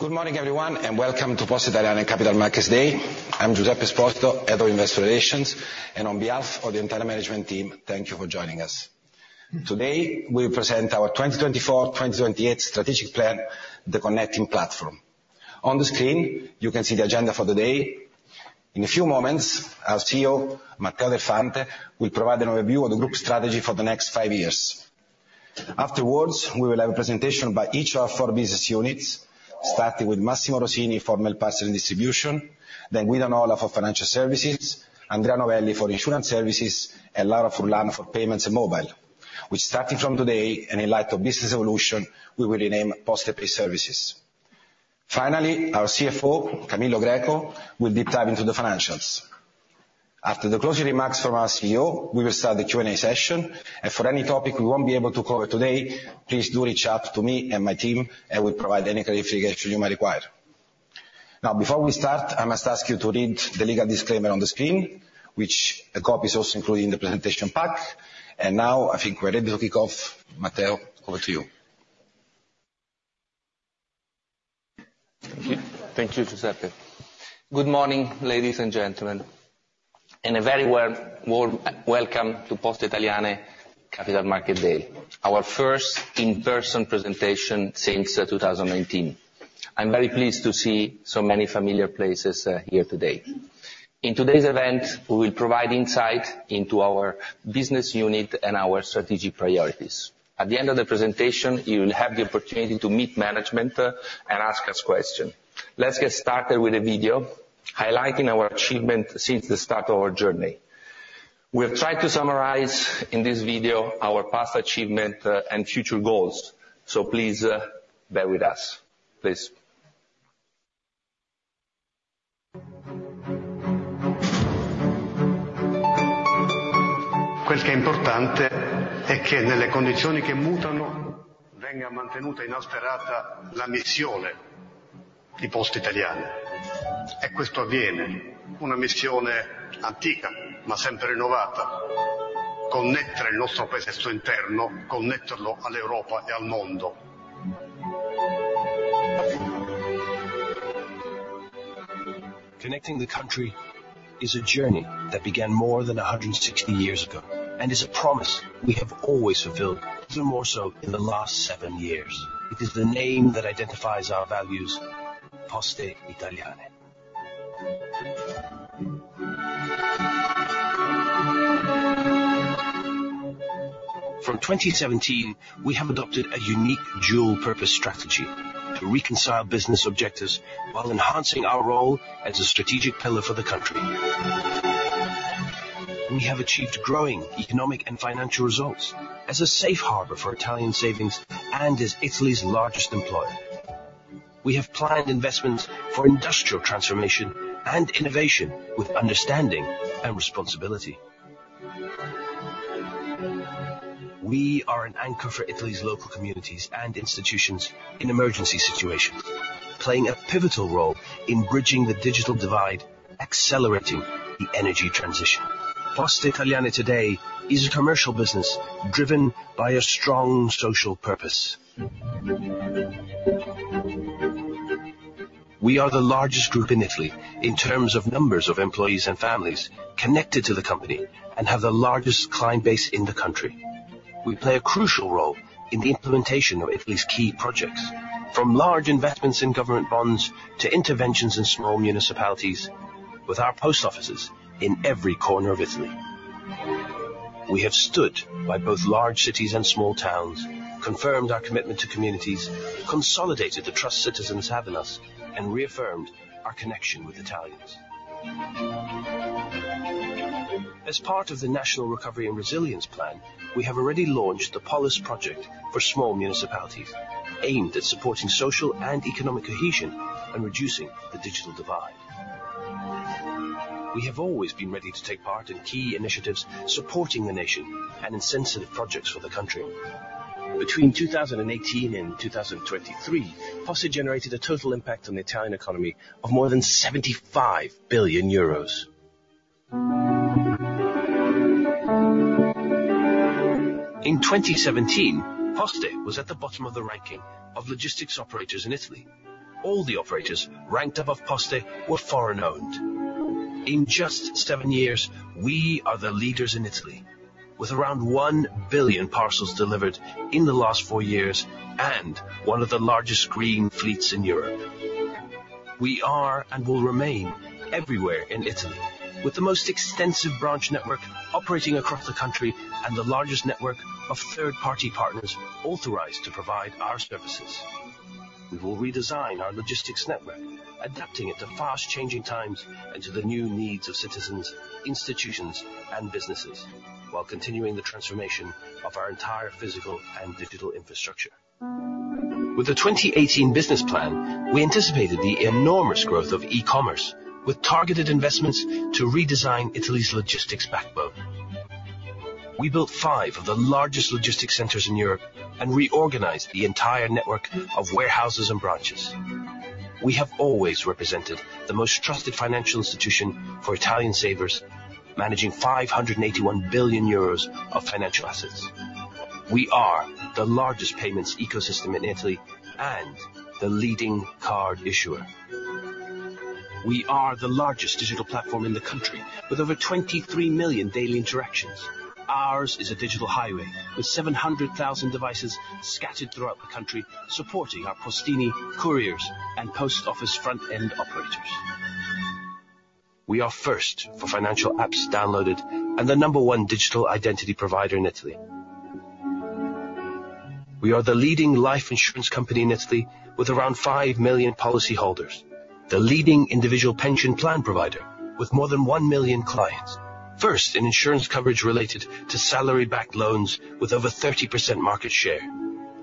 Good morning, everyone, and welcome to Poste Italiane Capital Markets Day. I'm Giuseppe Esposito, head of Investor Relations, and on behalf of the entire management team, thank you for joining us. Today, we present our 2024-2028 strategic plan, the connecting platform. On the screen, you can see the agenda for the day. In a few moments, our CEO, Matteo Del Fante, will provide an overview of the group strategy for the next five years. Afterwards, we will have a presentation by each of our four business units, starting with Massimo Rosini for Mail, Parcel and Distribution, then Guido Nola for Financial Services, Andrea Novelli for Insurance Services, and Laura Furlan for Payments and Mobile, which starting from today, in light of business evolution, we will rename Postepay Services. Finally, our CFO, Camillo Greco, will deep dive into the financials. After the closing remarks from our CEO, we will start the Q&A session, and for any topic we won't be able to cover today, please do reach out to me and my team, and we'll provide any clarification you may require. Now, before we start, I must ask you to read the legal disclaimer on the screen, which a copy is also included in the presentation pack. Now, I think we're ready to kick off. Matteo, over to you. Thank you, Giuseppe. Good morning, ladies and gentlemen, and a very warm, warm welcome to Poste Italiane Capital Markets Day, our first in-person presentation since 2019. I'm very pleased to see so many familiar places here today. In today's event, we will provide insight into our business unit and our strategic priorities. At the end of the presentation, you will have the opportunity to meet management and ask us questions. Let's get started with a video highlighting our achievement since the start of our journey. We have tried to summarize in this video our past achievement and future goals, so please bear with us. Please. Connecting the country is a journey that began more than 160 years ago, and is a promise we have always fulfilled, even more so in the last seven years. It is the name that identifies our values, Poste Italiane. From 2017, we have adopted a unique dual purpose strategy to reconcile business objectives while enhancing our role as a strategic pillar for the country. We have achieved growing economic and financial results as a safe harbor for Italian savings and as Italy's largest employer. We have planned investments for industrial transformation and innovation with understanding and responsibility. We are an anchor for Italy's local communities and institutions in emergency situations, playing a pivotal role in bridging the digital divide, accelerating the energy transition. Poste Italiane today is a commercial business driven by a strong social purpose. We are the largest group in Italy in terms of numbers of employees and families connected to the company, and have the largest client base in the country. We play a crucial role in the implementation of Italy's key projects, from large investments in government bonds to interventions in small municipalities with our post offices in every corner of Italy. We have stood by both large cities and small towns, confirmed our commitment to communities, consolidated the trust citizens have in us, and reaffirmed our connection with Italians. As part of the National Recovery and Resilience Plan, we have already launched the Polis project for small municipalities, aimed at supporting social and economic cohesion and reducing the digital divide. We have always been ready to take part in key initiatives supporting the nation and in sensitive projects for the country. Between 2018 and 2023, Poste generated a total impact on the Italian economy of more than 75 billion euros. In 2017, Poste was at the bottom of the ranking of logistics operators in Italy. All the operators ranked above Poste were foreign-owned. In just 7 years, we are the leaders in Italy, with around 1 billion parcels delivered in the last 4 years, and one of the largest green fleets in Europe. We are, and will remain, everywhere in Italy, with the most extensive branch network operating across the country and the largest network of third-party partners authorized to provide our services. We will redesign our logistics network, adapting it to fast-changing times and to the new needs of citizens, institutions, and businesses, while continuing the transformation of our entire physical and digital infrastructure. With the 2018 business plan, we anticipated the enormous growth of e-commerce with targeted investments to redesign Italy's logistics backbone. We built 5 of the largest logistics centers in Europe and reorganized the entire network of warehouses and branches. We have always represented the most trusted financial institution for Italian savers, managing 581 billion euros of financial assets. We are the largest payments ecosystem in Italy and the leading card issuer. We are the largest digital platform in the country, with over 23 million daily interactions. Ours is a digital highway, with 700,000 devices scattered throughout the country, supporting our postini, couriers, and post office front-end operators. We are first for financial apps downloaded, and the number one digital identity provider in Italy. We are the leading life insurance company in Italy, with around five million policyholders, the leading individual pension plan provider, with more than one million clients. First, in insurance coverage related to salary-backed loans, with over 30% market share.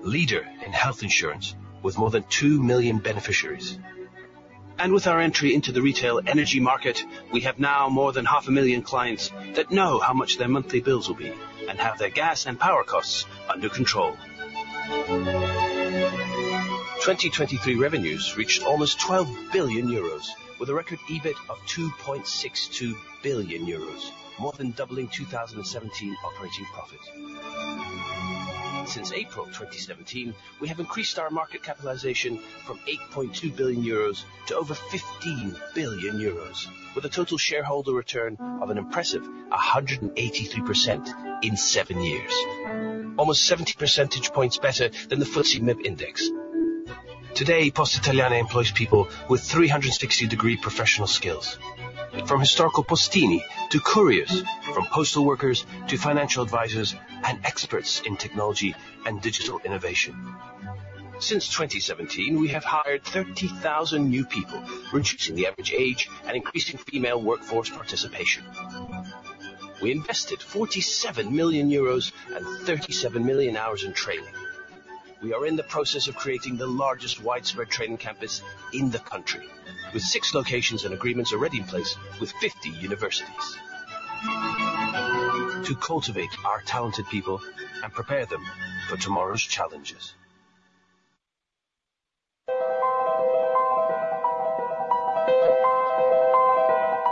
Leader in health insurance, with more than two million beneficiaries. And with our entry into the retail energy market, we have now more than half a million clients that know how much their monthly bills will be, and have their gas and power costs under control. 2023 revenues reached almost 12 billion euros, with a record EBIT of 2.62 billion euros, more than doubling 2017 operating profit. Since April 2017, we have increased our market capitalization from 8.2 billion euros to over 15 billion euros, with a total shareholder return of an impressive 183% in 7 years. Almost 70 percentage points better than the FTSE MIB index. Today, Poste Italiane employs people with 360-degree professional skills, from historical postini to couriers, from postal workers to financial advisors, and experts in technology and digital innovation. Since 2017, we have hired 30,000 new people, reducing the average age and increasing female workforce participation. We invested 47 million euros and 37 million hours in training. We are in the process of creating the largest widespread training campus in the country, with 6 locations and agreements already in place with 50 universities. To cultivate our talented people and prepare them for tomorrow's challenges.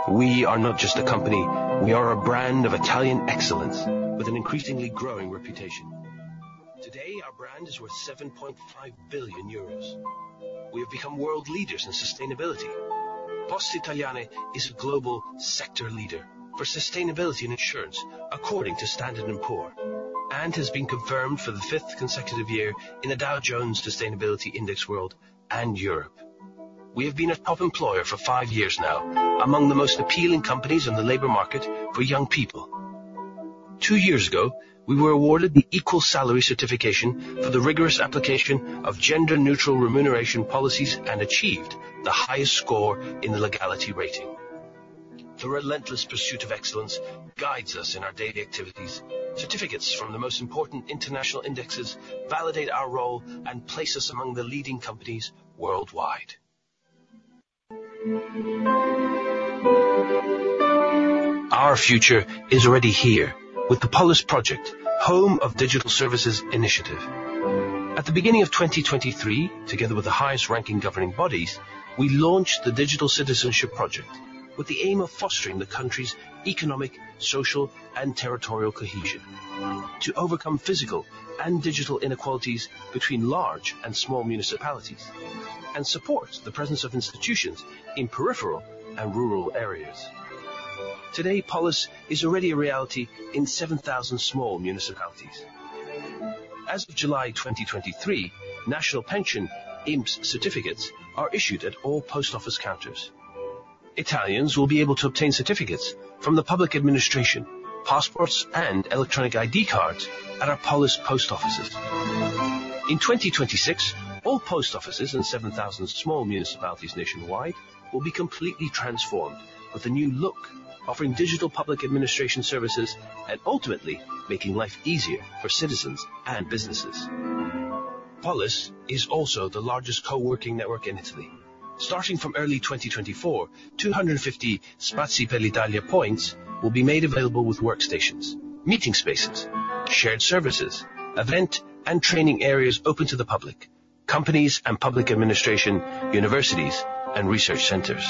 We are not just a company, we are a brand of Italian excellence with an increasingly growing reputation. Today, our brand is worth 7.5 billion euros. We have become world leaders in sustainability. Poste Italiane is a global sector leader for sustainability and insurance, according to Standard & Poor's, and has been confirmed for the fifth consecutive year in the Dow Jones Sustainability Index World and Europe. We have been a top employer for 5 years now, among the most appealing companies in the labor market for young people. 2 years ago, we were awarded the Equal Salary Certification for the rigorous application of gender-neutral remuneration policies, and achieved the highest score in the Legality Rating. The relentless pursuit of excellence guides us in our daily activities. Certificates from the most important international indexes validate our role and place us among the leading companies worldwide. Our future is already here with the Polis Project, home of Digital Services Initiative. At the beginning of 2023, together with the highest ranking governing bodies, we launched the Digital Citizenship Project, with the aim of fostering the country's economic, social, and territorial cohesion, to overcome physical and digital inequalities between large and small municipalities, and support the presence of institutions in peripheral and rural areas. Today, Polis is already a reality in 7,000 small municipalities. As of July 2023, national pension INPS certificates are issued at all post office counters. Italians will be able to obtain certificates from the public administration, passports, and electronic ID cards at our Polis post offices. In 2026, all post offices in 7,000 small municipalities nationwide will be completely transformed, with a new look, offering digital public administration services and ultimately making life easier for citizens and businesses. Polis is also the largest co-working network in Italy. Starting from early 2024, 250 Spazi per l'Italia points will be made available with workstations, meeting spaces, shared services, event and training areas open to the public, companies and public administration, universities, and research centers.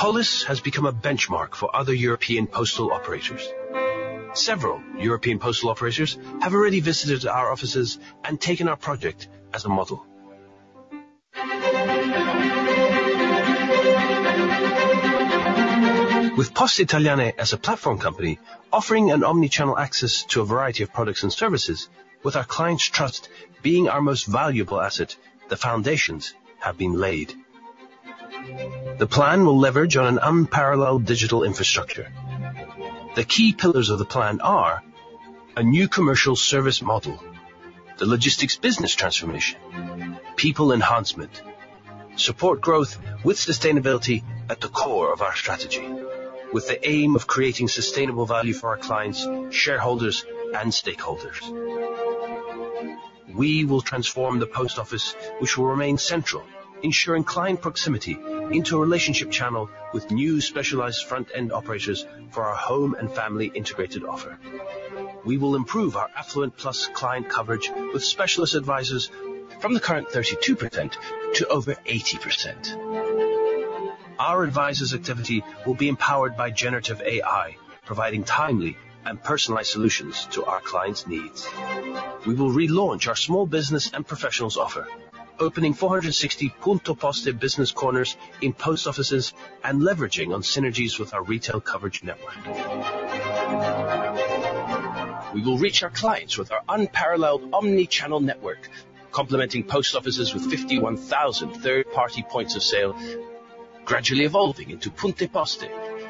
Polis has become a benchmark for other European postal operators. Several European postal operators have already visited our offices and taken our project as a model. With Poste Italiane as a platform company, offering an omni-channel access to a variety of products and services, with our clients' trust being our most valuable asset, the foundations have been laid. The plan will leverage on an unparalleled digital infrastructure. The key pillars of the plan are: a new commercial service model, the logistics business transformation, people enhancement, support growth with sustainability at the core of our strategy, with the aim of creating sustainable value for our clients, shareholders, and stakeholders. We will transform the post office, which will remain central, ensuring client proximity into a relationship channel with new specialized front-end operators for our home and family integrated offer.... We will improve our affluent plus client coverage with specialist advisors from the current 32% to over 80%. Our advisors' activity will be empowered by generative AI, providing timely and personalized solutions to our clients' needs. We will relaunch our small business and professionals offer, opening 460 Punto Poste business corners in post offices and leveraging on synergies with our retail coverage network. We will reach our clients with our unparalleled omni-channel network, complementing post offices with 51,000 third party points of sale, gradually evolving into Poste,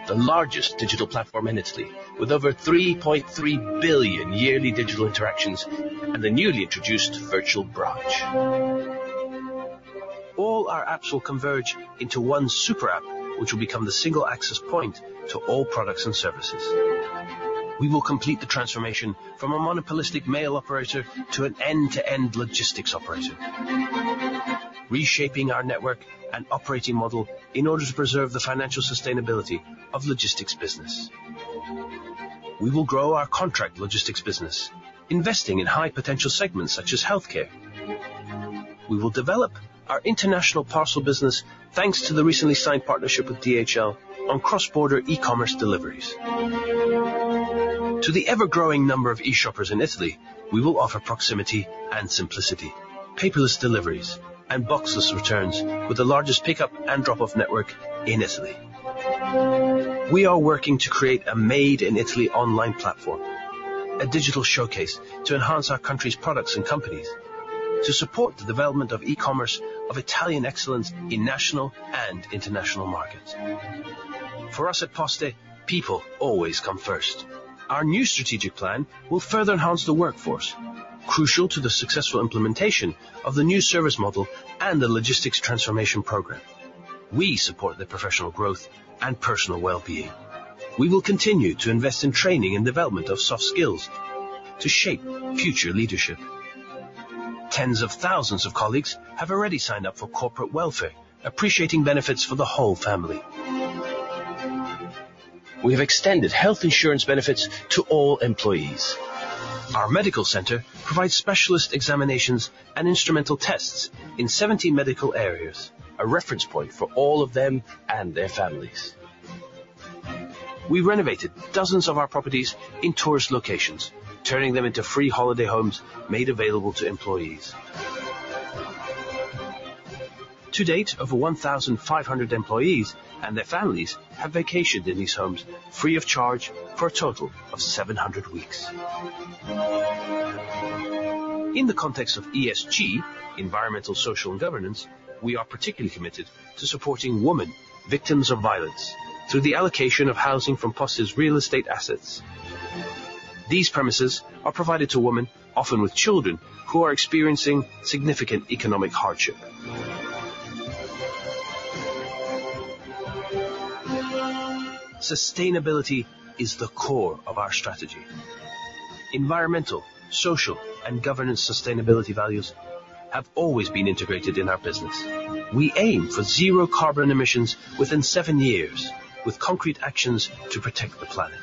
the largest digital platform in Italy, with over 3.3 billion yearly digital interactions and the newly introduced virtual branch. All our apps will converge into one super app, which will become the single access point to all products and services. We will complete the transformation from a monopolistic mail operator to an end-to-end logistics operator, reshaping our network and operating model in order to preserve the financial sustainability of logistics business. We will grow our contract logistics business, investing in high potential segments such as healthcare. We will develop our international parcel business, thanks to the recently signed partnership with DHL on cross-border e-commerce deliveries. To the ever-growing number of e-shoppers in Italy, we will offer proximity and simplicity, paperless deliveries, and boxless returns with the largest pickup and drop-off network in Italy. We are working to create a Made in Italy online platform, a digital showcase to enhance our country's products and companies, to support the development of e-commerce of Italian excellence in national and international markets. For us at Poste, people always come first. Our new strategic plan will further enhance the workforce, crucial to the successful implementation of the new service model and the logistics transformation program. We support their professional growth and personal well-being. We will continue to invest in training and development of soft skills to shape future leadership. Tens of thousands of colleagues have already signed up for corporate welfare, appreciating benefits for the whole family. We have extended health insurance benefits to all employees. Our medical center provides specialist examinations and instrumental tests in 17 medical areas, a reference point for all of them and their families. We renovated dozens of our properties in tourist locations, turning them into free holiday homes made available to employees. To date, over 1,500 employees and their families have vacationed in these homes free of charge for a total of 700 weeks. In the context of ESG, environmental, social, and governance, we are particularly committed to supporting women victims of violence through the allocation of housing from Poste Italiane's real estate assets. These premises are provided to women, often with children, who are experiencing significant economic hardship. Sustainability is the core of our strategy. Environmental, social, and governance sustainability values have always been integrated in our business. We aim for zero carbon emissions within 7 years, with concrete actions to protect the planet.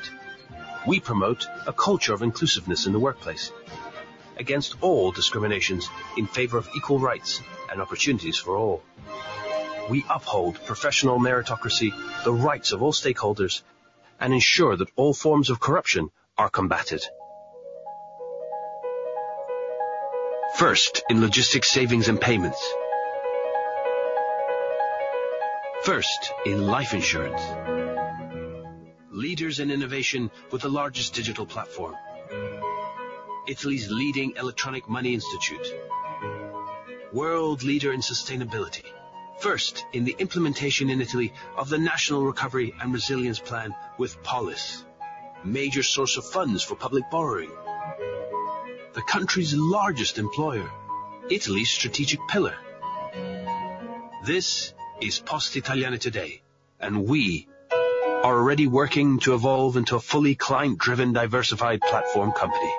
We promote a culture of inclusiveness in the workplace against all discriminations in favor of equal rights and opportunities for all. We uphold professional meritocracy, the rights of all stakeholders, and ensure that all forms of corruption are combated. First in logistics, savings, and payments. First in life insurance. Leaders in innovation with the largest digital platform. Italy's leading electronic money institute. World leader in sustainability. First in the implementation in Italy of the National Recovery and Resilience Plan with Polis. Major source of funds for public borrowing. The country's largest employer, Italy's strategic pillar. This is Poste Italiane today, and we are already working to evolve into a fully client-driven, diversified platform company.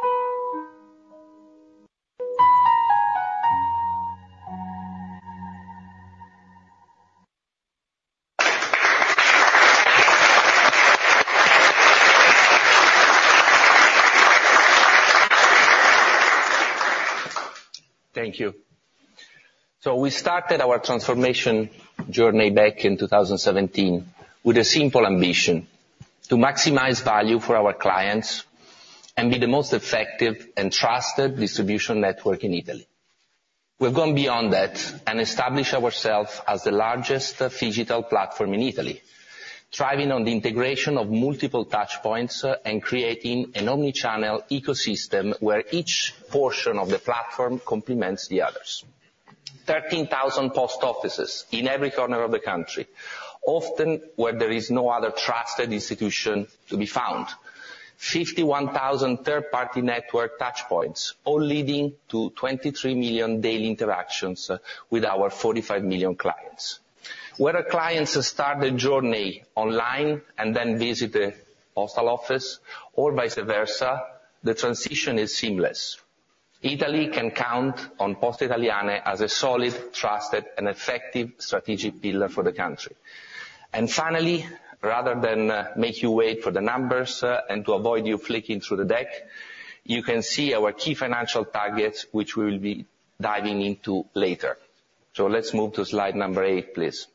Thank you. So we started our transformation journey back in 2017 with a simple ambition: to maximize value for our clients and be the most effective and trusted distribution network in Italy. We've gone beyond that and established ourselves as the largest phygital platform in Italy, thriving on the integration of multiple touchpoints and creating an omni-channel ecosystem where each portion of the platform complements the others. 13,000 post offices in every corner of the country, often where there is no other trusted institution to be found. 51,000 third-party network touchpoints, all leading to 23 million daily interactions with our 45 million clients. Whether clients start the journey online and then visit the postal office or vice versa, the transition is seamless. Italy can count on Poste Italiane as a solid, trusted, and effective strategic pillar for the country. And finally, rather than make you wait for the numbers, and to avoid you flicking through the deck, you can see our key financial targets, which we will be diving into later. So let's move to slide number 8, please.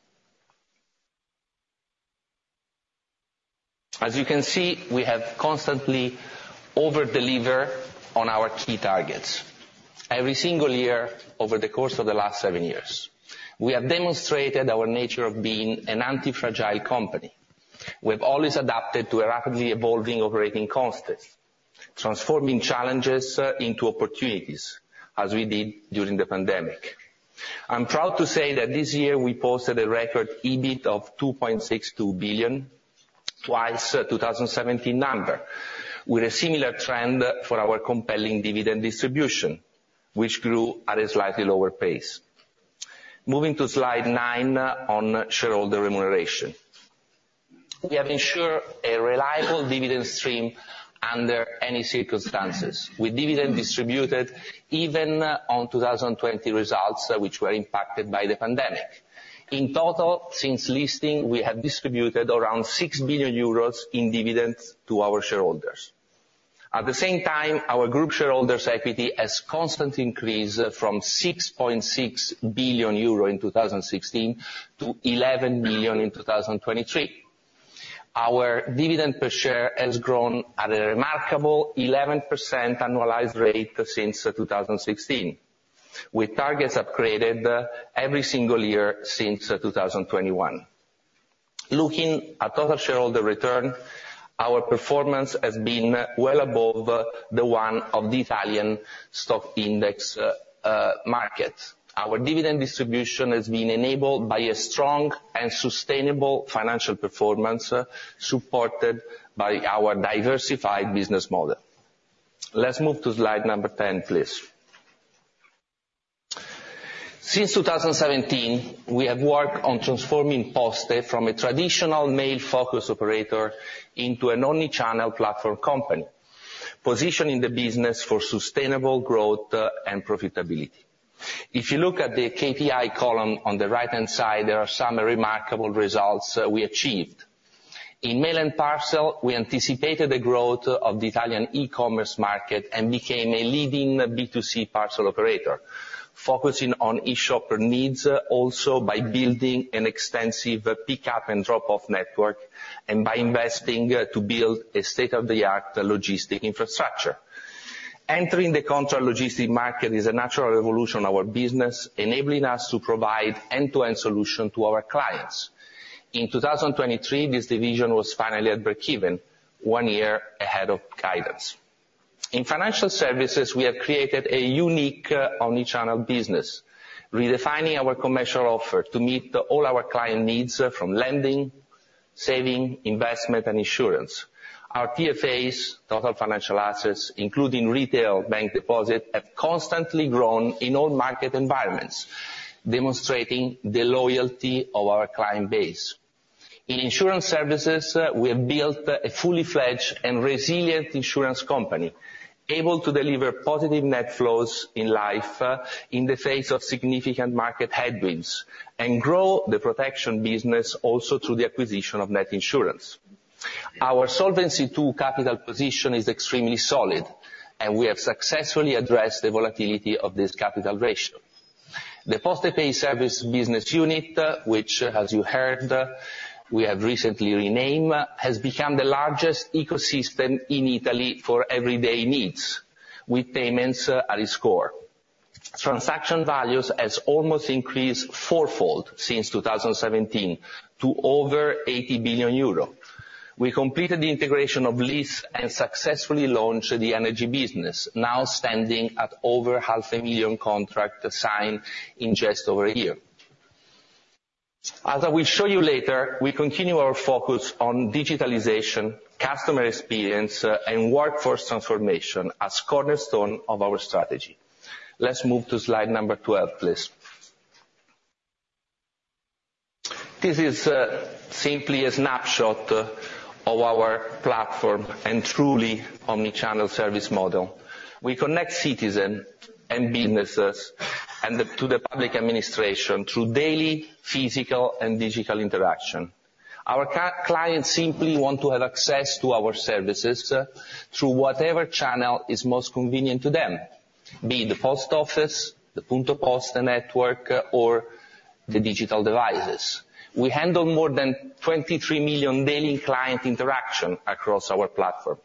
As you can see, we have constantly over-deliver on our key targets every single year over the course of the last 7 years. We have demonstrated our nature of being an anti-fragile company. We've always adapted to a rapidly evolving operating constant, transforming challenges into opportunities, as we did during the pandemic. I'm proud to say that this year we posted a record EBIT of 2.62 billion, twice, 2017 number, with a similar trend for our compelling dividend distribution, which grew at a slightly lower pace. Moving to slide 9, on shareholder remuneration. We have ensured a reliable dividend stream under any circumstances, with dividend distributed even on 2020 results, which were impacted by the pandemic. In total, since listing, we have distributed around 6 billion euros in dividends to our shareholders. At the same time, our group shareholders' equity has constantly increased from 6.6 billion euro in 2016 to 11 billion in 2023. Our dividend per share has grown at a remarkable 11% annualized rate since 2016, with targets upgraded every single year since 2021. Looking at total shareholder return, our performance has been well above the one of the Italian stock index market. Our dividend distribution has been enabled by a strong and sustainable financial performance supported by our diversified business model. Let's move to slide number 10, please. Since 2017, we have worked on transforming Poste from a traditional mail-focused operator into an omni-channel platform company, positioning the business for sustainable growth, and profitability. If you look at the KPI column on the right-hand side, there are some remarkable results, we achieved. In mail and parcel, we anticipated the growth of the Italian e-commerce market and became a leading B2C parcel operator, focusing on e-shopper needs, also by building an extensive pick-up and drop-off network, and by investing to build a state-of-the-art logistic infrastructure. Entering the contract logistic market is a natural evolution of our business, enabling us to provide end-to-end solution to our clients. In 2023, this division was finally at breakeven, one year ahead of guidance. In financial services, we have created a unique, full-fledged omni-channel business, redefining our commercial offer to meet all our client needs, from lending, saving, investment, and insurance. Our TFAs, Total Financial Assets, including retail bank deposit, have constantly grown in all market environments, demonstrating the loyalty of our client base. In insurance services, we have built a fully fledged and resilient insurance company, able to deliver positive net flows in life, in the face of significant market headwinds, and grow the protection business also through the acquisition of Net Insurance. Our Solvency II capital position is extremely solid, and we have successfully addressed the volatility of this capital ratio. The Postepay Service business unit, which, as you heard, we have recently renamed, has become the largest ecosystem in Italy for everyday needs, with payments, at its core. Transaction values has almost increased fourfold since 2017 to over 80 billion euro. We completed the integration of LIS and successfully launched the energy business, now standing at over 500,000 contracts signed in just over a year. As I will show you later, we continue our focus on digitalization, customer experience, and workforce transformation as cornerstones of our strategy. Let's move to slide number 12, please. This is simply a snapshot of our platform and truly omni-channel service model. We connect citizens and businesses to the public administration through daily physical and digital interaction. Our clients simply want to have access to our services through whatever channel is most convenient to them, be it the post office, the Punto Poste network, or the digital devices. We handle more than 23 million daily client interaction across our platform,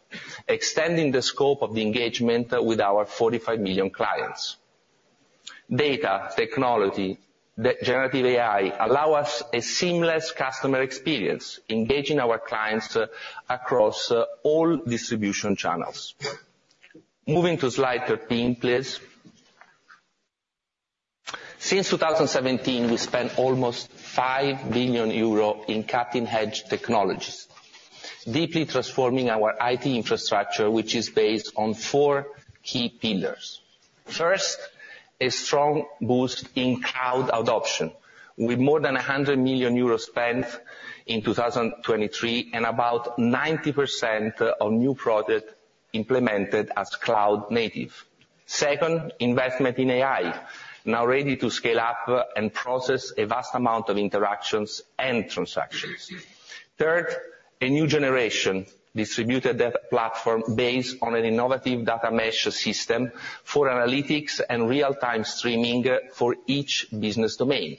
extending the scope of the engagement with our 45 million clients. Data, technology, the generative AI, allow us a seamless customer experience, engaging our clients across all distribution channels. Moving to slide 13, please. Since 2017, we spent almost 5 billion euro in cutting-edge technologies, deeply transforming our IT infrastructure, which is based on four key pillars. First, a strong boost in cloud adoption, with more than 100 million euros spent in 2023, and about 90% of new product implemented as cloud native. Second, investment in AI, now ready to scale up and process a vast amount of interactions and transactions. Third, a new generation distributed dev platform based on an innovative data mesh system for analytics and real-time streaming for each business domain.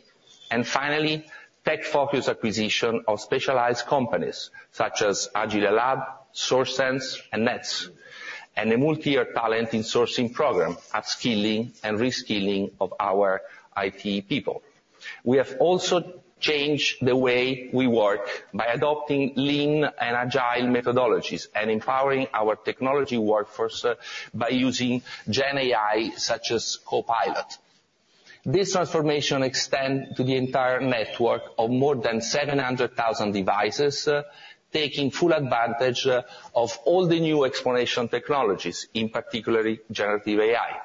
And finally, tech-focused acquisition of specialized companies such as Agile Lab, Sourcesense, and Niuma, and a multi-year talent in sourcing program, upskilling and reskilling of our IT people. We have also changed the way we work by adopting lean and agile methodologies, and empowering our technology workforce by using GenAI, such as Copilot. This transformation extend to the entire network of more than 700,000 devices, taking full advantage of all the new exponential technologies, in particular, generative AI.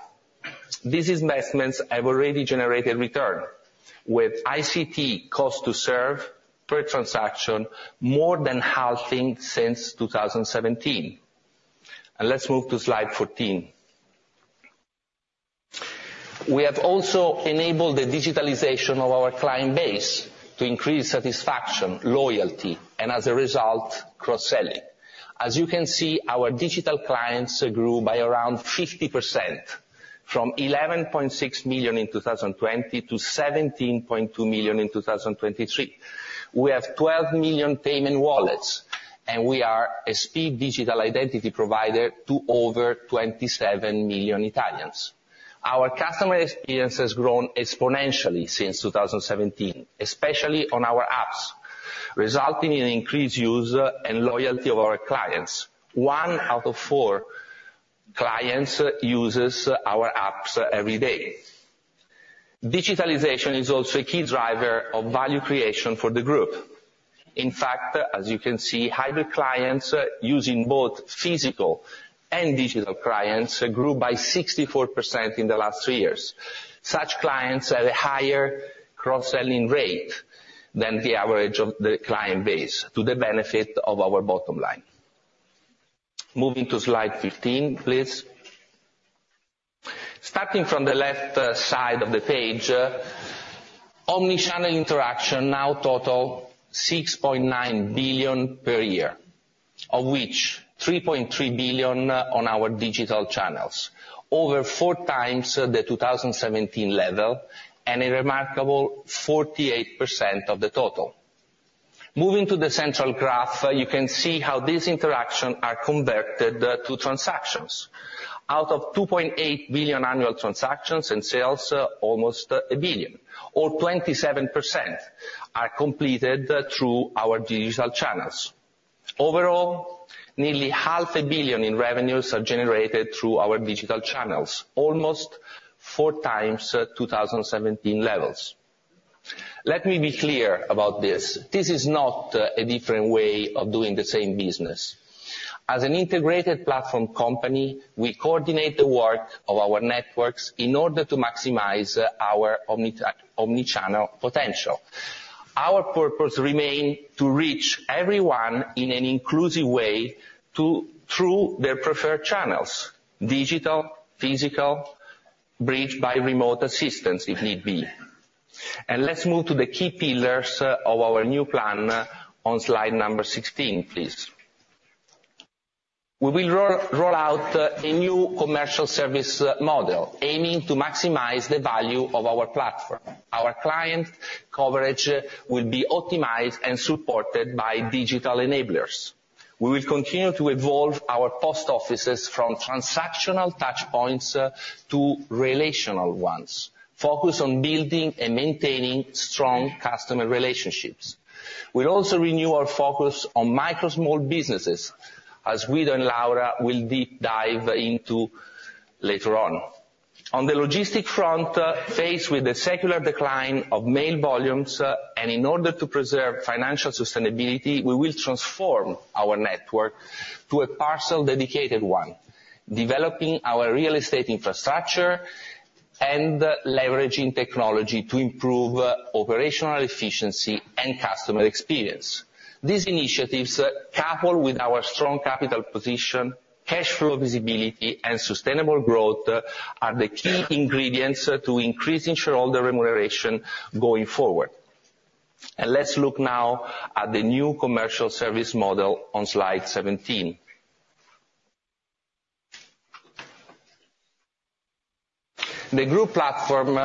These investments have already generated return, with ICT cost to serve per transaction more than halving since 2017. And let's move to slide 14. We have also enabled the digitalization of our client base to increase satisfaction, loyalty, and as a result, cross-selling. As you can see, our digital clients grew by around 50%, from 11.6 million in 2020 to 17.2 million in 2023. We have 12 million payment wallets, and we are a SPID digital identity provider to over 27 million Italians. Our customer experience has grown exponentially since 2017, especially on our apps, resulting in increased use and loyalty of our clients. 1 out of 4 clients uses our apps every day. Digitalization is also a key driver of value creation for the group. In fact, as you can see, hybrid clients using both physical and digital clients grew by 64% in the last 3 years. Such clients have a higher cross-selling rate than the average of the client base, to the benefit of our bottom line. Moving to slide 15, please. Starting from the left side of the page, omni-channel interactions now total 6.9 billion per year, of which 3.3 billion on our digital channels, over 4 times the 2017 level, and a remarkable 48% of the total. Moving to the central graph, you can see how these interactions are converted to transactions. Out of 2.8 billion annual transactions and sales, almost 1 billion, or 27%, are completed through our digital channels. Overall, nearly 0.5 billion in revenues are generated through our digital channels, almost 4 times the 2017 levels. Let me be clear about this: This is not a different way of doing the same business. As an integrated platform company, we coordinate the work of our networks in order to maximize our omni-channel potential. Our purpose remain to reach everyone in an inclusive way to... through their preferred channels, digital, physical, bridged by remote assistance, if need be. Let's move to the key pillars of our new plan on slide number 16, please. We will roll out a new commercial service model, aiming to maximize the value of our platform. Our client coverage will be optimized and supported by digital enablers. We will continue to evolve our post offices from transactional touchpoints to relational ones, focused on building and maintaining strong customer relationships. We'll also renew our focus on micro small businesses, as Guido and Laura will deep dive into later on. On the logistics front, faced with the secular decline of mail volumes, and in order to preserve financial sustainability, we will transform our network to a parcel-dedicated one, developing our real estate infrastructure and leveraging technology to improve operational efficiency and customer experience. These initiatives, coupled with our strong capital position, cash flow visibility, and sustainable growth, are the key ingredients to increase shareholder remuneration going forward. Let's look now at the new commercial service model on slide 17. The group platform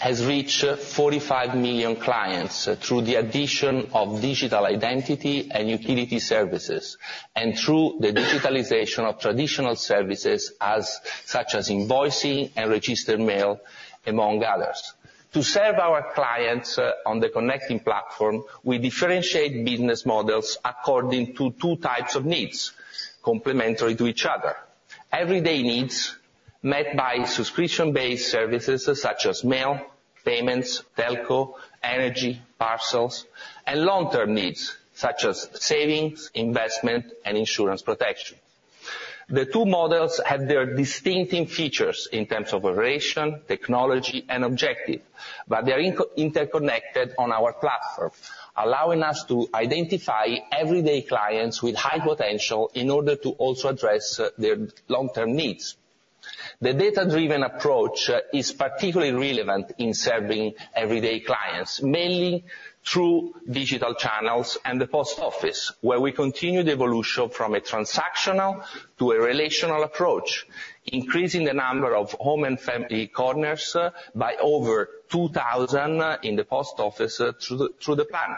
has reached 45 million clients through the addition of digital identity and utility services, and through the digitalization of traditional services, such as invoicing and registered mail, among others. To serve our clients on the connecting platform, we differentiate business models according to two types of needs, complementary to each other: everyday needs, met by subscription-based services such as mail, payments, telco, energy, parcels; and long-term needs, such as savings, investment, and insurance protection. The two models have their distinctive features in terms of operation, technology, and objective, but they're interconnected on our platform, allowing us to identify everyday clients with high potential in order to also address their long-term needs. The data-driven approach is particularly relevant in serving everyday clients, mainly through digital channels and the post office, where we continue the evolution from a transactional to a relational approach, increasing the number of home and family corners by over 2,000 in the post office through the plan.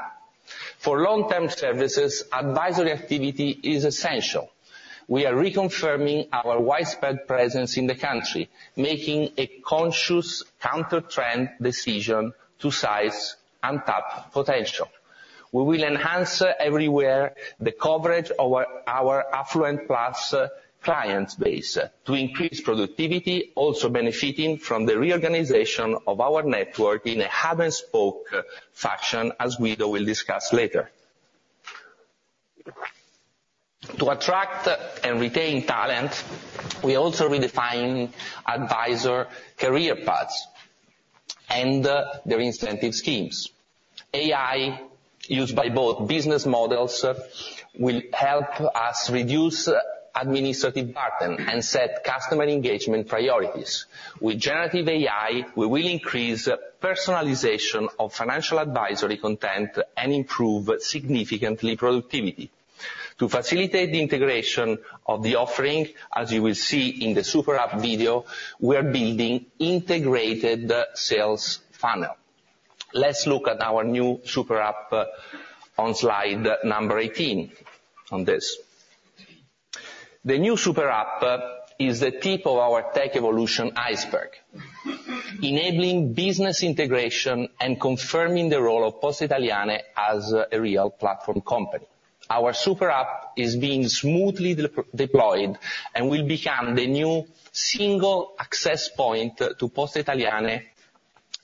For long-term services, advisory activity is essential. We are reconfirming our widespread presence in the country, making a conscious counter-trend decision to size untapped potential. We will enhance everywhere the coverage of our, our affluent plus client base to increase productivity, also benefiting from the reorganization of our network in a hub-and-spoke fashion, as Guido will discuss later. To attract and retain talent, we also redefine advisor career paths and their incentive schemes. AI, used by both business models, will help us reduce administrative burden and set customer engagement priorities. With generative AI, we will increase personalization of financial advisory content and improve significantly productivity. To facilitate the integration of the offering, as you will see in the Super App video, we are building integrated sales funnel. Let's look at our new Super App on slide number 18 on this. The new Super App is the tip of our tech evolution iceberg, enabling business integration and confirming the role of Poste Italiane as a real platform company. Our Super App is being smoothly deployed, and will become the new single access point to Poste Italiane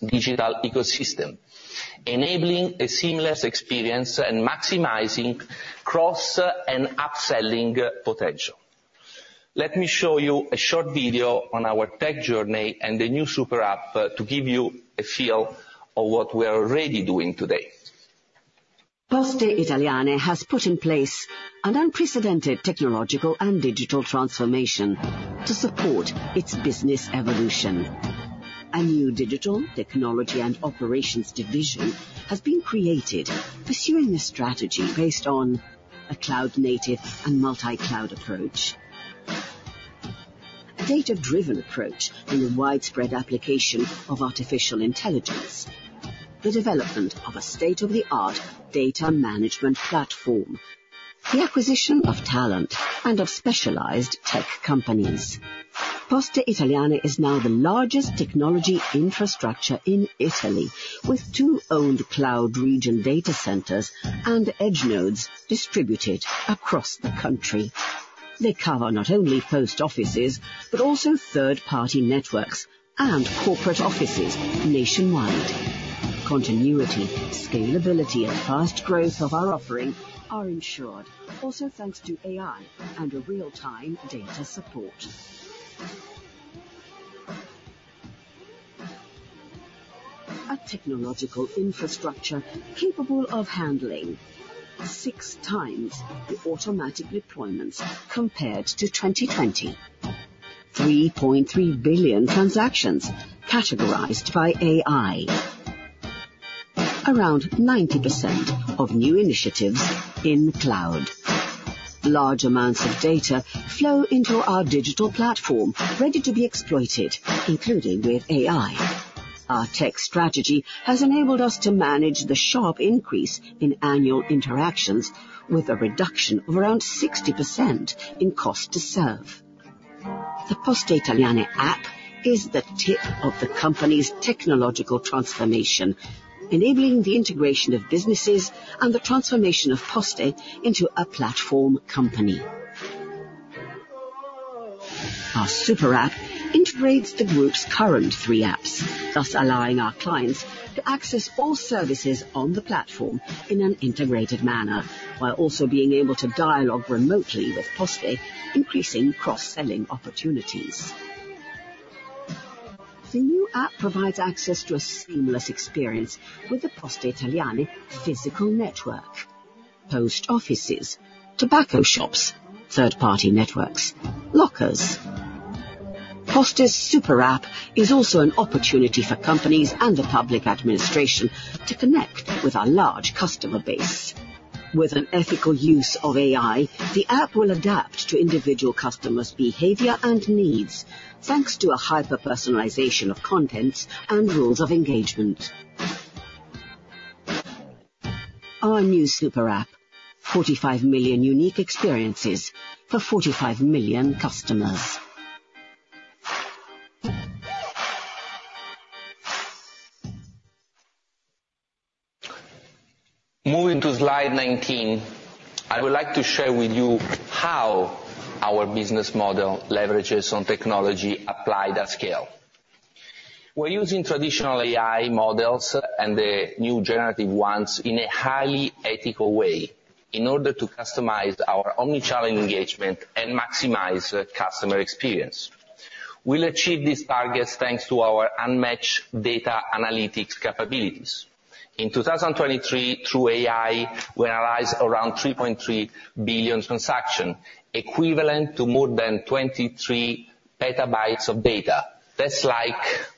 digital ecosystem, enabling a seamless experience and maximizing cross and upselling potential. Let me show you a short video on our tech journey and the new Super App, to give you a feel of what we are already doing today. Poste Italiane has put in place an unprecedented technological and digital transformation to support its business evolution. A new digital technology and operations division has been created, pursuing a strategy based on a cloud-native and multi-cloud approach, a data-driven approach in the widespread application of artificial intelligence, the development of a state-of-the-art data management platform, the acquisition of talent and of specialized tech companies. Poste Italiane is now the largest technology infrastructure in Italy, with two owned cloud region data centers and edge nodes distributed across the country. They cover not only post offices, but also third-party networks and corporate offices nationwide. Continuity, scalability, and fast growth of our offering are ensured, also thanks to AI and a real-time data support. A technological infrastructure capable of handling six times the automatic deployments compared to 2020. 3.3 billion transactions categorized by AI. Around 90% of new initiatives in cloud. Large amounts of data flow into our digital platform, ready to be exploited, including with AI. Our tech strategy has enabled us to manage the sharp increase in annual interactions, with a reduction of around 60% in cost to serve. The Poste Italiane app is the tip of the company's technological transformation, enabling the integration of businesses and the transformation of Poste into a platform company. Our Super App integrates the group's current three apps, thus allowing our clients to access all services on the platform in an integrated manner, while also being able to dialogue remotely with Poste, increasing cross-selling opportunities. The new app provides access to a seamless experience with the Poste Italiane physical network: post offices, tobacco shops, third-party networks, lockers. Poste's Super App is also an opportunity for companies and the public administration to connect with our large customer base. With an ethical use of AI, the app will adapt to individual customers' behavior and needs, thanks to a hyper-personalization of contents and rules of engagement. Our new Super App: 45 million unique experiences for 45 million customers. Moving to slide 19, I would like to share with you how our business model leverages on technology applied at scale. We're using traditional AI models and the new generative ones in a highly ethical way, in order to customize our omni-channel engagement and maximize customer experience. We'll achieve these targets thanks to our unmatched data analytics capabilities. In 2023, through AI, we analyzed around 3.3 billion transaction, equivalent to more than 23 PB of data. That's like,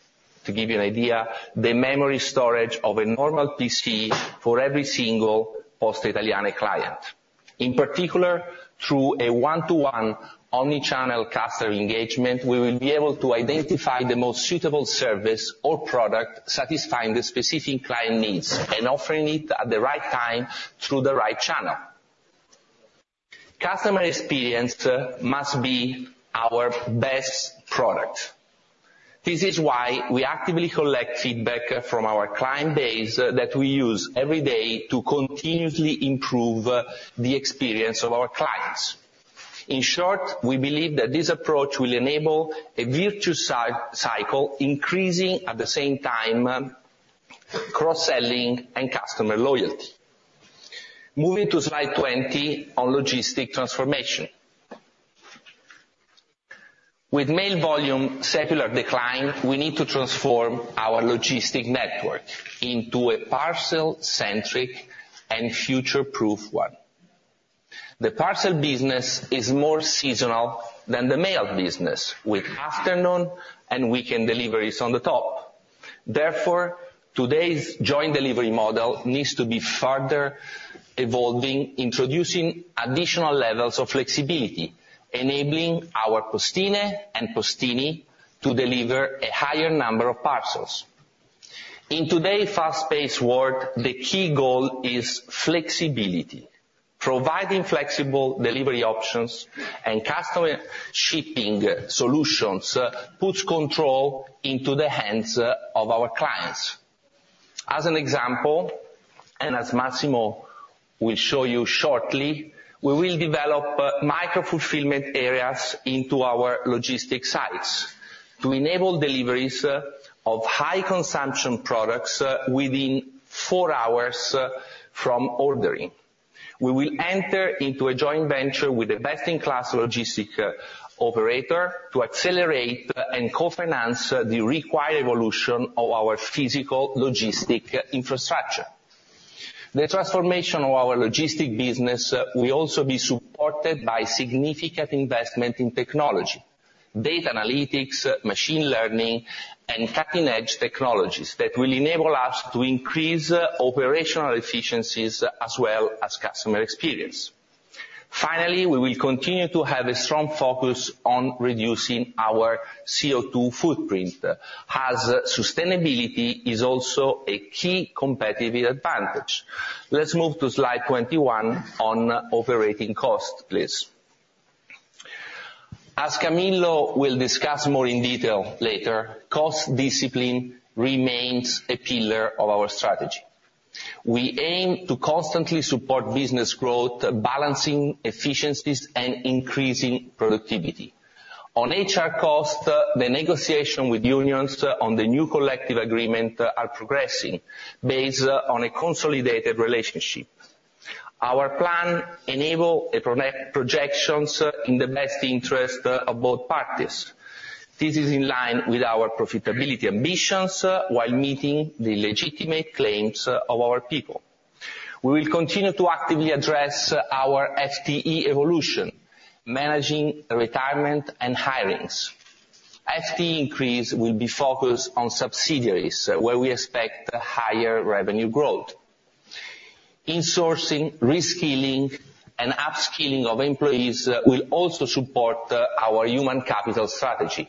to give you an idea, the memory storage of a normal PC for every single Poste Italiane client. In particular, through a one-to-one omni-channel customer engagement, we will be able to identify the most suitable service or product, satisfying the specific client needs, and offering it at the right time, through the right channel. Customer experience must be our best product. This is why we actively collect feedback from our client base, that we use every day to continuously improve the experience of our clients. In short, we believe that this approach will enable a virtuous cycle, increasing, at the same time, cross-selling and customer loyalty. Moving to slide 20 on logistics transformation. With mail volume secular decline, we need to transform our logistics network into a parcel-centric and future-proof one. The parcel business is more seasonal than the mail business, with afternoon and weekend deliveries on the top. Therefore, today's joint delivery model needs to be further evolving, introducing additional levels of flexibility, enabling our postine and postini to deliver a higher number of parcels. In today's fast-paced world, the key goal is flexibility. Providing flexible delivery options and customer shipping solutions puts control into the hands of our clients. As an example, and as Massimo will show you shortly, we will develop micro-fulfillment areas into our logistics sites, to enable deliveries of high consumption products within four hours from ordering. We will enter into a joint venture with a best-in-class logistics operator to accelerate and co-finance the required evolution of our physical logistics infrastructure. The transformation of our logistics business will also be supported by significant investment in technology, data analytics, machine learning, and cutting-edge technologies that will enable us to increase operational efficiencies, as well as customer experience. Finally, we will continue to have a strong focus on reducing our CO2 footprint, as sustainability is also a key competitive advantage. Let's move to slide 21 on operating cost, please. As Camillo will discuss more in detail later, cost discipline remains a pillar of our strategy. We aim to constantly support business growth, balancing efficiencies, and increasing productivity. On HR costs, the negotiation with unions on the new collective agreement is progressing, based on a consolidated relationship. Our plan enables proper projections in the best interest of both parties. This is in line with our profitability ambitions while meeting the legitimate claims of our people. We will continue to actively address our FTE evolution, managing retirement and hirings. FTE increase will be focused on subsidiaries, where we expect higher revenue growth. Insourcing, reskilling, and upskilling of employees will also support our human capital strategy.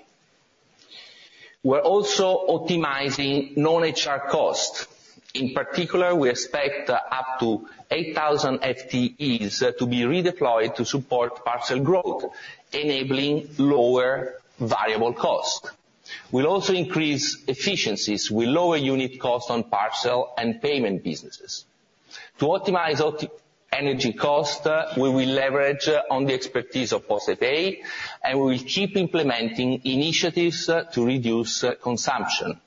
We're also optimizing non-HR costs. In particular, we expect up to 8,000 FTEs to be redeployed to support parcel growth, enabling lower variable costs. We'll also increase efficiencies with lower unit costs on parcel and payment businesses. To optimize our energy costs, we will leverage on the expertise of PostePay, and we will keep implementing initiatives to reduce consumption.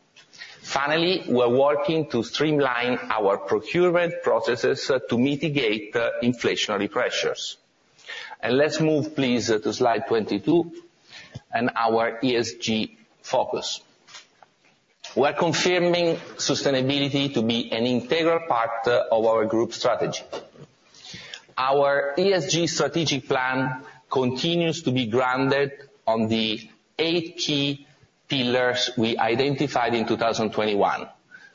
Finally, we're working to streamline our procurement processes to mitigate inflationary pressures. Let's move, please, to slide 22 and our ESG focus. We're confirming sustainability to be an integral part of our group strategy. Our ESG strategic plan continues to be grounded on the eight key pillars we identified in 2021.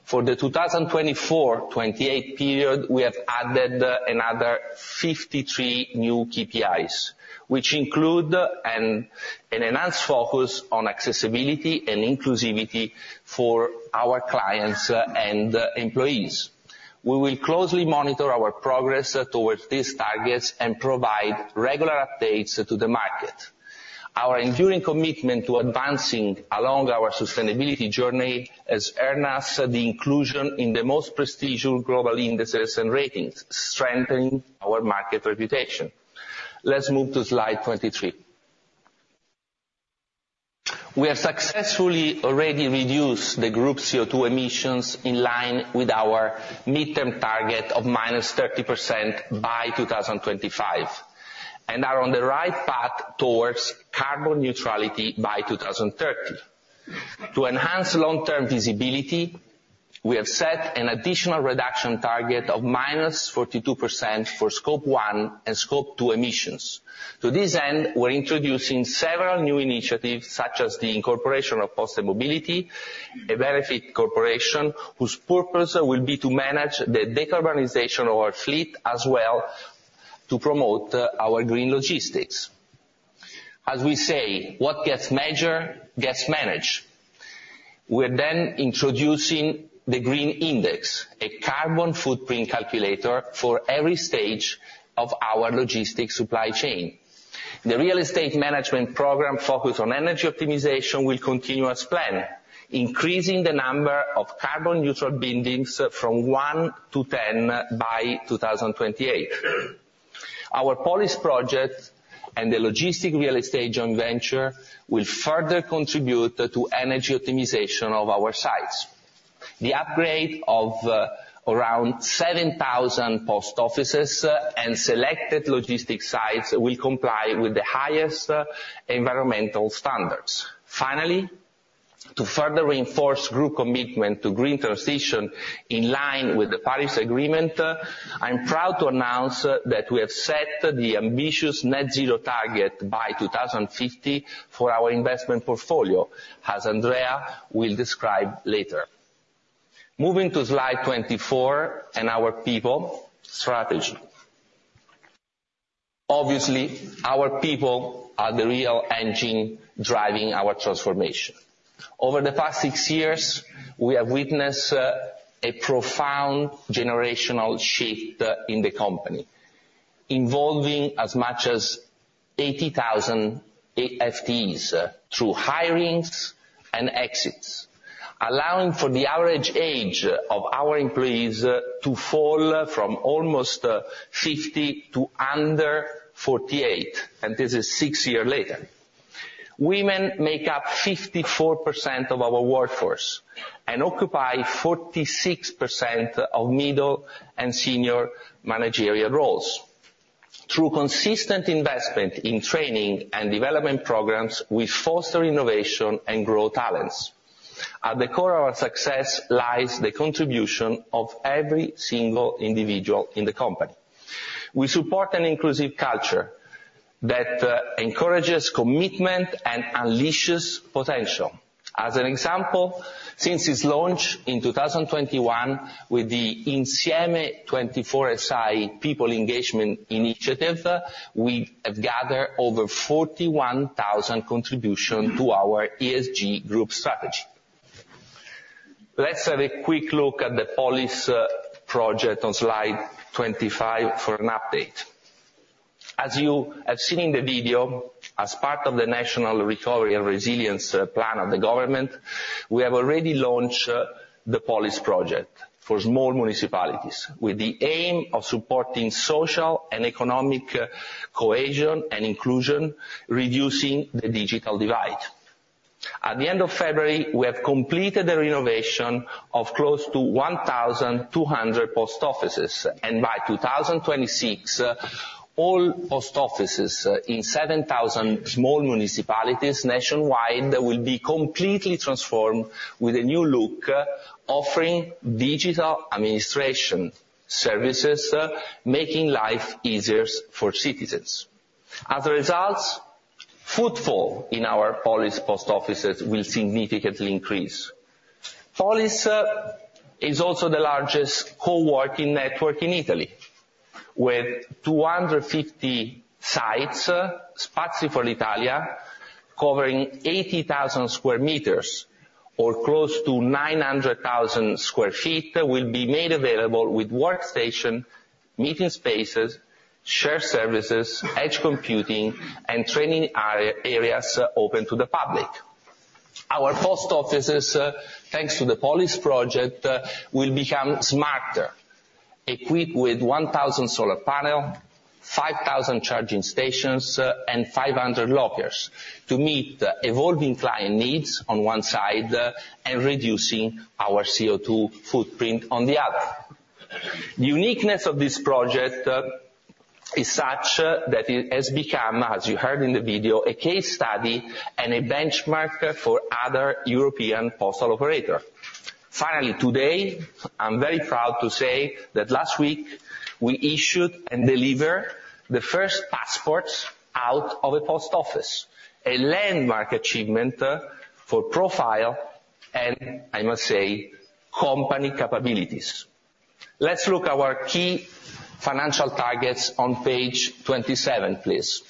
For the 2024-'28 period, we have added another 53 new KPIs, which include an enhanced focus on accessibility and inclusivity for our clients and employees. We will closely monitor our progress towards these targets and provide regular updates to the market. Our enduring commitment to advancing along our sustainability journey has earned us the inclusion in the most prestigious global indices and ratings, strengthening our market reputation. Let's move to slide 23. We have successfully already reduced the group CO2 emissions in line with our midterm target of -30% by 2025, and are on the right path towards carbon neutrality by 2030. To enhance long-term visibility, we have set an additional reduction target of -42% for Scope 1 and Scope 2 emissions. To this end, we're introducing several new initiatives, such as the incorporation of Poste Mobility, a benefit corporation whose purpose will be to manage the decarbonization of our fleet, as well to promote our green logistics. As we say, what gets measured gets managed. We're then introducing the Green Index, a carbon footprint calculator for every stage of our logistics supply chain. The real estate management program focused on energy optimization will continue as planned, increasing the number of carbon neutral buildings from 1 to 10 by 2028. Our Polis project and the logistic real estate joint venture will further contribute to energy optimization of our sites. The upgrade of around 7,000 post offices and selected logistics sites will comply with the highest environmental standards. Finally, to further reinforce group commitment to green transition in line with the Paris Agreement, I'm proud to announce that we have set the ambitious net zero target by 2050 for our investment portfolio, as Andrea will describe later. Moving to slide 24 and our people strategy. Obviously, our people are the real engine driving our transformation. Over the past 6 years, we have witnessed a profound generational shift in the company, involving as much as 80,000 FTEs through hirings and exits, allowing for the average age of our employees to fall from almost 50 to under 48, and this is 6 years later. Women make up 54% of our workforce and occupy 46% of middle and senior managerial roles. Through consistent investment in training and development programs, we foster innovation and grow talents. At the core of our success lies the contribution of every single individual in the company. We support an inclusive culture that encourages commitment and unleashes potential. As an example, since its launch in 2021, with the Insieme 24SI people engagement initiative, we have gathered over 41,000 contribution to our ESG group strategy. Let's have a quick look at the Polis project on slide 25 for an update. As you have seen in the video, as part of the National Recovery and Resilience Plan of the government, we have already launched the Polis project for small municipalities, with the aim of supporting social and economic cohesion and inclusion, reducing the digital divide. At the end of February, we have completed the renovation of close to 1,200 post offices, and by 2026, all post offices in 7,000 small municipalities nationwide will be completely transformed with a new look, offering digital administration services, making life easier for citizens. As a result, footfall in our Polis post offices will significantly increase. Polis is also the largest coworking network in Italy, with 250 sites, Spazi per l'Italia, covering 80,000 square meters, or close to 900,000 sq ft, will be made available with workstation, meeting spaces, shared services, edge computing, and training areas open to the public. Our post offices, thanks to the Polis project, will become smarter, equipped with 1,000 solar panel, 5,000 charging stations, and 500 lockers to meet the evolving client needs on one side, and reducing our CO2 footprint on the other. The uniqueness of this project is such that it has become, as you heard in the video, a case study and a benchmark for other European postal operator. Finally, today, I'm very proud to say that last week we issued and delivered the first passports out of a post office, a landmark achievement, for profile, and I must say, company capabilities. Let's look our key financial targets on page 27, please.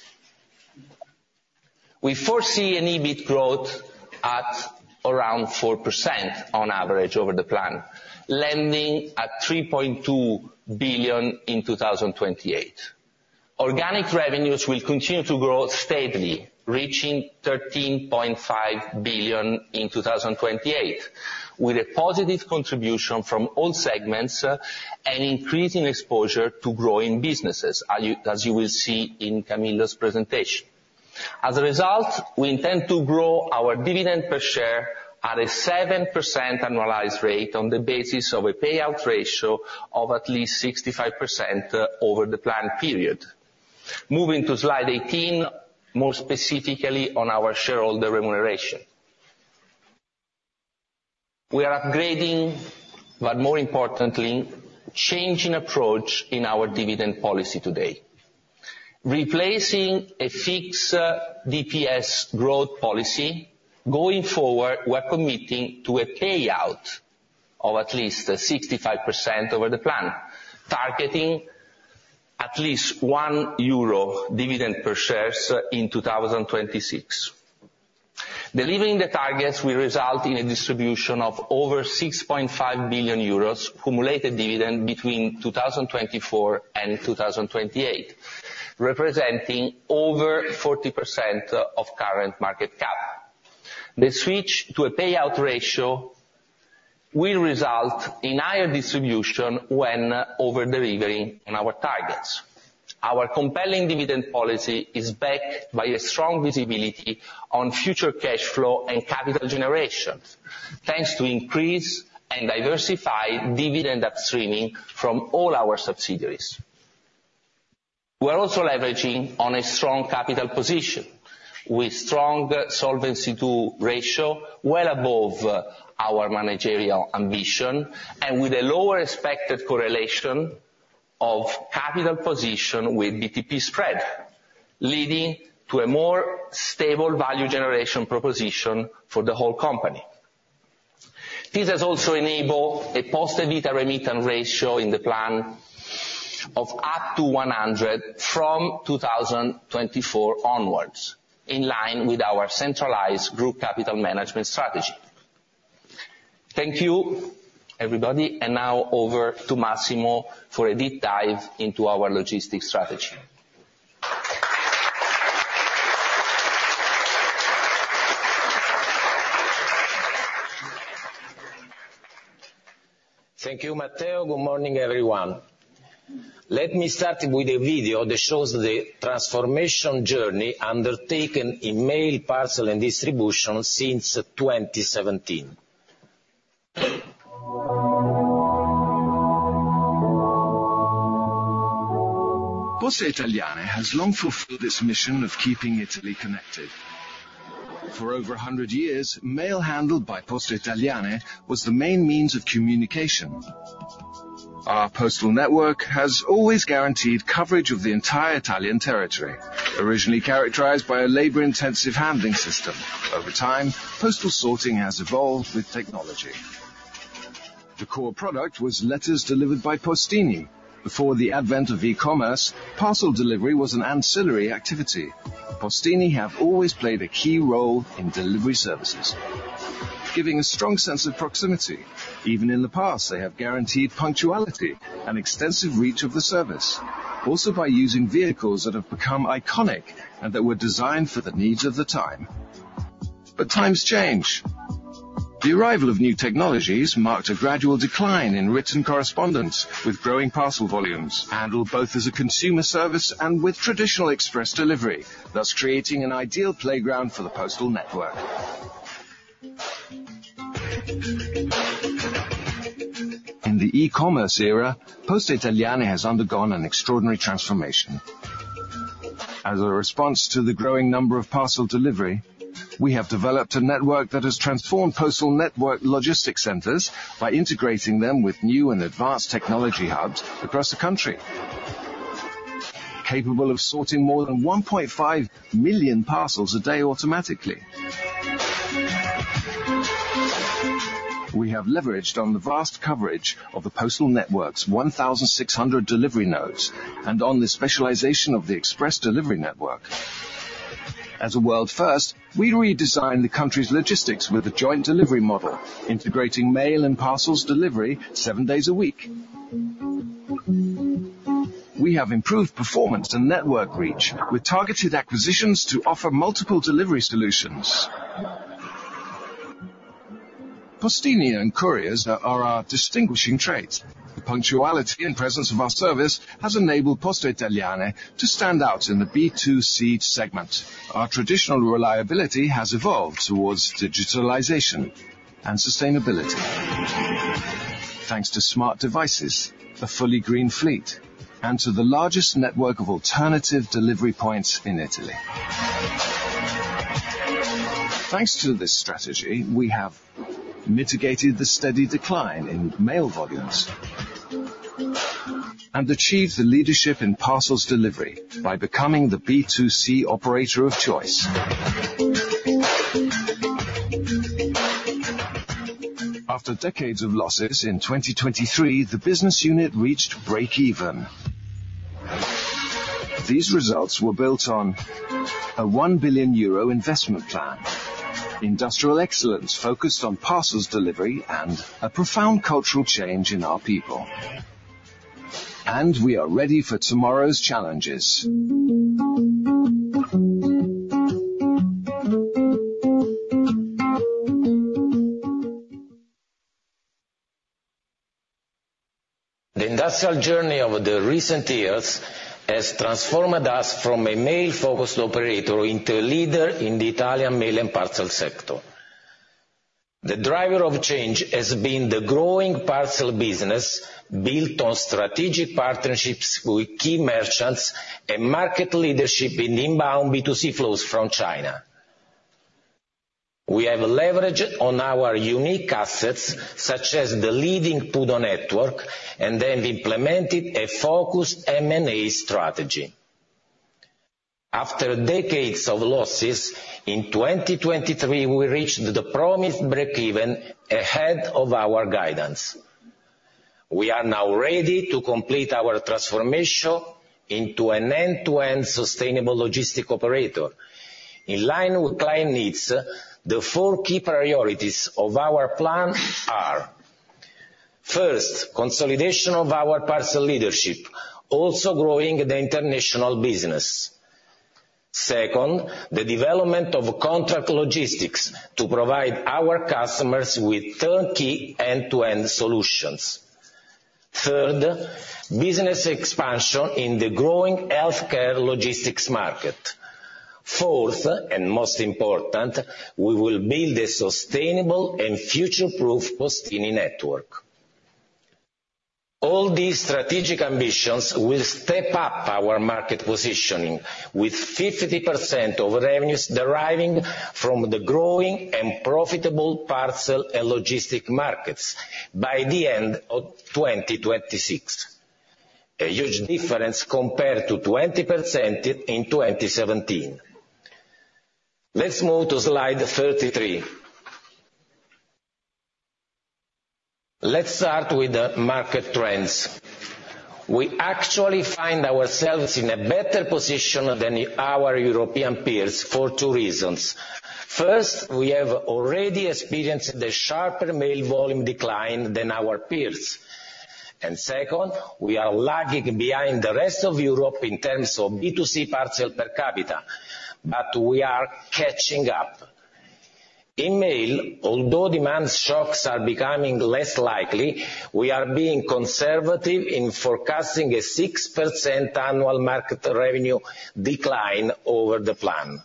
We foresee an EBIT growth at around 4% on average over the plan, landing at 3.2 billion in 2028. Organic revenues will continue to grow steadily, reaching 13.5 billion in 2028, with a positive contribution from all segments, and increasing exposure to growing businesses, as you, as you will see in Camillo's presentation. As a result, we intend to grow our dividend per share at a 7% annualized rate on the basis of a payout ratio of at least 65% over the planned period. Moving to slide 18, more specifically on our shareholder remuneration. We are upgrading, but more importantly, changing approach in our dividend policy today. Replacing a fixed DPS growth policy, going forward, we are committing to a payout of at least 65% over the plan, targeting at least 1 euro dividend per share in 2026. Delivering the targets will result in a distribution of over 6.5 billion euros cumulative dividend between 2024 and 2028, representing over 40% of current market cap. The switch to a payout ratio will result in higher distribution when over-delivering on our targets. Our compelling dividend policy is backed by a strong visibility on future cash flow and capital generations, thanks to increased and diversified dividend upstreaming from all our subsidiaries. We are also leveraging on a strong capital position, with strong solvency ratio, well above our managerial ambition, and with a lower expected correlation of capital position with BTP spread, leading to a more stable value generation proposition for the whole company. This has also enabled a post EBITDA remittance ratio in the plan of up to 100% from 2024 onwards, in line with our centralized group capital management strategy. Thank you, everybody, and now over to Massimo for a deep dive into our logistics strategy. Thank you, Matteo. Good morning, everyone. Let me start with a video that shows the transformation journey undertaken in Mail, Parcel, and Distribution since 2017. Poste Italiane has long fulfilled its mission of keeping Italy connected. For over a hundred years, mail handled by Poste Italiane was the main means of communication. Our postal network has always guaranteed coverage of the entire Italian territory, originally characterized by a labor-intensive handling system. Over time, postal sorting has evolved with technology. The core product was letters delivered by postini. Before the advent of e-commerce, parcel delivery was an ancillary activity. postini have always played a key role in delivery services, giving a strong sense of proximity. Even in the past, they have guaranteed punctuality and extensive reach of the service, also by using vehicles that have become iconic and that were designed for the needs of the time. Times change. The arrival of new technologies marked a gradual decline in written correspondence, with growing parcel volumes handled both as a consumer service and with traditional express delivery, thus creating an ideal playground for the postal network. In the e-commerce era, Poste Italiane has undergone an extraordinary transformation. As a response to the growing number of parcel delivery, we have developed a network that has transformed postal network logistics centers by integrating them with new and advanced technology hubs across the country, capable of sorting more than 1.5 million parcels a day automatically. We have leveraged on the vast coverage of the postal network's 1,600 delivery nodes and on the specialization of the express delivery network. As a world first, we redesigned the country's logistics with a joint delivery model, integrating mail and parcels delivery seven days a week. We have improved performance and network reach with targeted acquisitions to offer multiple delivery solutions. postini and couriers are our distinguishing traits. The punctuality and presence of our service has enabled Poste Italiane to stand out in the B2C segment. Our traditional reliability has evolved towards digitalization and sustainability. Thanks to smart devices, a fully green fleet, and to the largest network of alternative delivery points in Italy. Thanks to this strategy, we have mitigated the steady decline in mail volumes and achieved the leadership in parcels delivery by becoming the B2C operator of choice. After decades of losses, in 2023, the business unit reached breakeven. These results were built on a 1 billion euro investment plan, industrial excellence focused on parcels delivery, and a profound cultural change in our people. We are ready for tomorrow's challenges.... The industrial journey over the recent years has transformed us from a mail-focused operator into a leader in the Italian mail and parcel sector. The driver of change has been the growing parcel business, built on strategic partnerships with key merchants and market leadership in inbound B2C flows from China. We have leveraged on our unique assets, such as the leading PUDO network, and then implemented a focused M&A strategy. After decades of losses, in 2023, we reached the promised breakeven ahead of our guidance. We are now ready to complete our transformation into an end-to-end sustainable logistic operator. In line with client needs, the four key priorities of our plan are: first, consolidation of our parcel leadership, also growing the international business. Second, the development of contract logistics to provide our customers with turnkey, end-to-end solutions. Third, business expansion in the growing healthcare logistics market. Fourth, and most important, we will build a sustainable and future-proof Poste network. All these strategic ambitions will step up our market positioning, with 50% of revenues deriving from the growing and profitable parcel and logistic markets by the end of 2026, a huge difference compared to 20% in 2017. Let's move to slide 33. Let's start with the market trends. We actually find ourselves in a better position than our European peers for two reasons. First, we have already experienced a sharper mail volume decline than our peers. And second, we are lagging behind the rest of Europe in terms of B2C parcel per capita, but we are catching up. In mail, although demand shocks are becoming less likely, we are being conservative in forecasting a 6% annual market revenue decline over the plan.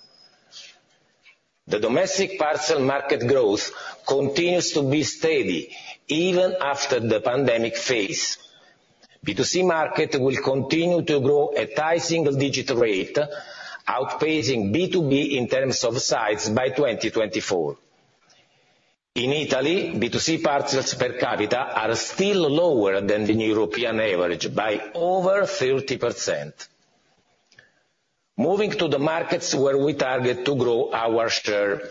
The domestic parcel market growth continues to be steady, even after the pandemic phase. B2C market will continue to grow at high single digit rate, outpacing B2B in terms of size by 2024. In Italy, B2C parcels per capita are still lower than the European average by over 30%. Moving to the markets where we target to grow our share,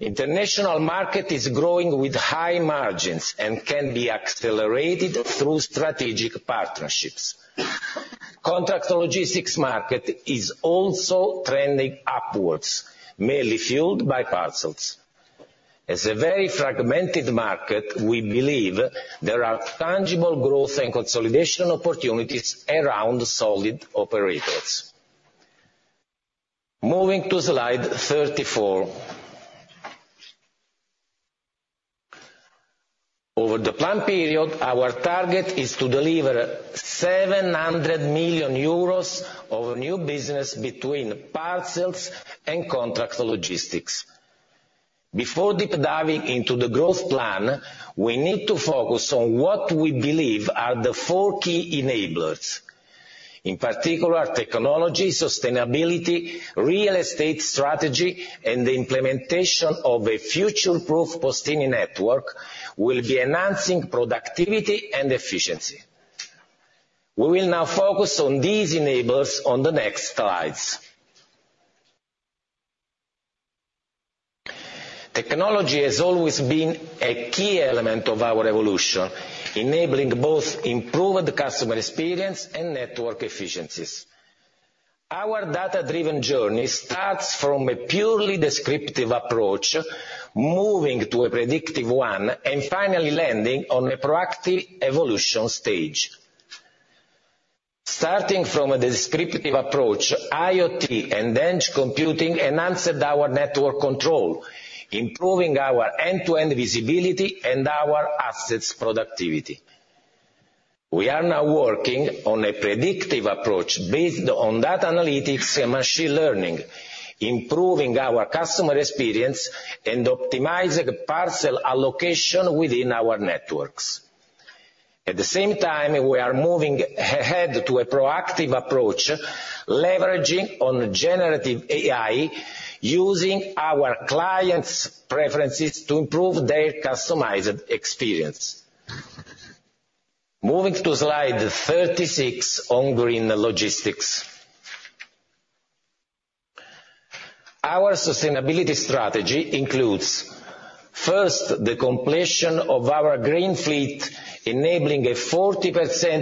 international market is growing with high margins and can be accelerated through strategic partnerships. Contract logistics market is also trending upwards, mainly fueled by parcels. As a very fragmented market, we believe there are tangible growth and consolidation opportunities around solid operators. Moving to slide 34. Over the plan period, our target is to deliver 700 million euros of new business between parcels and contract logistics. Before deep diving into the growth plan, we need to focus on what we believe are the four key enablers. In particular, technology, sustainability, real estate strategy, and the implementation of a future-proof Poste network will be enhancing productivity and efficiency. We will now focus on these enablers on the next slides. Technology has always been a key element of our evolution, enabling both improved customer experience and network efficiencies. Our data-driven journey starts from a purely descriptive approach, moving to a predictive one, and finally landing on a proactive evolution stage. Starting from a descriptive approach, IoT and edge computing enhanced our network control, improving our end-to-end visibility and our assets' productivity. We are now working on a predictive approach based on data analytics and machine learning, improving our customer experience and optimizing parcel allocation within our networks. At the same time, we are moving ahead to a proactive approach, leveraging on generative AI, using our clients' preferences to improve their customized experience. Moving to slide 36 on green logistics. Our sustainability strategy includes, first, the completion of our green fleet, enabling a 40%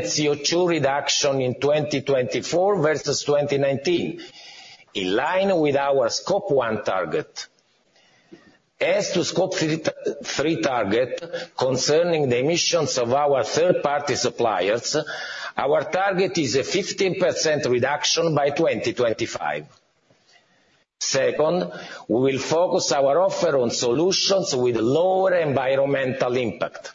CO₂ reduction in 2024 versus 2019, in line with our Scope 3 target. As to Scope 3 target, concerning the emissions of our third-party suppliers, our target is a 15% reduction by 2025. Second, we will focus our offer on solutions with lower environmental impact.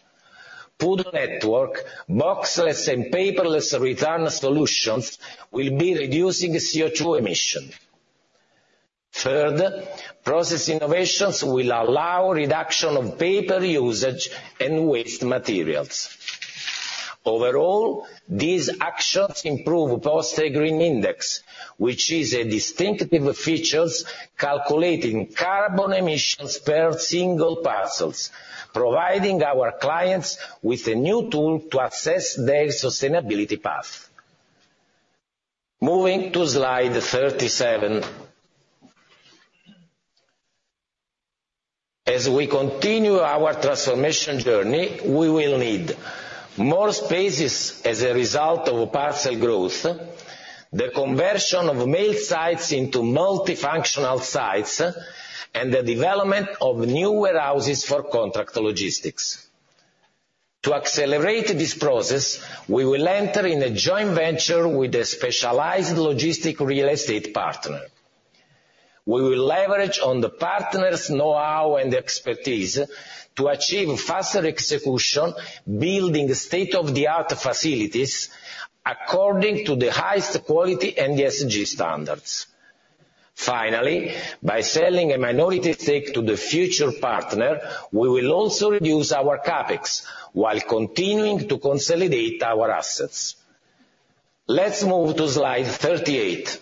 PUDO network, boxless, and paperless return solutions will be reducing CO₂ emission. Third, process innovations will allow reduction of paper usage and waste materials. Overall, these actions improve Poste Green Index, which is a distinctive features calculating carbon emissions per single parcels, providing our clients with a new tool to assess their sustainability path. Moving to slide 37. As we continue our transformation journey, we will need more spaces as a result of parcel growth, the conversion of mail sites into multifunctional sites, and the development of new warehouses for contract logistics. To accelerate this process, we will enter in a joint venture with a specialized logistic real estate partner. We will leverage on the partner's know-how and expertise to achieve faster execution, building state-of-the-art facilities according to the highest quality and ESG standards. Finally, by selling a minority stake to the future partner, we will also reduce our CapEx while continuing to consolidate our assets. Let's move to slide 38.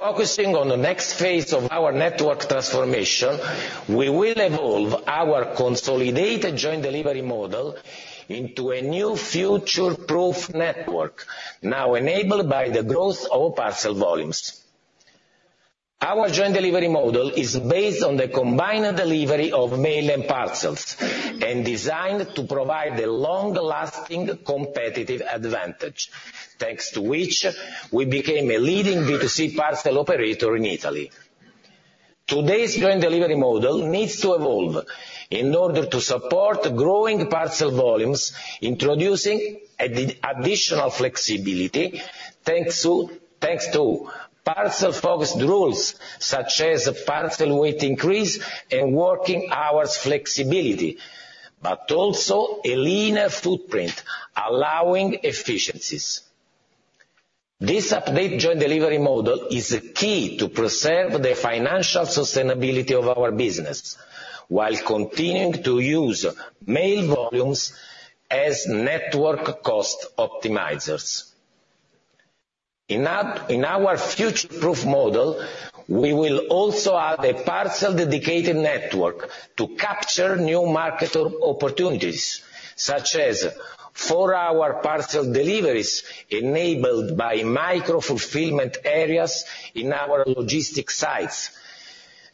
Focusing on the next phase of our network transformation, we will evolve our consolidated joint delivery model into a new future-proof network, now enabled by the growth of parcel volumes. Our joint delivery model is based on the combined delivery of mail and parcels, and designed to provide a long-lasting competitive advantage, thanks to which we became a leading B2C parcel operator in Italy. Today's joint delivery model needs to evolve in order to support growing parcel volumes, introducing additional flexibility, thanks to, thanks to parcel-focused rules, such as parcel weight increase and working hours flexibility, but also a leaner footprint, allowing efficiencies. This updated joint delivery model is key to preserve the financial sustainability of our business, while continuing to use mail volumes as network cost optimizers. In our future-proof model, we will also add a parcel-dedicated network to capture new market opportunities, such as four-hour parcel deliveries enabled by micro-fulfillment areas in our logistic sites,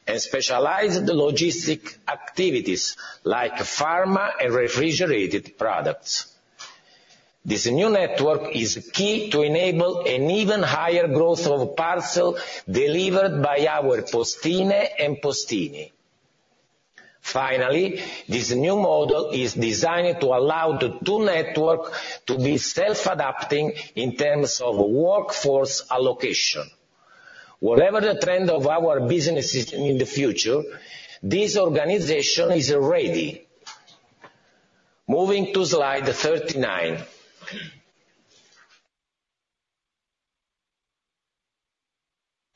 and specialized logistic activities, like pharma and refrigerated products. This new network is key to enable an even higher growth of parcel delivered by our postine and postini. Finally, this new model is designed to allow the two network to be self-adapting in terms of workforce allocation. Whatever the trend of our business is in the future, this organization is ready. Moving to slide 39.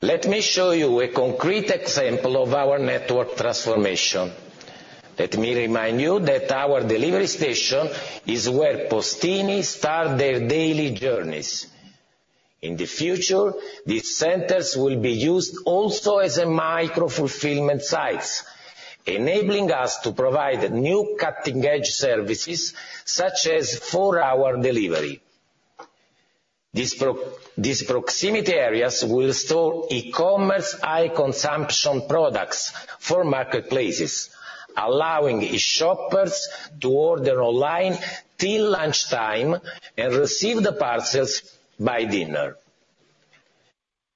Let me show you a concrete example of our network transformation. Let me remind you that our delivery station is where postini start their daily journeys. In the future, these centers will be used also as a micro-fulfillment sites, enabling us to provide new cutting-edge services, such as four-hour delivery. These proximity areas will store e-commerce high-consumption products for marketplaces, allowing e-shoppers to order online till lunchtime and receive the parcels by dinner.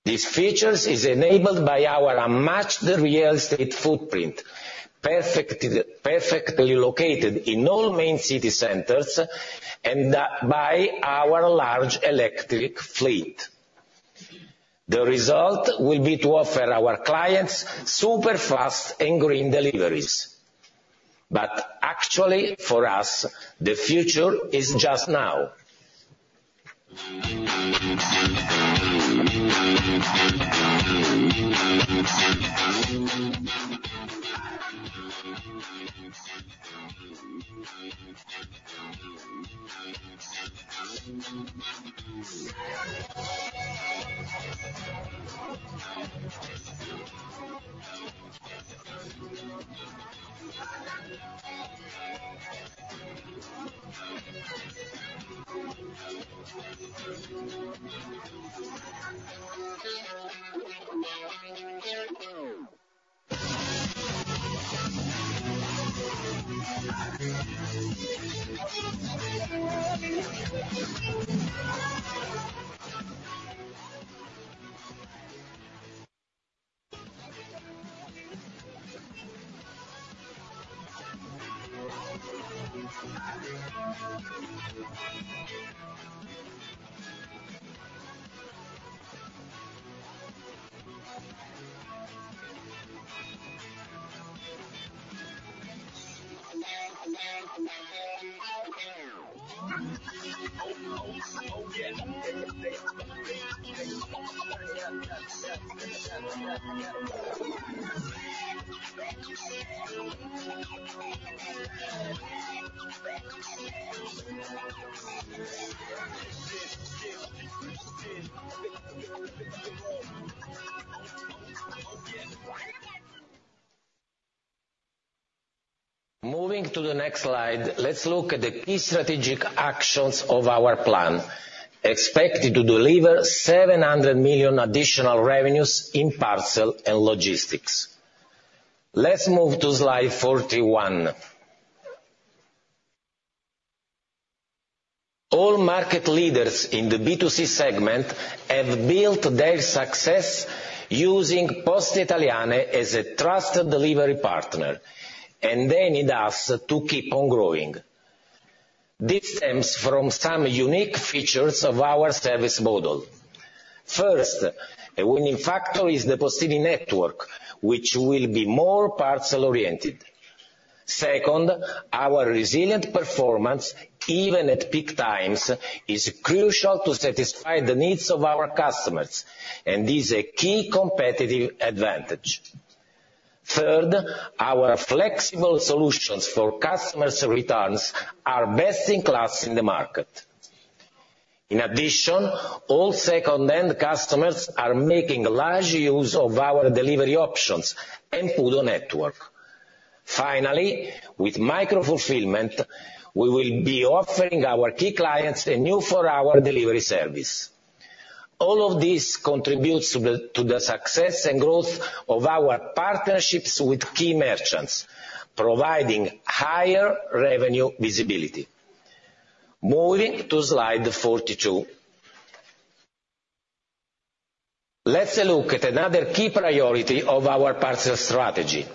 These features is enabled by our unmatched real estate footprint, perfectly, perfectly located in all main city centers, and by our large electric fleet. The result will be to offer our clients super fast and green deliveries. But actually, for us, the future is just now. Moving to the next slide, let's look at the key strategic actions of our plan, expected to deliver 700 million additional revenues in parcel and logistics. Let's move to slide 41. All market leaders in the B2C segment have built their success using Poste Italiane as a trusted delivery partner, and they need us to keep on growing. This stems from some unique features of our service model. First, a winning factor is the postini network, which will be more parcel-oriented. Second, our resilient performance, even at peak times, is crucial to satisfy the needs of our customers and is a key competitive advantage. Third, our flexible solutions for customers' returns are best in class in the market. In addition, all second-hand customers are making large use of our delivery options and Pudo network. Finally, with micro fulfillment, we will be offering our key clients a new 4-hour delivery service. All of this contributes to the success and growth of our partnerships with key merchants, providing higher revenue visibility. Moving to slide 42. Let's look at another key priority of our parcel strategy.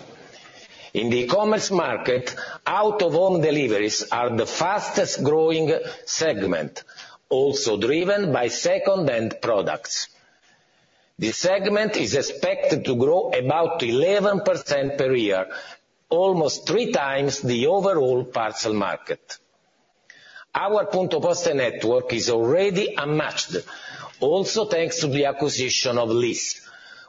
In the commerce market, out-of-home deliveries are the fastest growing segment, also driven by second-hand products. The segment is expected to grow about 11% per year, almost 3 times the overall parcel market. Our Punto Poste network is already unmatched, also thanks to the acquisition of LIS,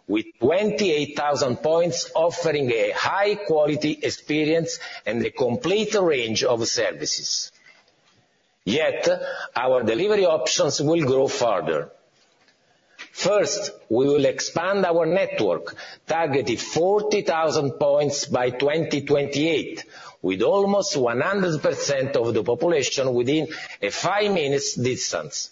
with 28,000 points, offering a high quality experience and a complete range of services. Yet, our delivery options will grow further. First, we will expand our network, targeting 40,000 points by 2028, with almost 100% of the population within a five minutes distance.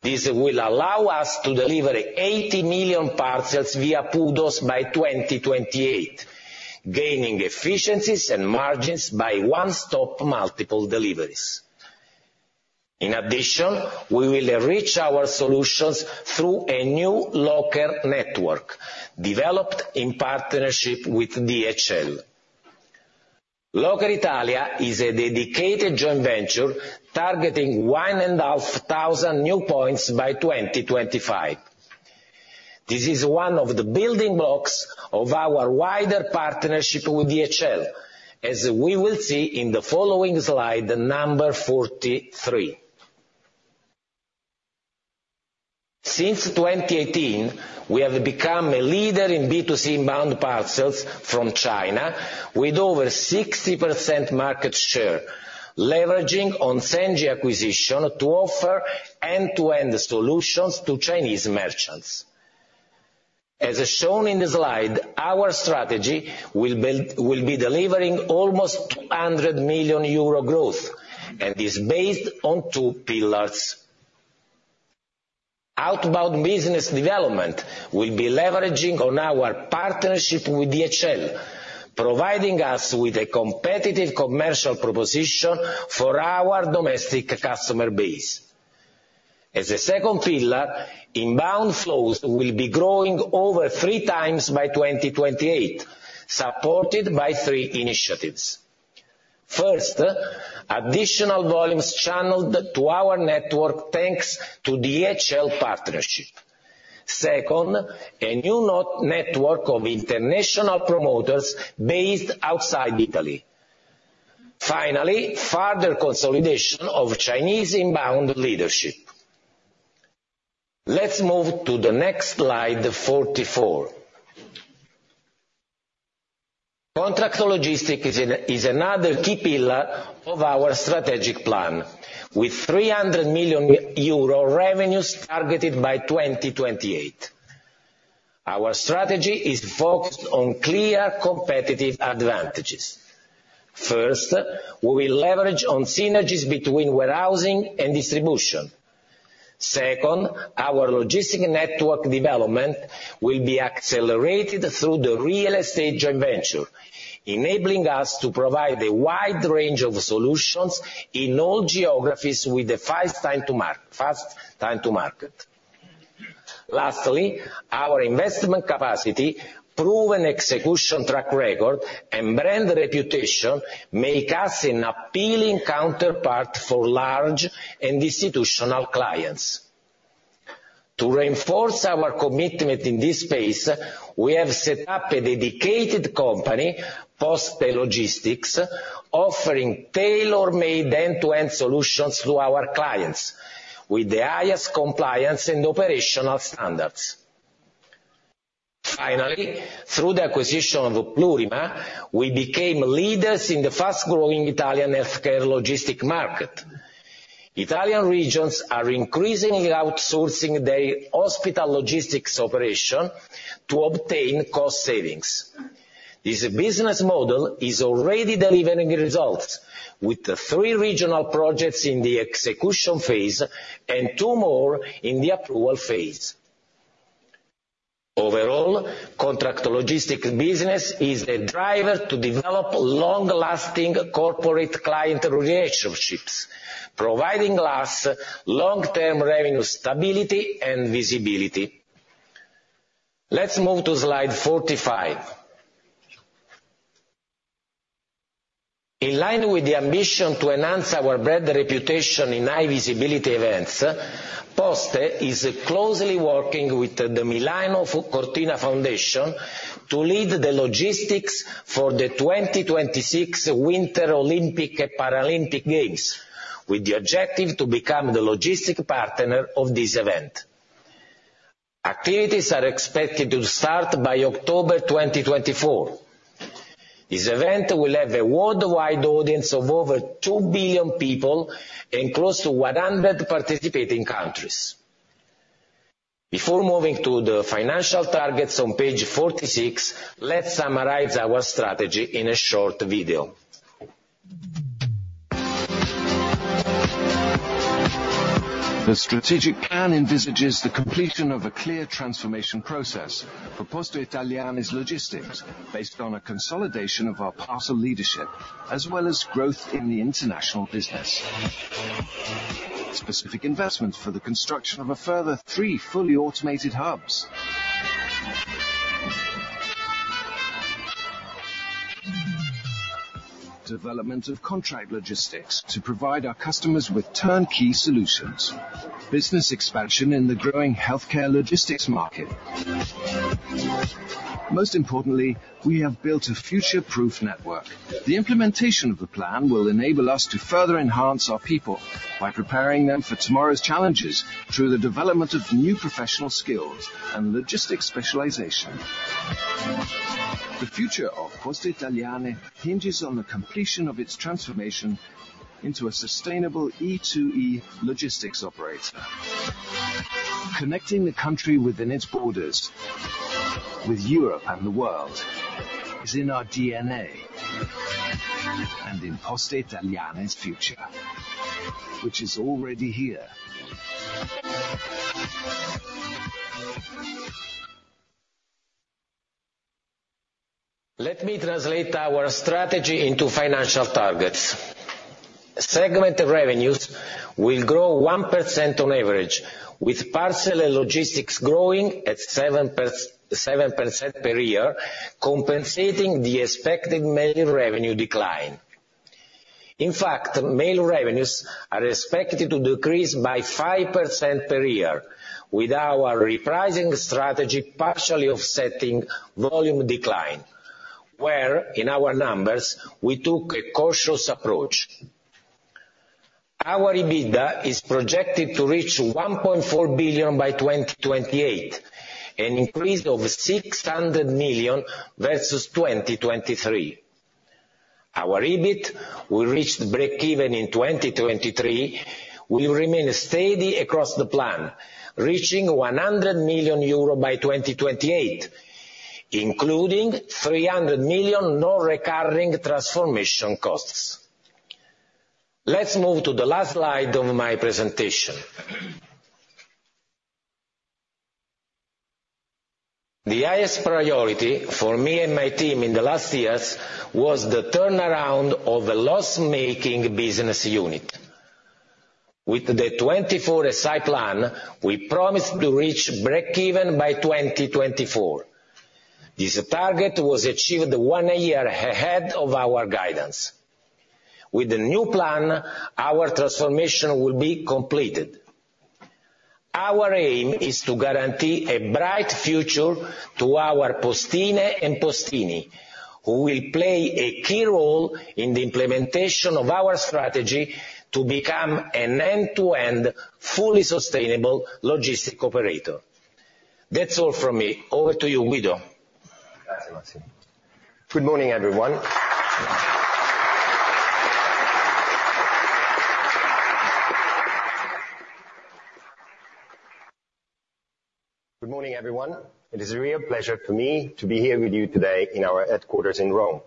This will allow us to deliver 80 million parcels via PUDOs by 2028, gaining efficiencies and margins by one-stop multiple deliveries. In addition, we will reach our solutions through a new locker network, developed in partnership with DHL. Locker Italia is a dedicated joint venture targeting 1,500 new points by 2025. This is one of the building blocks of our wider partnership with DHL, as we will see in the following slide, number 43. Since 2018, we have become a leader in B2C inbound parcels from China, with over 60% market share, leveraging on Sengi acquisition to offer end-to-end solutions to Chinese merchants. As shown in the slide, our strategy will be delivering almost 200 million euro growth, and is based on two pillars. Outbound business development will be leveraging on our partnership with DHL, providing us with a competitive commercial proposition for our domestic customer base. As a second pillar, inbound flows will be growing over three times by 2028, supported by three initiatives. First, additional volumes channeled to our network, thanks to DHL partnership. Second, a new network of international promoters based outside Italy. Finally, further consolidation of Chinese inbound leadership. Let's move to the next slide, 44. Contract logistics is another key pillar of our strategic plan, with 300 million euro revenues targeted by 2028. Our strategy is focused on clear competitive advantages. First, we will leverage on synergies between warehousing and distribution. Second, our logistics network development will be accelerated through the real estate joint venture, enabling us to provide a wide range of solutions in all geographies with a fast time to market. Lastly, our investment capacity, proven execution track record, and brand reputation make us an appealing counterpart for large and institutional clients. To reinforce our commitment in this space, we have set up a dedicated company, Poste Logistics, offering tailor-made end-to-end solutions to our clients, with the highest compliance and operational standards. Finally, through the acquisition of Plurima, we became leaders in the fast-growing Italian healthcare logistics market. Italian regions are increasingly outsourcing their hospital logistics operation to obtain cost savings. This business model is already delivering results, with three regional projects in the execution phase and two more in the approval phase. Overall, contract logistic business is a driver to develop long-lasting corporate client relationships, providing us long-term revenue stability and visibility. Let's move to slide 45. In line with the ambition to enhance our brand reputation in high visibility events, Poste is closely working with the Fondazione Milano Cortina 2026 to lead the logistics for the 2026 Winter Olympic and Paralympic Games, with the objective to become the logistic partner of this event. Activities are expected to start by October 2024. This event will have a worldwide audience of over 2 billion people and close to 100 participating countries. Before moving to the financial targets on page 46, let's summarize our strategy in a short video. The strategic plan envisages the completion of a clear transformation process for Poste Italiane's logistics, based on a consolidation of our parcel leadership, as well as growth in the international business. Specific investments for the construction of a further three fully automated hubs. Development of contract logistics to provide our customers with turnkey solutions. Business expansion in the growing healthcare logistics market. Most importantly, we have built a future-proof network. The implementation of the plan will enable us to further enhance our people by preparing them for tomorrow's challenges through the development of new professional skills and logistics specialization. The future of Poste Italiane hinges on the completion of its transformation into a sustainable E2E logistics operator. Connecting the country within its borders, with Europe and the world, is in our DNA and in Poste Italiane's future, which is already here. Let me translate our strategy into financial targets. Segment revenues will grow 1% on average, with parcel and logistics growing at 7% per year, compensating the expected mail revenue decline. In fact, mail revenues are expected to decrease by 5% per year, with our repricing strategy partially offsetting volume decline, where, in our numbers, we took a cautious approach. Our EBITDA is projected to reach 1.4 billion by 2028, an increase of 600 million versus 2023. Our EBIT, we reached breakeven in 2023, will remain steady across the plan, reaching 100 million euro by 2028, including 300 million non-recurring transformation costs. Let's move to the last slide of my presentation. The highest priority for me and my team in the last years was the turnaround of a loss-making business unit. With the 24SI plan, we promised to reach breakeven by 2024. This target was achieved one year ahead of our guidance. With the new plan, our transformation will be completed. Our aim is to guarantee a bright future to our Postine and postini, who will play a key role in the implementation of our strategy to become an end-to-end, fully sustainable logistics operator. That's all from me. Over to you, Guido. Good morning, everyone. Good morning, everyone. It is a real pleasure for me to be here with you today in our headquarters in Rome.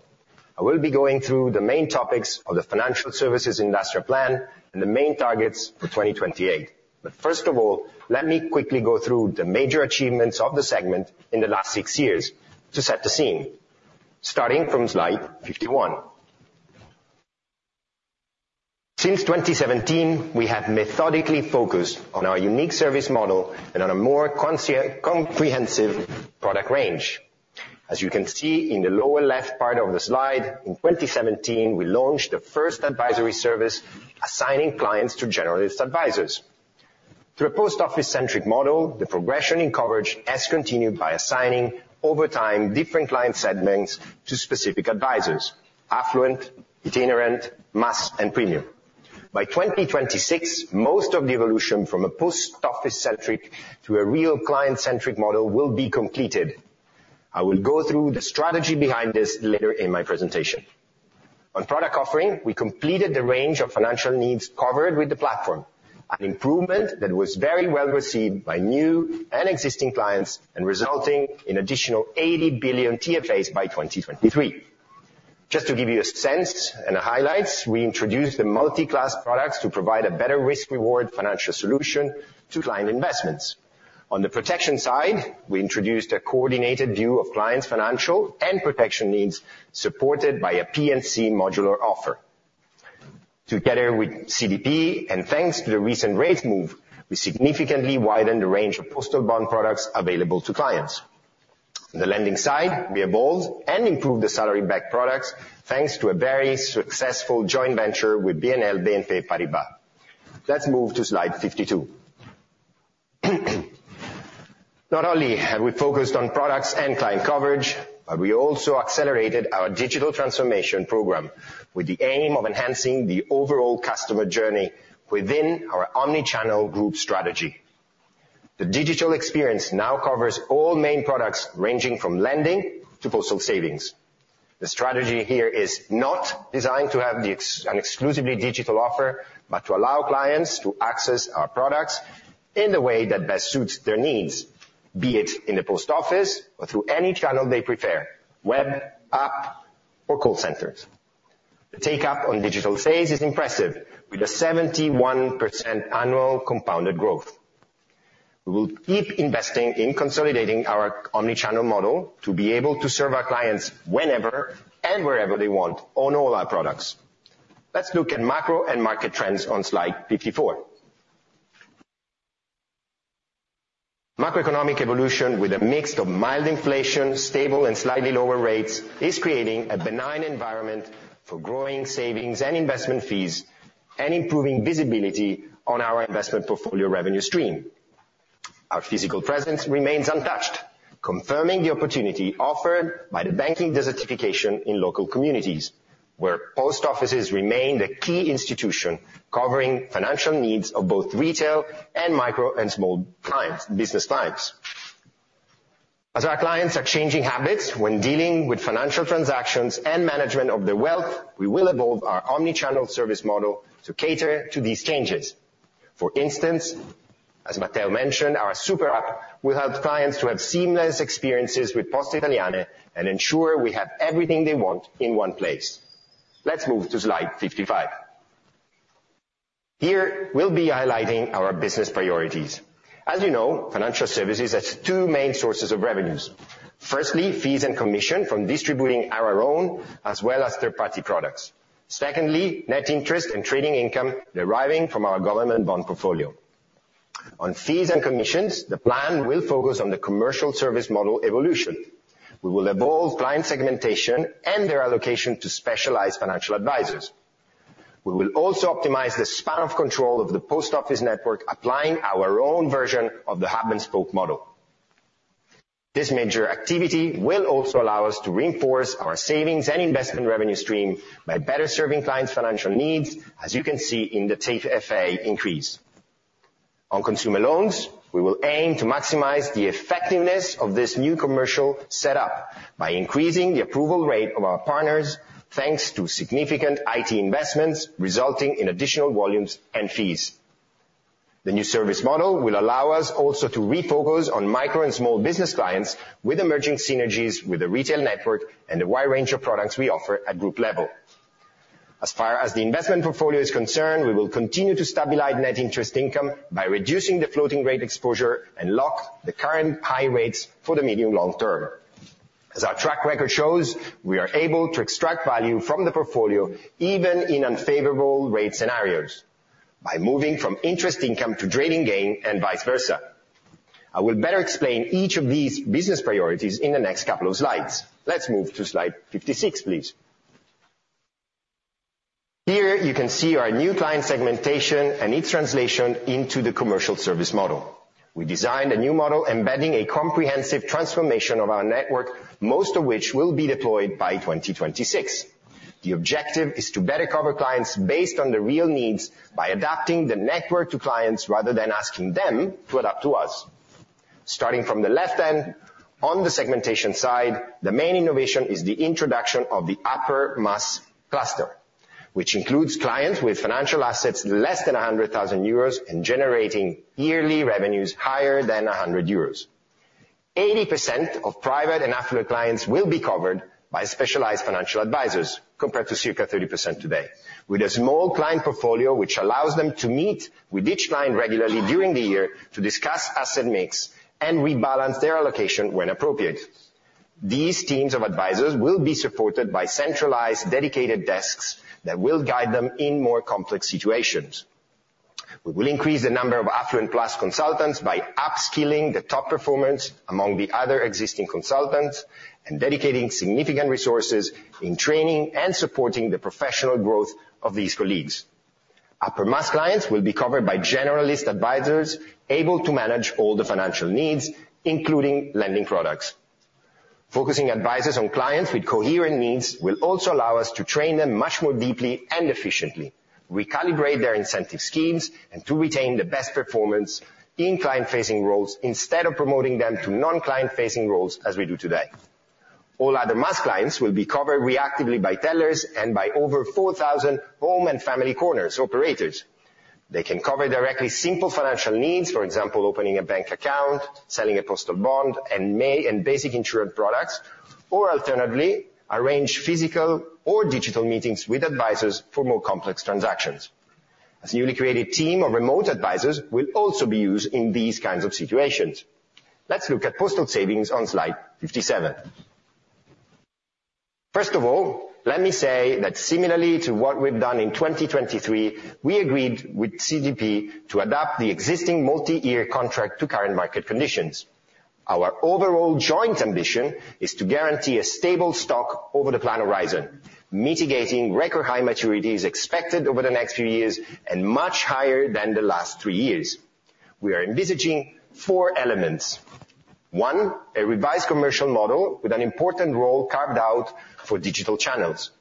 I will be going through the main topics of the financial services industrial plan and the main targets for 2028. But first of all, let me quickly go through the major achievements of the segment in the last six years to set the scene, starting from slide 51. Since 2017, we have methodically focused on our unique service model and on a more comprehensive product range. As you can see in the lower left part of the slide, in 2017, we launched the first advisory service, assigning clients to generalist advisors. Through a post office-centric model, the progression in coverage has continued by assigning, over time, different client segments to specific advisors: affluent, itinerant, mass, and premium. By 2026, most of the evolution from a post office-centric to a real client-centric model will be completed. I will go through the strategy behind this later in my presentation. On product offering, we completed the range of financial needs covered with the platform, an improvement that was very well received by new and existing clients, and resulting in additional 80 billion TFAs by 2023. Just to give you a sense and the highlights, we introduced the multi-class products to provide a better risk/reward financial solution to client investments. On the protection side, we introduced a coordinated view of clients' financial and protection needs, supported by a P&C modular offer. Together with CDP, and thanks to the recent rate move, we significantly widened the range of postal bond products available to clients. On the lending side, we evolved and improved the salary-backed products, thanks to a very successful joint venture with BNL BNP Paribas. Let's move to slide 52. Not only have we focused on products and client coverage, but we also accelerated our digital transformation program, with the aim of enhancing the overall customer journey within our omni-channel group strategy. The digital experience now covers all main products, ranging from lending to postal savings. The strategy here is not designed to have an exclusively digital offer, but to allow clients to access our products in the way that best suits their needs, be it in the post office or through any channel they prefer: web, app, or call centers. The take-up on digital sales is impressive, with a 71% annual compounded growth. We will keep investing in consolidating our omni-channel model to be able to serve our clients whenever and wherever they want on all our products. Let's look at macro and market trends on slide 54. Macroeconomic evolution with a mix of mild inflation, stable and slightly lower rates, is creating a benign environment for growing savings and investment fees and improving visibility on our investment portfolio revenue stream. Our physical presence remains untouched, confirming the opportunity offered by the banking desertification in local communities, where post offices remain the key institution covering financial needs of both retail and micro and small clients, business clients. As our clients are changing habits when dealing with financial transactions and management of their wealth, we will evolve our omni-channel service model to cater to these changes. For instance, as Matteo mentioned, our Super App will help clients to have seamless experiences with Poste Italiane and ensure we have everything they want in one place. Let's move to slide 55. Here, we'll be highlighting our business priorities. As you know, Financial Services has two main sources of revenues. Firstly, fees and commission from distributing our own, as well as third-party products. Secondly, net interest and trading income deriving from our government bond portfolio. On fees and commissions, the plan will focus on the commercial service model evolution. We will evolve client segmentation and their allocation to specialized financial advisors. We will also optimize the span of control of the post office network, applying our own version of the hub and spoke model. This major activity will also allow us to reinforce our savings and investment revenue stream by better serving clients' financial needs, as you can see in the TFA increase. On consumer loans, we will aim to maximize the effectiveness of this new commercial setup by increasing the approval rate of our partners, thanks to significant IT investments, resulting in additional volumes and fees. The new service model will allow us also to refocus on micro and small business clients, with emerging synergies with the retail network and the wide range of products we offer at group level. As far as the investment portfolio is concerned, we will continue to stabilize net interest income by reducing the floating rate exposure and lock the current high rates for the medium long term. As our track record shows, we are able to extract value from the portfolio, even in unfavorable rate scenarios, by moving from interest income to trading gain and vice versa. I will better explain each of these business priorities in the next couple of slides. Let's move to slide 56, please. Here, you can see our new client segmentation and its translation into the commercial service model. We designed a new model embedding a comprehensive transformation of our network, most of which will be deployed by 2026. The objective is to better cover clients based on their real needs by adapting the network to clients rather than asking them to adapt to us. Starting from the left then, on the segmentation side, the main innovation is the introduction of the upper mass cluster, which includes clients with financial assets less than 100,000 euros and generating yearly revenues higher than 100 euros. 80% of private and affluent clients will be covered by specialized financial advisors, compared to circa 30% today, with a small client portfolio which allows them to meet with each client regularly during the year to discuss asset mix and rebalance their allocation when appropriate... These teams of advisors will be supported by centralized, dedicated desks that will guide them in more complex situations. We will increase the number of affluent plus consultants by upskilling the top performance among the other existing consultants, and dedicating significant resources in training and supporting the professional growth of these colleagues. Upper mass clients will be covered by generalist advisors able to manage all the financial needs, including lending products. Focusing advisors on clients with coherent needs will also allow us to train them much more deeply and efficiently, recalibrate their incentive schemes, and to retain the best performance in client-facing roles instead of promoting them to non-client facing roles, as we do today. All other mass clients will be covered reactively by tellers and by over 4,000 home and family corners operators. They can cover directly simple financial needs, for example, opening a bank account, selling a postal bond, and basic insurance products, or alternatively, arrange physical or digital meetings with advisors for more complex transactions. A newly created team of remote advisors will also be used in these kinds of situations. Let's look at postal savings on slide 57. First of all, let me say that similarly to what we've done in 2023, we agreed with CDP to adapt the existing multi-year contract to current market conditions. Our overall joint ambition is to guarantee a stable stock over the plan horizon, mitigating record high maturities expected over the next few years and much higher than the last three years. We are envisaging four elements. One, a revised commercial model with an important role carved out for digital channels.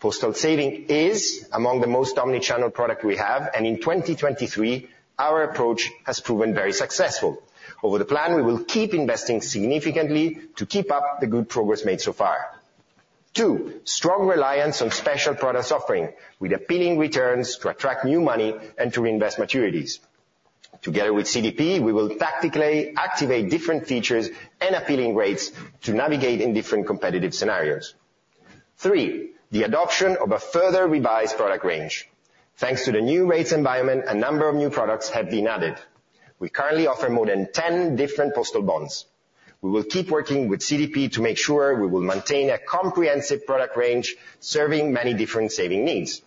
Postal saving is among the most omni-channel product we have, and in 2023, our approach has proven very successful. Over the plan, we will keep investing significantly to keep up the good progress made so far. Two, strong reliance on special product offering, with appealing returns to attract new money and to reinvest maturities. Together with CDP, we will tactically activate different features and appealing rates to navigate in different competitive scenarios. Three, the adoption of a further revised product range. Thanks to the new rates environment, a number of new products have been added. We currently offer more than 10 different postal bonds. We will keep working with CDP to make sure we will maintain a comprehensive product range, serving many different saving needs.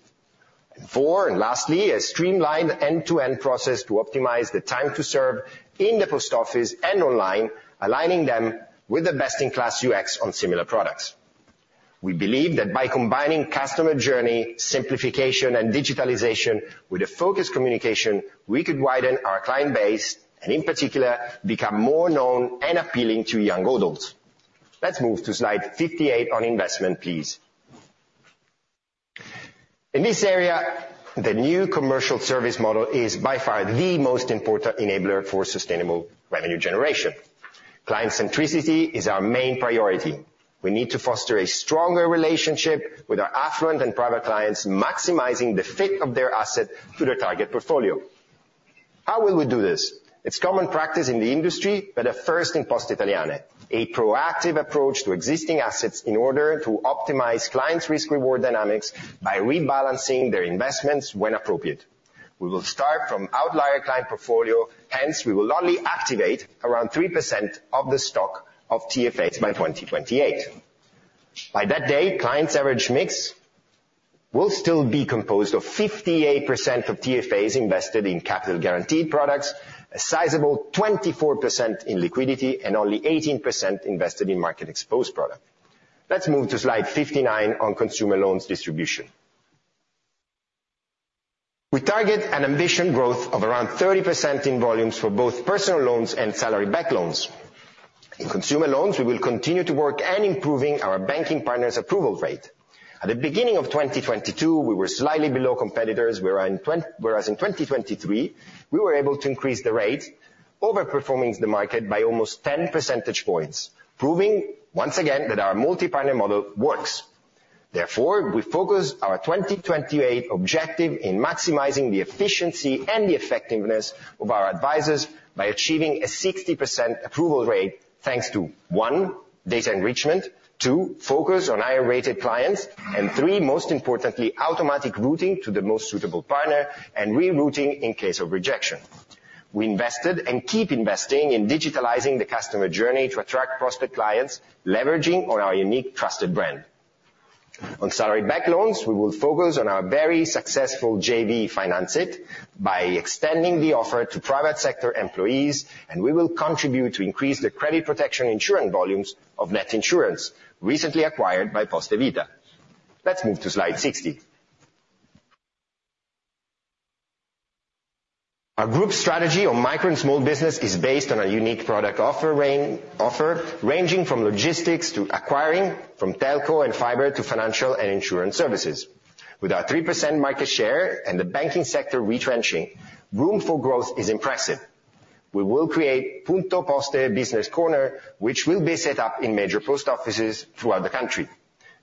Four, and lastly, a streamlined end-to-end process to optimize the time to serve in the post office and online, aligning them with the best-in-class UX on similar products. We believe that by combining customer journey, simplification, and digitalization with a focused communication, we could widen our client base, and in particular, become more known and appealing to young adults. Let's move to slide 58 on investment, please. In this area, the new commercial service model is by far the most important enabler for sustainable revenue generation. Client centricity is our main priority. We need to foster a stronger relationship with our affluent and private clients, maximizing the fit of their asset to their target portfolio. How will we do this? It's common practice in the industry, but a first in Poste Italiane, a proactive approach to existing assets in order to optimize clients' risk-reward dynamics by rebalancing their investments when appropriate. We will start from outlier client portfolio, hence, we will only activate around 3% of the stock of TFAs by 2028. By that day, clients' average mix will still be composed of 58% of TFAs invested in capital guaranteed products, a sizable 24% in liquidity, and only 18% invested in market exposed product. Let's move to slide 59 on consumer loans distribution. We target an ambition growth of around 30% in volumes for both personal loans and salary-backed loans. In consumer loans, we will continue to work and improving our banking partners' approval rate. At the beginning of 2022, we were slightly below competitors, whereas in 2023, we were able to increase the rate, overperforming the market by almost 10 percentage points, proving once again that our multi-partner model works. Therefore, we focus our 2028 objective in maximizing the efficiency and the effectiveness of our advisors by achieving a 60% approval rate, thanks to, one, data enrichment, two, focus on higher-rated clients, and three, most importantly, automatic routing to the most suitable partner and rerouting in case of rejection. We invested and keep investing in digitalizing the customer journey to attract prospect clients, leveraging on our unique trusted brand. On salary-backed loans, we will focus on our very successful JV Financit by extending the offer to private sector employees, and we will contribute to increase the credit protection insurance volumes of Net Insurance, recently acquired by Poste Vita. Let's move to slide 60. Our group strategy on micro and small business is based on a unique product offer ranging from logistics to acquiring, from telco and fiber, to financial and insurance services. With our 3% market share and the banking sector retrenching, room for growth is impressive. We will create Punto Poste Business Corner, which will be set up in major post offices throughout the country.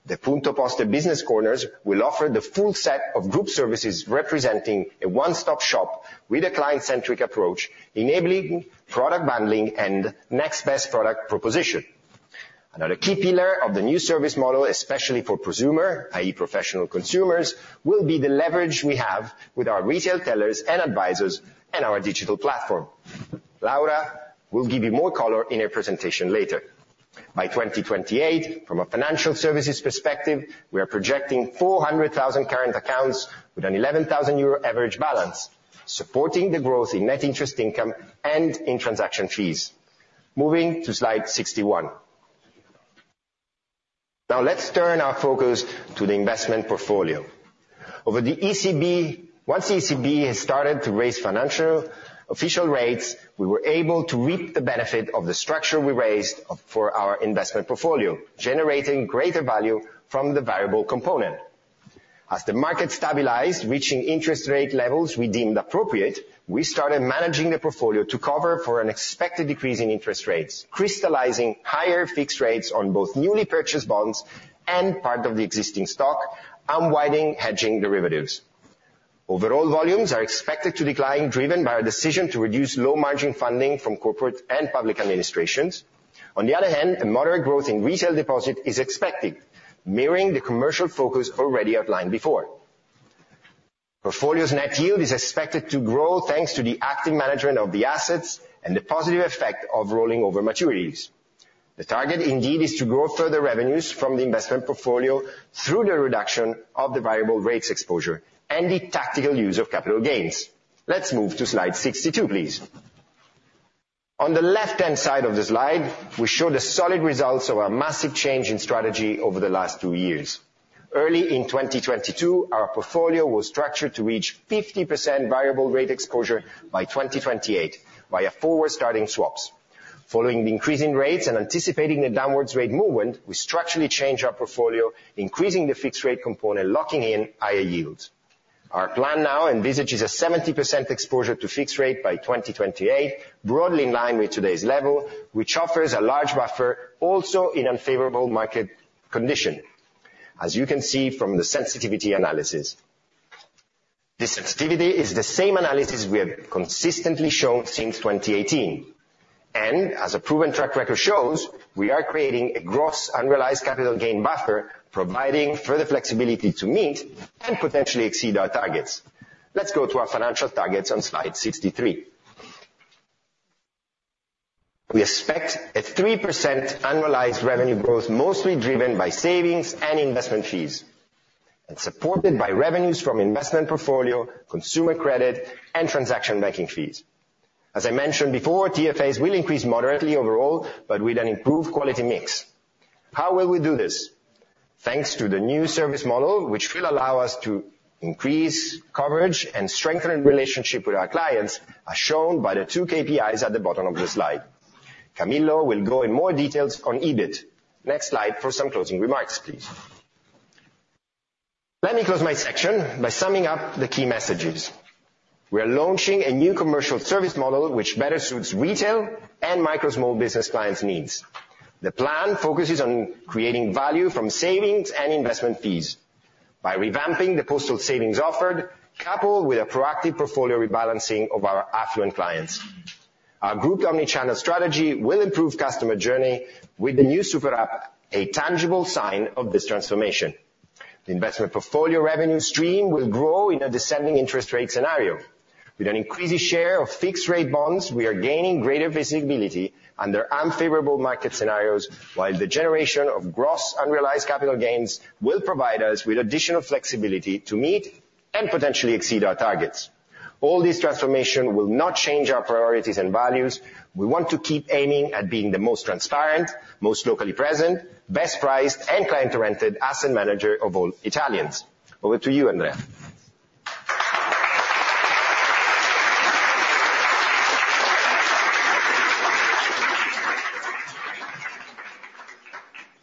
The Punto Poste Business Corners will offer the full set of group services, representing a one-stop shop with a client-centric approach, enabling product bundling and next best product proposition. Another key pillar of the new service model, especially for prosumer, i.e., professional consumers, will be the leverage we have with our retail tellers and advisors and our digital platform. Laura will give you more color in her presentation later. By 2028, from a financial services perspective, we are projecting 400,000 current accounts with an 11,000 euro average balance, supporting the growth in net interest income and in transaction fees. Moving to slide 61. Now let's turn our focus to the investment portfolio. Over the ECB - once the ECB has started to raise financial official rates, we were able to reap the benefit of the structure we raised of, for our investment portfolio, generating greater value from the variable component. As the market stabilized, reaching interest rate levels we deemed appropriate, we started managing the portfolio to cover for an expected decrease in interest rates, crystallizing higher fixed rates on both newly purchased bonds and part of the existing stock, unwinding hedging derivatives. Overall volumes are expected to decline, driven by a decision to reduce low margin funding from corporate and public administrations. On the other hand, a moderate growth in retail deposit is expected, mirroring the commercial focus already outlined before. Portfolio's net yield is expected to grow, thanks to the active management of the assets and the positive effect of rolling over maturities. The target, indeed, is to grow further revenues from the investment portfolio through the reduction of the variable rates exposure and the tactical use of capital gains. Let's move to slide 62, please. On the left-hand side of the slide, we show the solid results of our massive change in strategy over the last two years. Early in 2022, our portfolio was structured to reach 50% variable rate exposure by 2028, via forward starting swaps. Following the increase in rates and anticipating the downwards rate movement, we structurally changed our portfolio, increasing the fixed rate component, locking in higher yields. Our plan now envisages a 70% exposure to fixed rate by 2028, broadly in line with today's level, which offers a large buffer also in unfavorable market condition, as you can see from the sensitivity analysis. The sensitivity is the same analysis we have consistently shown since 2018, and as a proven track record shows, we are creating a gross unrealized capital gain buffer, providing further flexibility to meet and potentially exceed our targets. Let's go to our financial targets on slide 63. We expect a 3% annualized revenue growth, mostly driven by savings and investment fees, and supported by revenues from investment portfolio, consumer credit, and transaction banking fees. As I mentioned before, TFAs will increase moderately overall, but with an improved quality mix. How will we do this? Thanks to the new service model, which will allow us to increase coverage and strengthen relationship with our clients, as shown by the two KPIs at the bottom of the slide. Camillo will go in more details on EBIT. Next slide for some closing remarks, please. Let me close my section by summing up the key messages. We are launching a new commercial service model, which better suits retail and micro small business clients' needs. The plan focuses on creating value from savings and investment fees. By revamping the postal savings offered, coupled with a proactive portfolio rebalancing of our affluent clients, our group omni-channel strategy will improve customer journey with the new super app, a tangible sign of this transformation. The investment portfolio revenue stream will grow in a descending interest rate scenario. With an increasing share of fixed rate bonds, we are gaining greater visibility under unfavorable market scenarios, while the generation of gross unrealized capital gains will provide us with additional flexibility to meet and potentially exceed our targets. All this transformation will not change our priorities and values. We want to keep aiming at being the most transparent, most locally present, best priced, and client-oriented asset manager of all Italians. Over to you, Andrea.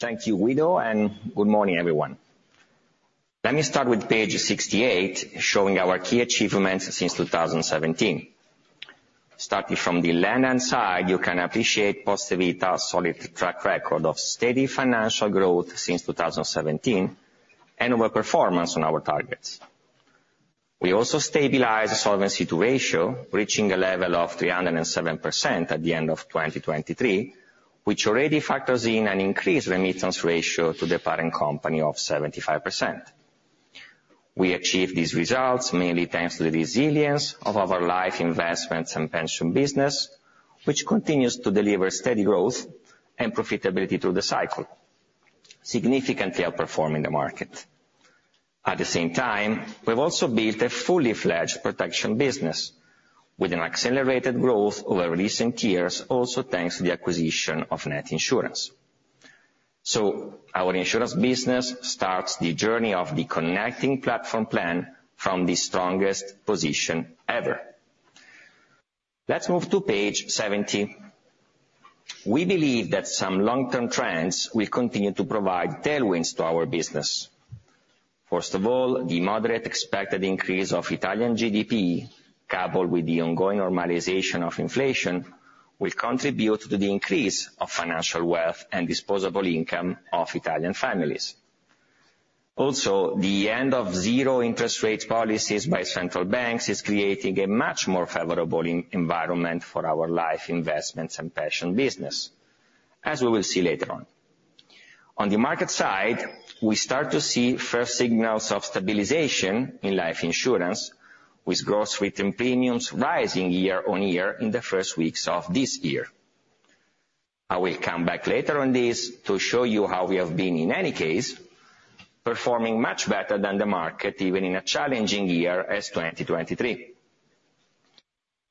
Thank you, Guido, and good morning, everyone. Let me start with page 68, showing our key achievements since 2017. Starting from the land side, you can appreciate Poste Vita's solid track record of steady financial growth since 2017, and our performance on our targets. We also stabilized the Solvency II ratio, reaching a level of 307% at the end of 2023, which already factors in an increased remittance ratio to the parent company of 75%. We achieved these results mainly thanks to the resilience of our life investments and pension business, which continues to deliver steady growth and profitability through the cycle, significantly outperforming the market. At the same time, we've also built a fully fledged protection business with an accelerated growth over recent years, also thanks to the acquisition of Net Insurance. So our insurance business starts the journey of the connecting platform plan from the strongest position ever. Let's move to page 70. We believe that some long-term trends will continue to provide tailwinds to our business. First of all, the moderate expected increase of Italian GDP, coupled with the ongoing normalization of inflation, will contribute to the increase of financial wealth and disposable income of Italian families. Also, the end of zero interest rate policies by central banks is creating a much more favorable environment for our life investments and pension business, as we will see later on. On the market side, we start to see first signals of stabilization in life insurance, with gross written premiums rising year-on-year in the first weeks of this year. I will come back later on this to show you how we have been, in any case, performing much better than the market, even in a challenging year as 2023.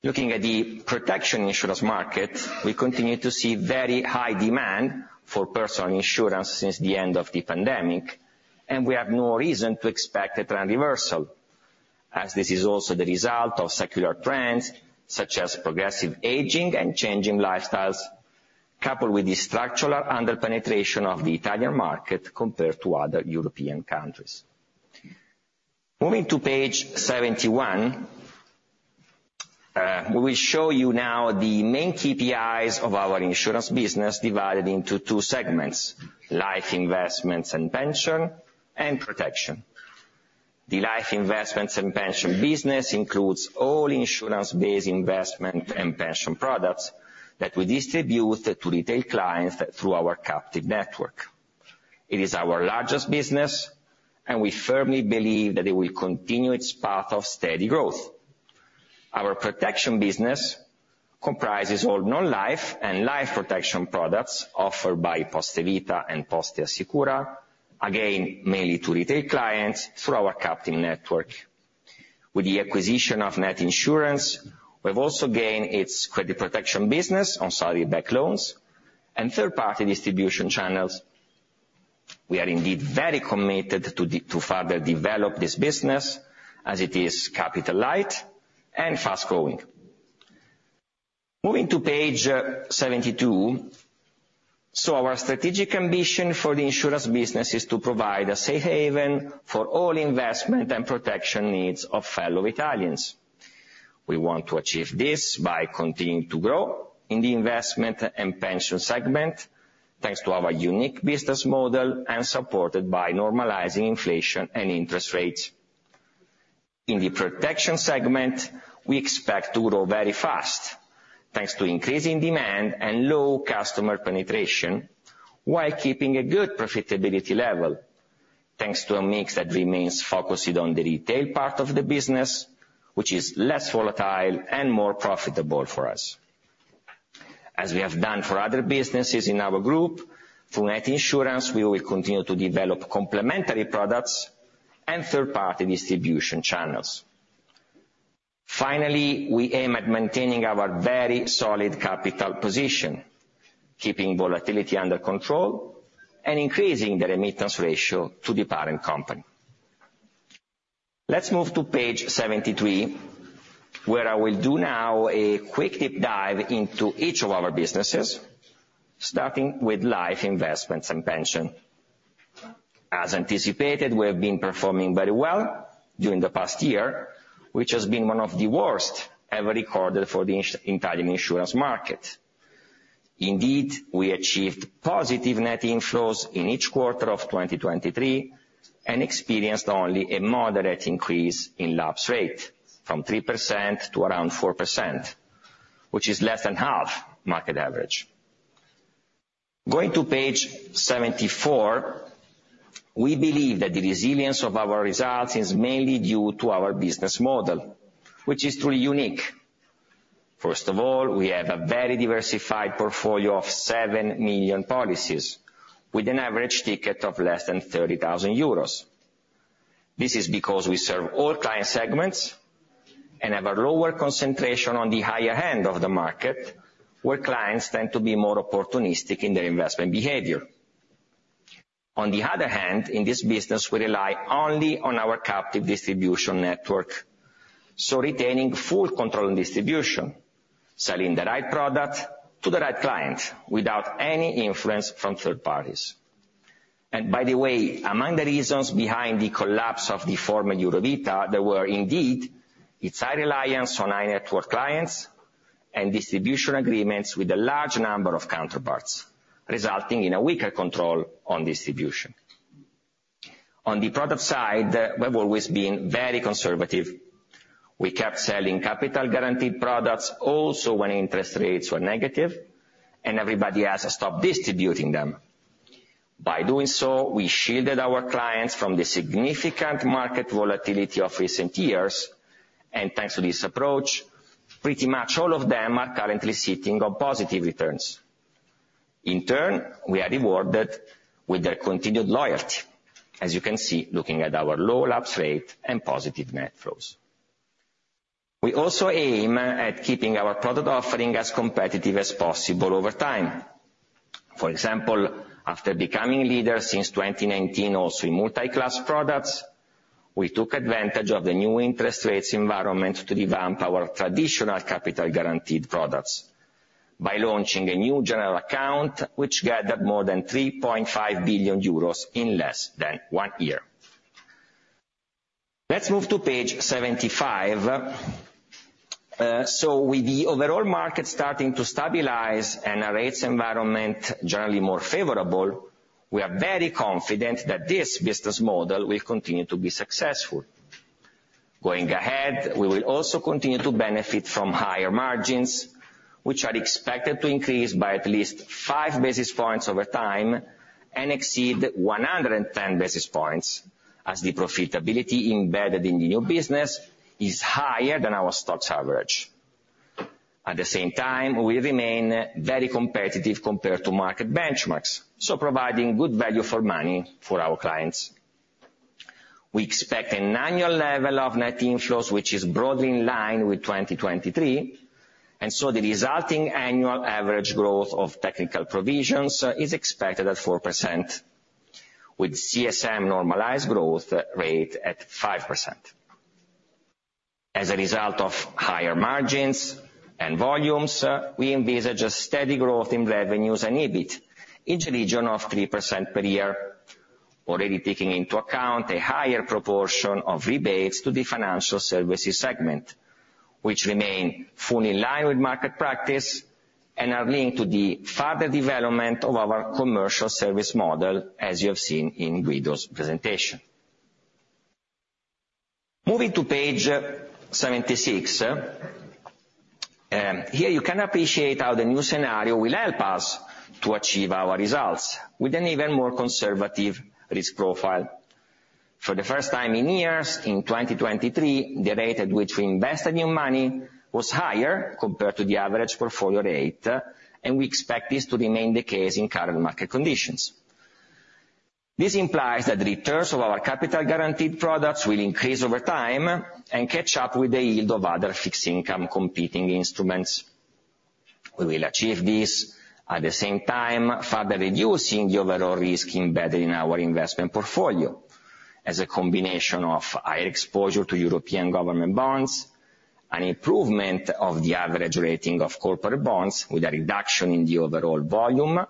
Looking at the protection insurance market, we continue to see very high demand for personal insurance since the end of the pandemic, and we have no reason to expect a trend reversal, as this is also the result of secular trends such as progressive aging and changing lifestyles, coupled with the structural under-penetration of the Italian market compared to other European countries. Moving to page 71, we show you now the main KPIs of our insurance business, divided into two segments: life, investments, and pension, and protection. The life, investments, and pension business includes all insurance-based investment and pension products that we distribute to retail clients through our captive network. It is our largest business, and we firmly believe that it will continue its path of steady growth. Our protection business comprises all non-life and life protection products offered by Poste Vita and Poste Assicura, again, mainly to retail clients through our captive network. With the acquisition of Net Insurance, we've also gained its credit protection business on salary-backed loans and third-party distribution channels. We are indeed very committed to to further develop this business as it is capital light and fast-growing. Moving to page 72, our strategic ambition for the insurance business is to provide a safe haven for all investment and protection needs of fellow Italians. We want to achieve this by continuing to grow in the investment and pension segment, thanks to our unique business model and supported by normalizing inflation and interest rates. In the protection segment, we expect to grow very fast, thanks to increasing demand and low customer penetration, while keeping a good profitability level, thanks to a mix that remains focused on the retail part of the business, which is less volatile and more profitable for us. As we have done for other businesses in our group, through Net Insurance, we will continue to develop complementary products and third-party distribution channels. Finally, we aim at maintaining our very solid capital position, keeping volatility under control, and increasing the remittance ratio to the parent company. Let's move to page 73, where I will do now a quick deep dive into each of our businesses, starting with life, investments, and pension. As anticipated, we have been performing very well during the past year, which has been one of the worst ever recorded for the Italian insurance market. Indeed, we achieved positive net inflows in each quarter of 2023 and experienced only a moderate increase in lapse rate, from 3% to around 4%, which is less than half market average. Going to page 74, we believe that the resilience of our results is mainly due to our business model, which is truly unique. First of all, we have a very diversified portfolio of 7 million policies, with an average ticket of less than 30,000 euros. This is because we serve all client segments and have a lower concentration on the higher end of the market, where clients tend to be more opportunistic in their investment behavior. On the other hand, in this business, we rely only on our captive distribution network, so retaining full control in distribution, selling the right product to the right client, without any influence from third parties. And by the way, among the reasons behind the collapse of the former Eurovita, there were indeed its high reliance on high-net-worth clients and distribution agreements with a large number of counterparts, resulting in a weaker control on distribution. On the product side, we've always been very conservative. We kept selling capital guaranteed products also when interest rates were negative and everybody else stopped distributing them. By doing so, we shielded our clients from the significant market volatility of recent years, and thanks to this approach, pretty much all of them are currently sitting on positive returns. In turn, we are rewarded with their continued loyalty, as you can see, looking at our low lapse rate and positive net flows. We also aim at keeping our product offering as competitive as possible over time. For example, after becoming leader since 2019 also in multi-class products, we took advantage of the new interest rates environment to revamp our traditional capital guaranteed products by launching a new general account, which gathered more than 3.5 billion euros in less than one year. Let's move to page 75. So with the overall market starting to stabilize and our rates environment generally more favorable, we are very confident that this business model will continue to be successful.... Going ahead, we will also continue to benefit from higher margins, which are expected to increase by at least 5 basis points over time, and exceed 110 basis points as the profitability embedded in the new business is higher than our stocks average. At the same time, we remain very competitive compared to market benchmarks, so providing good value for money for our clients. We expect an annual level of net inflows, which is broadly in line with 2023, and so the resulting annual average growth of technical provisions is expected at 4%, with CSM normalized growth rate at 5%. As a result of higher margins and volumes, we envisage a steady growth in revenues and EBIT, in the region of 3% per year, already taking into account a higher proportion of rebates to the financial services segment, which remain fully in line with market practice, and are linked to the further development of our commercial service model, as you have seen in Guido's presentation. Moving to page 76, here you can appreciate how the new scenario will help us to achieve our results with an even more conservative risk profile. For the first time in years, in 2023, the rate at which we invested new money was higher compared to the average portfolio rate, and we expect this to remain the case in current market conditions. This implies that the returns of our capital guaranteed products will increase over time, and catch up with the yield of other fixed income competing instruments. We will achieve this at the same time, further reducing the overall risk embedded in our investment portfolio as a combination of higher exposure to European government bonds, an improvement of the average rating of corporate bonds with a reduction in the overall volume,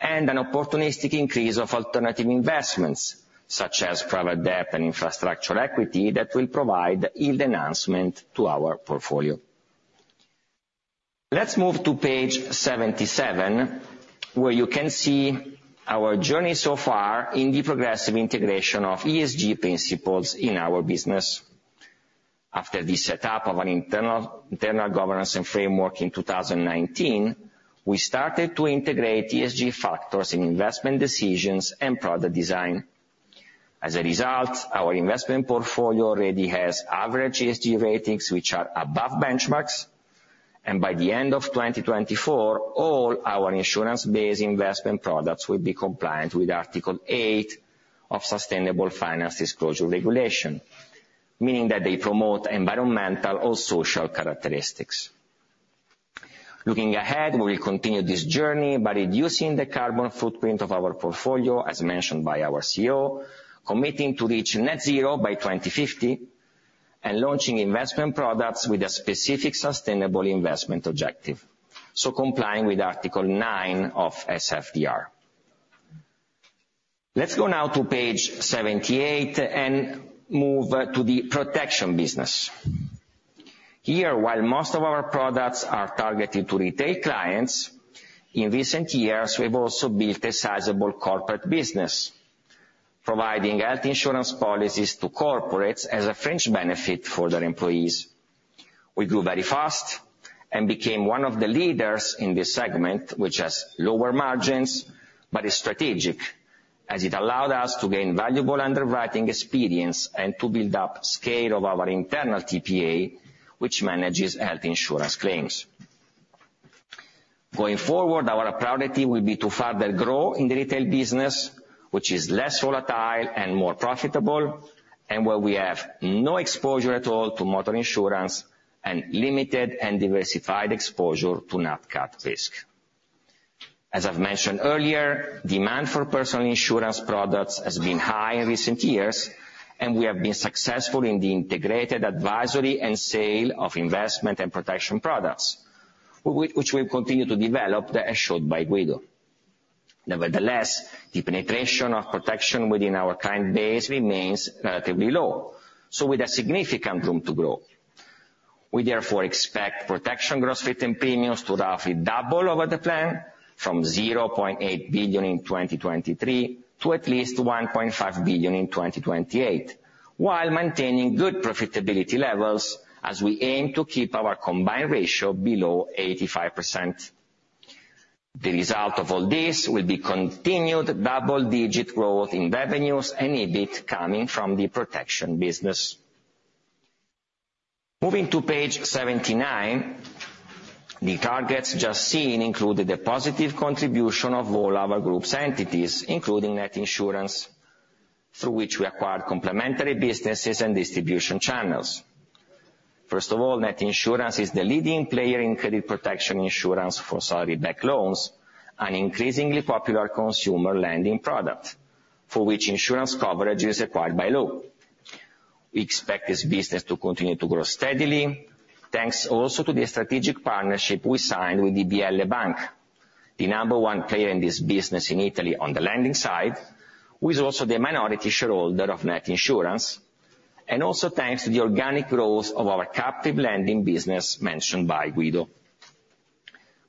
and an opportunistic increase of alternative investments, such as private debt and infrastructure equity, that will provide yield enhancement to our portfolio. Let's move to page 77, where you can see our journey so far in the progressive integration of ESG principles in our business. After the setup of an internal governance and framework in 2019, we started to integrate ESG factors in investment decisions and product design. As a result, our investment portfolio already has average ESG ratings, which are above benchmarks, and by the end of 2024, all our insurance-based investment products will be compliant with Article 8 of Sustainable Finance Disclosure Regulation, meaning that they promote environmental or social characteristics. Looking ahead, we will continue this journey by reducing the carbon footprint of our portfolio, as mentioned by our CEO, committing to reach net zero by 2050, and launching investment products with a specific sustainable investment objective, so complying with Article 9 of SFDR. Let's go now to page 78 and move to the protection business. Here, while most of our products are targeted to retail clients, in recent years, we have also built a sizable corporate business, providing health insurance policies to corporates as a fringe benefit for their employees. We grew very fast and became one of the leaders in this segment, which has lower margins, but is strategic, as it allowed us to gain valuable underwriting experience and to build up scale of our internal TPA, which manages health insurance claims. Going forward, our priority will be to further grow in the retail business, which is less volatile and more profitable, and where we have no exposure at all to motor insurance and limited and diversified exposure to non-cat risk. As I've mentioned earlier, demand for personal insurance products has been high in recent years, and we have been successful in the integrated advisory and sale of investment and protection products, which we've continued to develop, as shown by Guido. Nevertheless, the penetration of protection within our client base remains relatively low, so with significant room to grow. We therefore expect protection gross written premiums to roughly double over the plan, from 0.8 billion in 2023 to at least 1.5 billion in 2028, while maintaining good profitability levels as we aim to keep our combined ratio below 85%. The result of all this will be continued double-digit growth in revenues and EBIT coming from the protection business. Moving to page 79, the targets just seen included a positive contribution of all our group's entities, including Net Insurance, through which we acquired complementary businesses and distribution channels. First of all, Net Insurance is the leading player in credit protection insurance for salary-backed loans, an increasingly popular consumer lending product, for which insurance coverage is required by law. We expect this business to continue to grow steadily, thanks also to the strategic partnership we signed with the IBL Banca, the number one player in this business in Italy on the lending side, who is also the minority shareholder of Net Insurance, and also thanks to the organic growth of our captive lending business mentioned by Guido...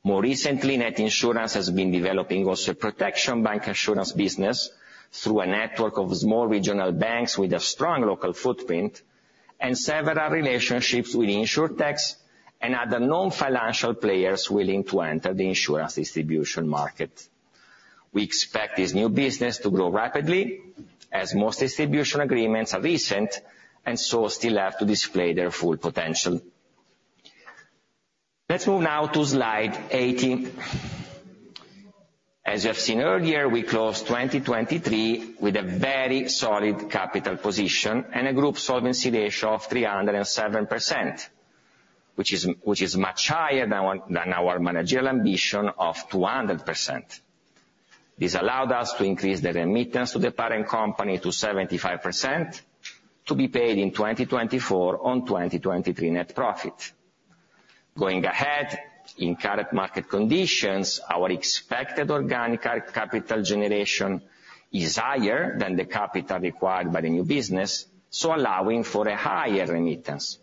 More recently, Net Insurance has been developing also protection bank insurance business through a network of small regional banks with a strong local footprint, and several relationships with Insurtechs and other non-financial players willing to enter the insurance distribution market. We expect this new business to grow rapidly, as most distribution agreements are recent, and so still have to display their full potential. Let's move now to slide 80. As you have seen earlier, we closed 2023 with a very solid capital position and a group solvency ratio of 307%, which is much higher than our managerial ambition of 200%. This allowed us to increase the remittance to the parent company to 75%, to be paid in 2024 on 2023 net profit. Going ahead, in current market conditions, our expected organic capital generation is higher than the capital required by the new business, so allowing for a higher remittance.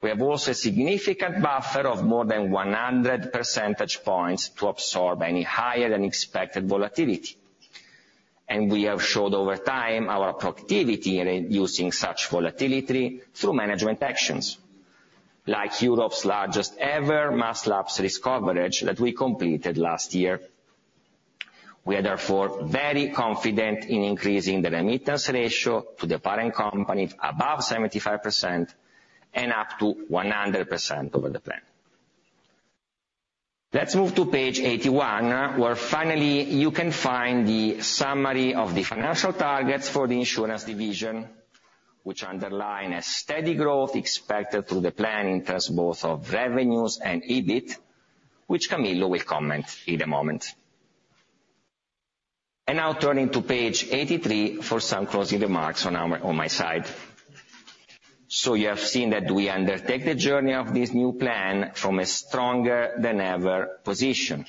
We have also a significant buffer of more than 100 percentage points to absorb any higher-than-expected volatility, and we have shown over time our productivity in reducing such volatility through management actions, like Europe's largest-ever mass lapse risk coverage that we completed last year. We are therefore very confident in increasing the remittance ratio to the parent company above 75% and up to 100% over the plan. Let's move to page 81, where finally you can find the summary of the financial targets for the insurance division, which underline a steady growth expected through the planning in terms both of revenues and EBIT, which Camillo will comment in a moment. And now turning to page 83 for some closing remarks on our, on my side. So you have seen that we undertake the journey of this new plan from a stronger-than-ever position,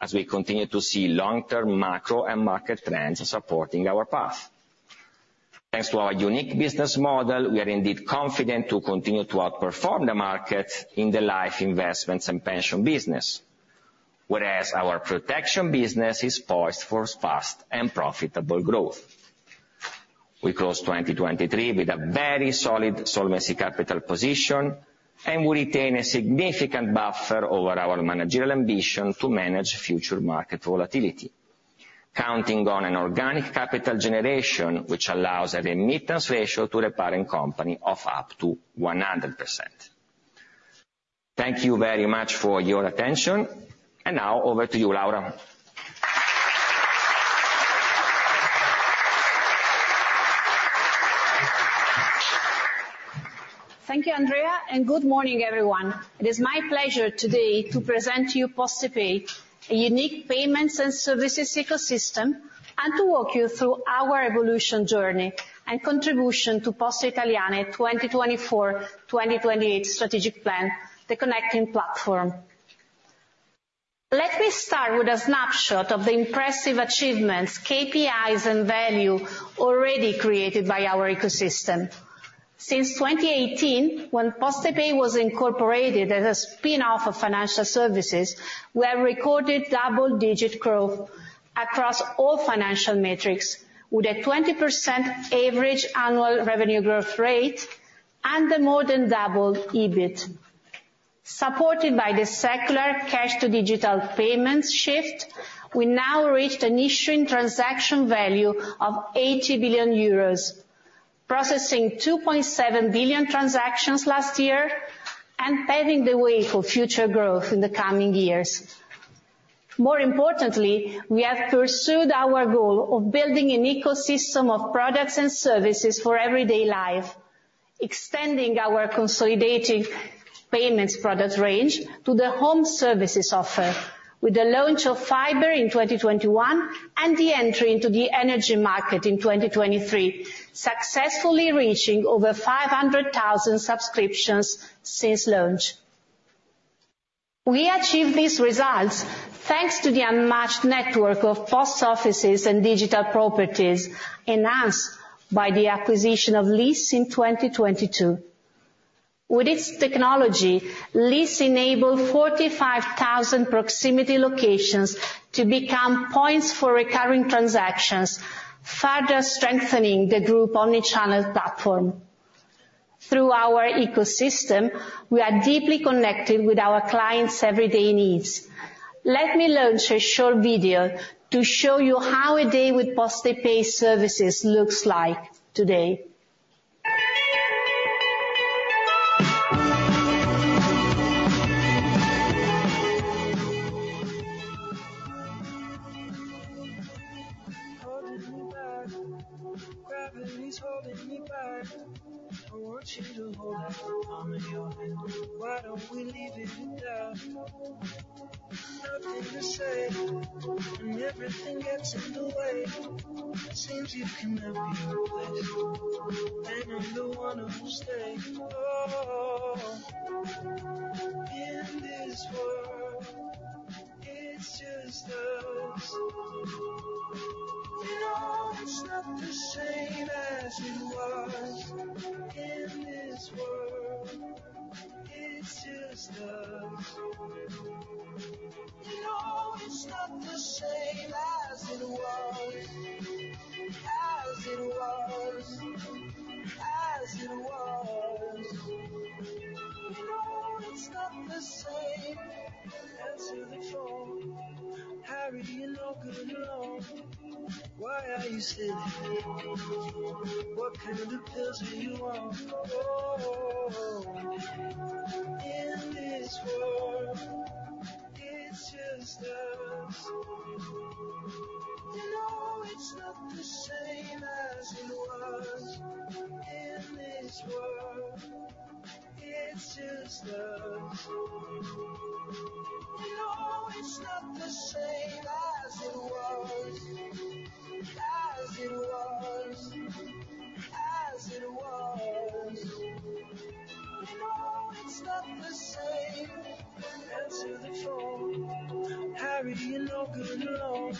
as we continue to see long-term macro and market trends supporting our path. Thanks to our unique business model, we are indeed confident to continue to outperform the market in the life investments and pension business, whereas our protection business is poised for fast and profitable growth. We closed 2023 with a very solid solvency capital position, and we retain a significant buffer over our managerial ambition to manage future market volatility, counting on an organic capital generation, which allows a remittance ratio to the parent company of up to 100%. Thank you very much for your attention, and now over to you, Laura. Thank you, Andrea, and good morning, everyone. It is my pleasure today to present to you PostePay, a unique payments and services ecosystem, and to walk you through our evolution journey and contribution to Poste Italiane 2024-2028 strategic plan, the connecting platform. Let me start with a snapshot of the impressive achievements, KPIs, and value already created by our ecosystem. Since 2018, when PostePay was incorporated as a spin-off of financial services, we have recorded double-digit growth across all financial metrics, with a 20% average annual revenue growth rate and a more than double EBIT. Supported by the secular cash to digital payments shift, we now reached an issuing transaction value of 80 billion euros, processing 2.7 billion transactions last year, and paving the way for future growth in the coming years. More importantly, we have pursued our goal of building an ecosystem of products and services for everyday life, extending our consolidating payments product range to the home services offer with the launch of fiber in 2021, and the entry into the energy market in 2023, successfully reaching over 500,000 subscriptions since launch. We achieved these results, thanks to the unmatched network of post offices and digital properties, enhanced by the acquisition of LIS in 2022. With its technology, LIS enabled 45,000 proximity locations to become points for recurring transactions, further strengthening the group omni-channel platform. Through our ecosystem, we are deeply connected with our clients' everyday needs. Let me launch a short video to show you how a day with PostePay services looks like today. Holding me back. Gravity's holding me back. I want you to hold out the palm of your hand. Why don't we leave it at that? Nothing to say, when everything gets in the way. Seems you can never be replaced, and I'm the one who will stay. Oh, in this world, it's just us.... It's not the same as it was, in this world, it's just us. You know it's not the same as it was, as it was, as it was. You know it's not the same. Answer the phone. Harry, are you no good alone? Why are you sitting here? What kind of pills do you want? Oh, in this world, it's just us. You know it's not the same as it was, in this world, it's just us. You know it's not the same as it was, as it was, as it was. You know it's not the same. Answer the phone. Harry, are you no good alone?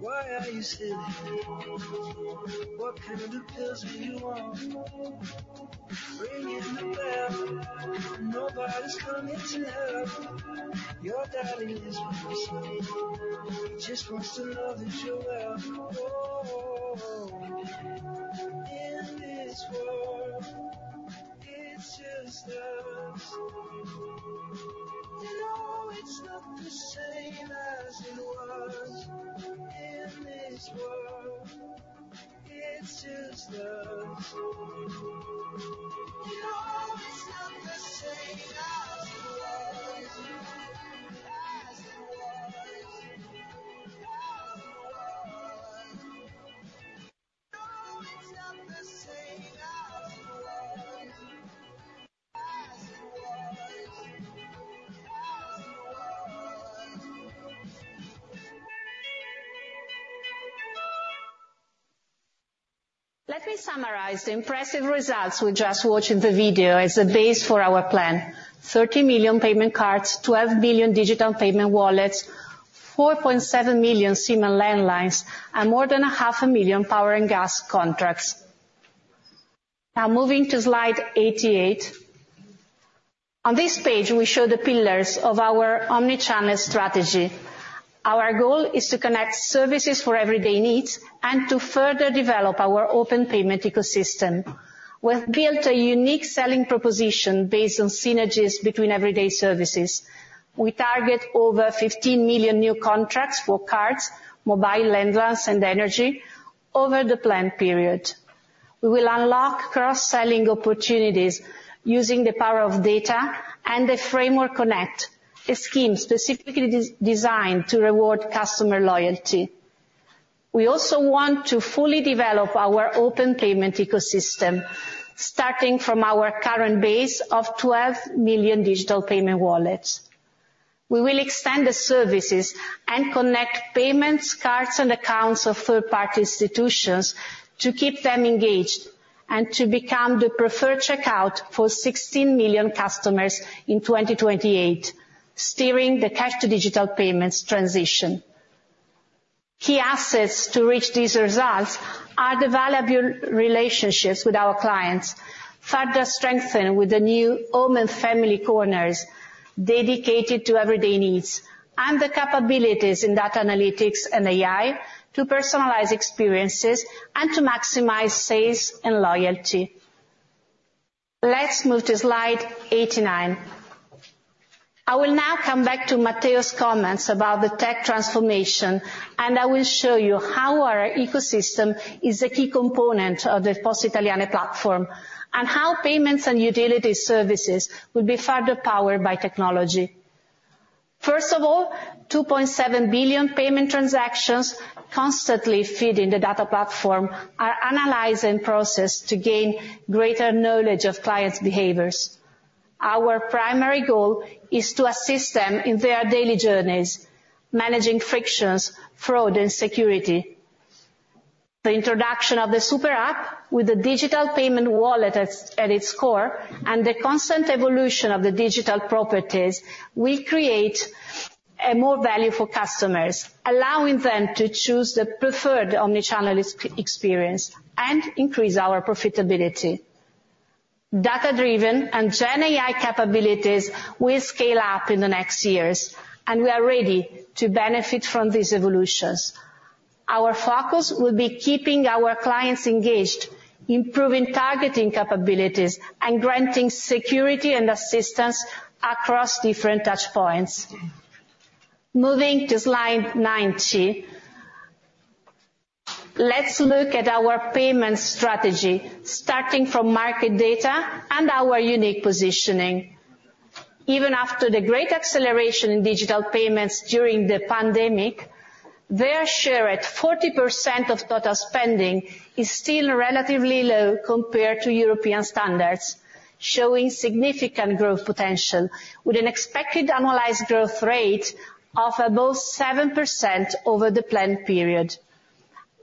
Why are you sitting here? What kind of pills do you want? Ringing the bell. Nobody's coming to help. Your daddy is pretty sick, just wants to know that you're well. Oh, in this world, it's just us. You know it's not the same as it was, in this world, it's just us. You know it's not the same as it was, as it was, as it was. You know it's not the same as it was, as it was, as it was. Let me summarize the impressive results we just watched in the video as a base for our plan: 30 million payment cards, 12 billion digital payment wallets, 4.7 million SIM and landlines, and more than 0.5 million power and gas contracts. Now moving to slide 88. On this page, we show the pillars of our omni-channel strategy. Our goal is to connect services for everyday needs and to further develop our open payment ecosystem. We've built a unique selling proposition based on synergies between everyday services. We target over 15 million new contracts for cards, mobile, landlines, and energy over the planned period. We will unlock cross-selling opportunities using the power of data and the Framework Connect, a scheme specifically designed to reward customer loyalty. We also want to fully develop our open payment ecosystem, starting from our current base of 12 million digital payment wallets. We will extend the services and connect payments, cards, and accounts of third-party institutions to keep them engaged, and to become the preferred checkout for 16 million customers in 2028, steering the cash to digital payments transition. Key assets to reach these results are the valuable relationships with our clients, further strengthened with the new home and family corners dedicated to everyday needs, and the capabilities in data analytics and AI to personalize experiences and to maximize sales and loyalty. Let's move to slide 89. I will now come back to Matteo's comments about the tech transformation, and I will show you how our ecosystem is a key component of the Poste Italiane platform, and how payments and utility services will be further powered by technology. First of all, 2.7 billion payment transactions constantly feed in the data platform, are analyzed and processed to gain greater knowledge of clients' behaviors. Our primary goal is to assist them in their daily journeys, managing frictions, fraud, and security. The introduction of the super app with the digital payment wallet at its core, and the constant evolution of the digital properties will create more value for customers, allowing them to choose the preferred omni-channel experience, and increase our profitability. Data-driven and GenAI capabilities will scale up in the next years, and we are ready to benefit from these evolutions. Our focus will be keeping our clients engaged, improving targeting capabilities, and granting security and assistance across different touchpoints. Moving to slide 90. Let's look at our payment strategy, starting from market data and our unique positioning. Even after the great acceleration in digital payments during the pandemic, their share at 40% of total spending is still relatively low compared to European standards, showing significant growth potential, with an expected annualized growth rate of above 7% over the planned period.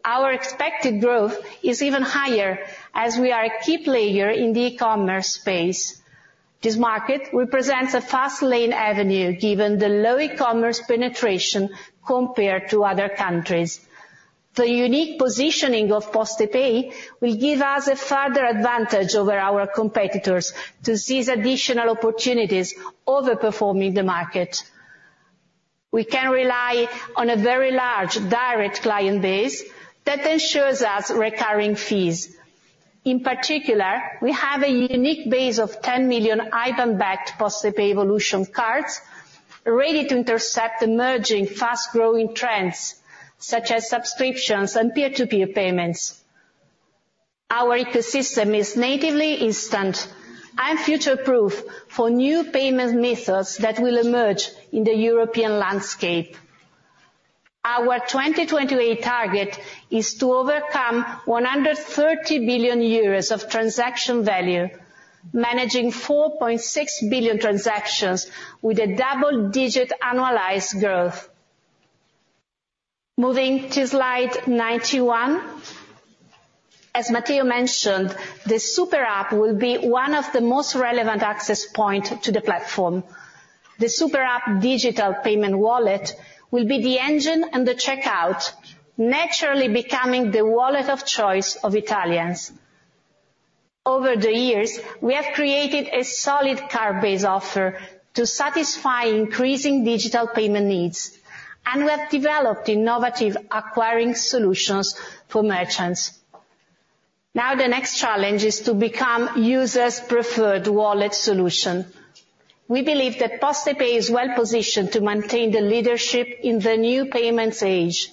Our expected growth is even higher, as we are a key player in the e-commerce space. This market represents a fast lane avenue, given the low e-commerce penetration compared to other countries. The unique positioning of PostePay will give us a further advantage over our competitors to seize additional opportunities, overperforming the market. We can rely on a very large direct client base that ensures us recurring fees. In particular, we have a unique base of 10 million IBAN-backed PostePay Evolution cards, ready to intercept emerging, fast-growing trends, such as subscriptions and peer-to-peer payments. Our ecosystem is natively instant and future-proof for new payment methods that will emerge in the European landscape. Our 2028 target is to overcome 130 billion euros of transaction value, managing 4.6 billion transactions, with a double-digit annualized growth. Moving to slide 91. As Matteo mentioned, the Super App will be one of the most relevant access point to the platform. The Super App digital payment wallet will be the engine and the checkout, naturally becoming the wallet of choice of Italians. Over the years, we have created a solid card base offer to satisfy increasing digital payment needs, and we have developed innovative acquiring solutions for merchants. Now, the next challenge is to become users' preferred wallet solution. We believe that PostePay is well positioned to maintain the leadership in the new payments age.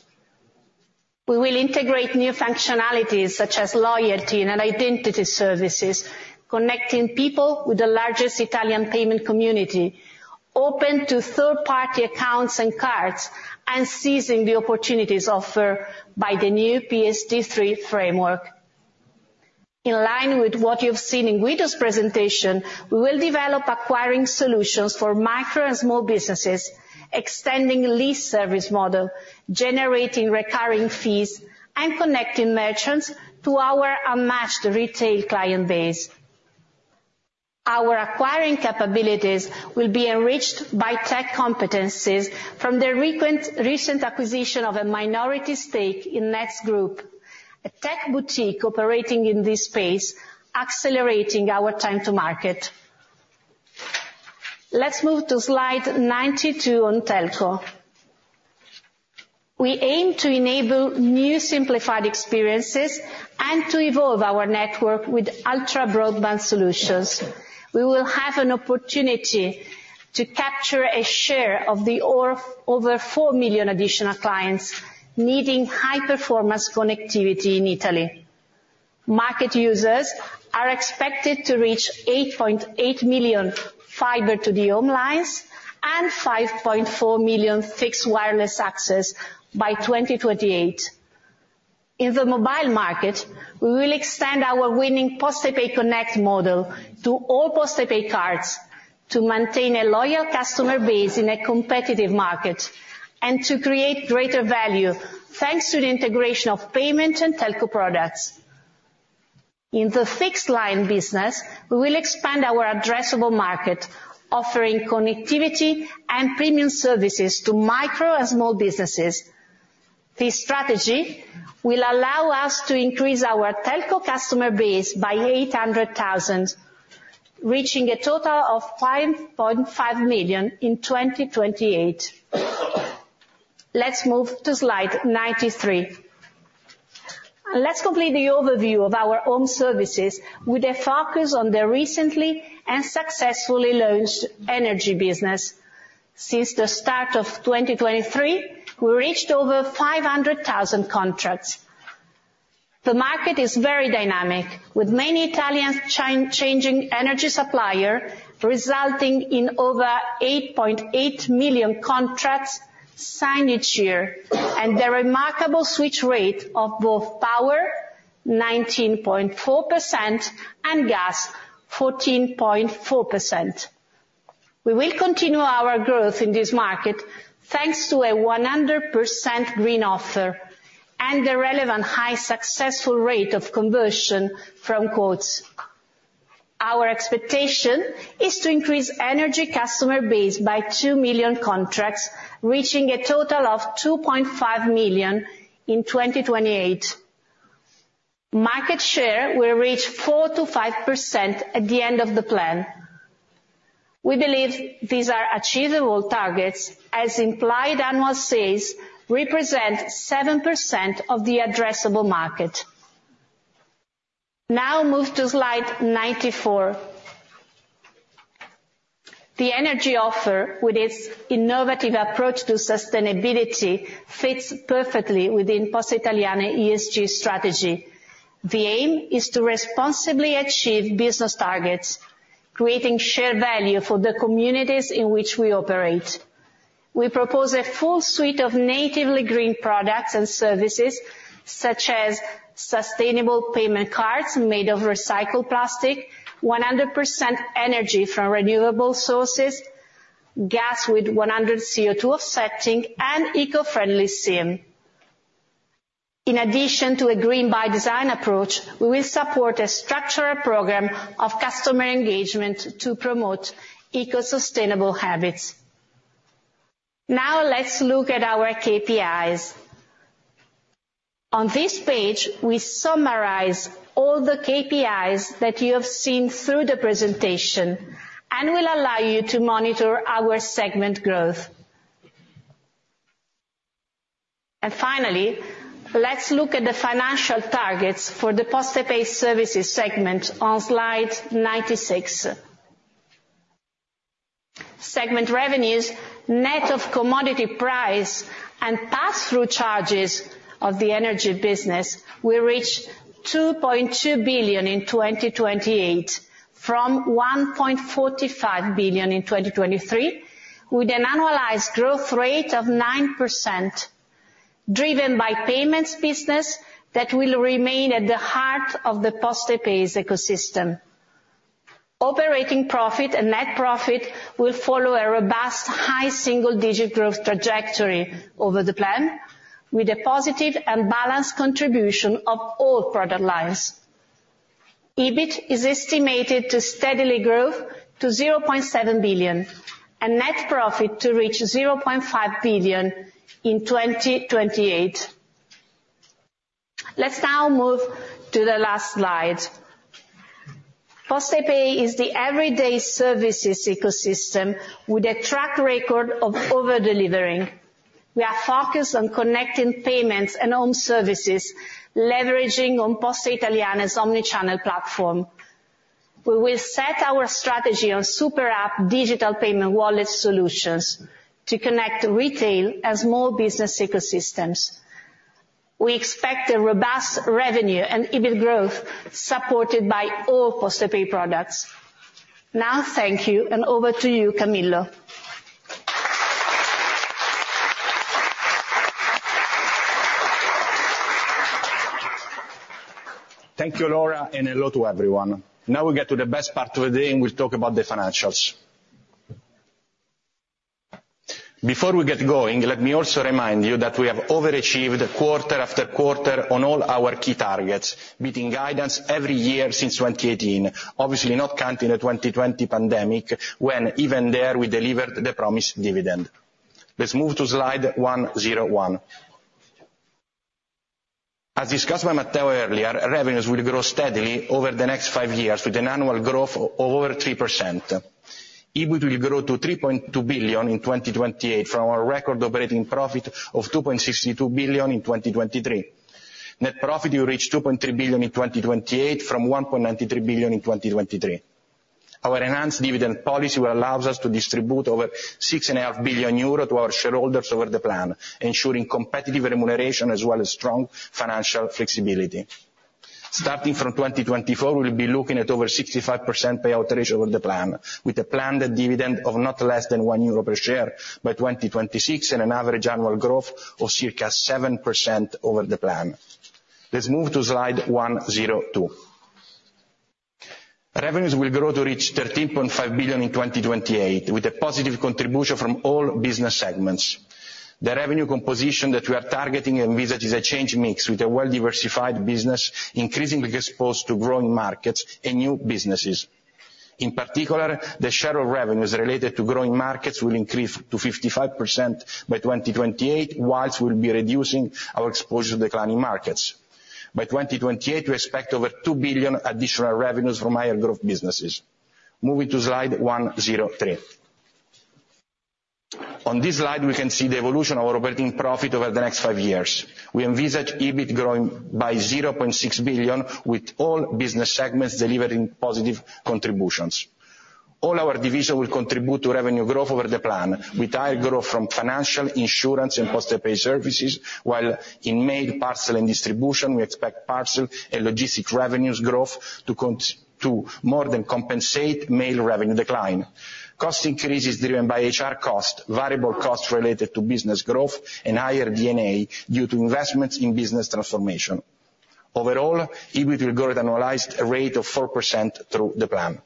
We will integrate new functionalities, such as loyalty and identity services, connecting people with the largest Italian payment community, open to third-party accounts and cards, and seizing the opportunities offered by the new PSD3 framework. In line with what you've seen in Guido's presentation, we will develop acquiring solutions for micro and small businesses, extending LIS service model, generating recurring fees, and connecting merchants to our unmatched retail client base. Our acquiring capabilities will be enriched by tech competencies from the recent acquisition of a minority stake in N&TS GROUP, a tech boutique operating in this space, accelerating our time to market. Let's move to slide 92 on telco. We aim to enable new simplified experiences and to evolve our network with ultra-broadband solutions. We will have an opportunity to capture a share of the over 4 million additional clients needing high-performance connectivity in Italy. Market users are expected to reach 8.8 million fiber to the home lines, and 5.4 million fixed wireless access by 2028. In the mobile market, we will extend our winning PostePay Connect model to all PostePay cards to maintain a loyal customer base in a competitive market, and to create greater value, thanks to the integration of payment and telco products. In the fixed line business, we will expand our addressable market, offering connectivity and premium services to micro and small businesses. This strategy will allow us to increase our telco customer base by 800,000, reaching a total of 5.5 million in 2028. Let's move to slide 93. Let's complete the overview of our home services with a focus on the recently and successfully launched energy business. Since the start of 2023, we reached over 500,000 contracts. The market is very dynamic, with many Italians changing energy supplier, resulting in over 8.8 million contracts signed each year, and the remarkable switch rate of both power, 19.4%, and gas, 14.4%. We will continue our growth in this market, thanks to a 100% green offer, and the relevant high successful rate of conversion from quotes. Our expectation is to increase energy customer base by 2 million contracts, reaching a total of 2.5 million in 2028. Market share will reach 4%-5% at the end of the plan. We believe these are achievable targets, as implied annual sales represent 7% of the addressable market. Now move to slide 94. The energy offer, with its innovative approach to sustainability, fits perfectly within Poste Italiane ESG strategy. The aim is to responsibly achieve business targets, creating shared value for the communities in which we operate. We propose a full suite of natively green products and services, such as sustainable payment cards made of recycled plastic, 100% energy from renewable sources, gas with 100% CO2 offsetting, and eco-friendly SIM.... In addition to a green by design approach, we will support a structural program of customer engagement to promote eco-sustainable habits. Now, let's look at our KPIs. On this page, we summarize all the KPIs that you have seen through the presentation, and will allow you to monitor our segment growth. Finally, let's look at the financial targets for the PostePay Services segment on slide 96. Segment revenues, net of commodity price and passthrough charges of the energy business, will reach 2.2 billion in 2028, from 1.45 billion in 2023, with an annualized growth rate of 9%, driven by payments business that will remain at the heart of the PostePay ecosystem. Operating profit and net profit will follow a robust, high single-digit growth trajectory over the plan, with a positive and balanced contribution of all product lines. EBIT is estimated to steadily grow to 0.7 billion, and net profit to reach 0.5 billion in 2028. Let's now move to the last slide. PostePay is the everyday services ecosystem, with a track record of over-delivering. We are focused on connecting payments and home services, leveraging on Poste Italiane's omni-channel platform. We will set our strategy on Super App digital payment wallet solutions to connect retail and small business ecosystems. We expect a robust revenue and EBIT growth, supported by all PostePay products. Now, thank you, and over to you, Camillo. Thank you, Laura, and hello to everyone. Now we get to the best part of the day, and we'll talk about the financials. Before we get going, let me also remind you that we have overachieved quarter after quarter on all our key targets, beating guidance every year since 2018. Obviously, not counting the 2020 pandemic, when even there we delivered the promised dividend. Let's move to slide 101. As discussed by Matteo earlier, revenues will grow steadily over the next five years, with an annual growth of over 3%. EBIT will grow to 3.2 billion in 2028, from our record operating profit of 2.62 billion in 2023. Net profit will reach 2.3 billion in 2028, from 1.93 billion in 2023. Our enhanced dividend policy will allow us to distribute over 6.5 billion euros to our shareholders over the plan, ensuring competitive remuneration, as well as strong financial flexibility. Starting from 2024, we'll be looking at over 65% payout ratio over the plan, with a planned dividend of not less than 1 euro per share by 2026, and an average annual growth of circa 7% over the plan. Let's move to slide 102. Revenues will grow to reach 13.5 billion in 2028, with a positive contribution from all business segments. The revenue composition that we are targeting envisages a change mix, with a well-diversified business increasingly exposed to growing markets and new businesses. In particular, the share of revenues related to growing markets will increase to 55% by 2028, while we'll be reducing our exposure to declining markets. By 2028, we expect over 2 billion additional revenues from higher growth businesses. Moving to slide 103. On this slide, we can see the evolution of our operating profit over the next 5 years. We envisage EBIT growing by 0.6 billion, with all business segments delivering positive contributions. All our divisions will contribute to revenue growth over the plan, with high growth from financial, insurance, and PostePay Services, while in mail, parcel, and distribution, we expect parcel and logistics revenues growth to more than compensate mail revenue decline. Cost increases driven by HR costs, variable costs related to business growth, and higher D&A due to investments in business transformation. Overall, EBIT will grow at an annualized rate of 4% through the plan.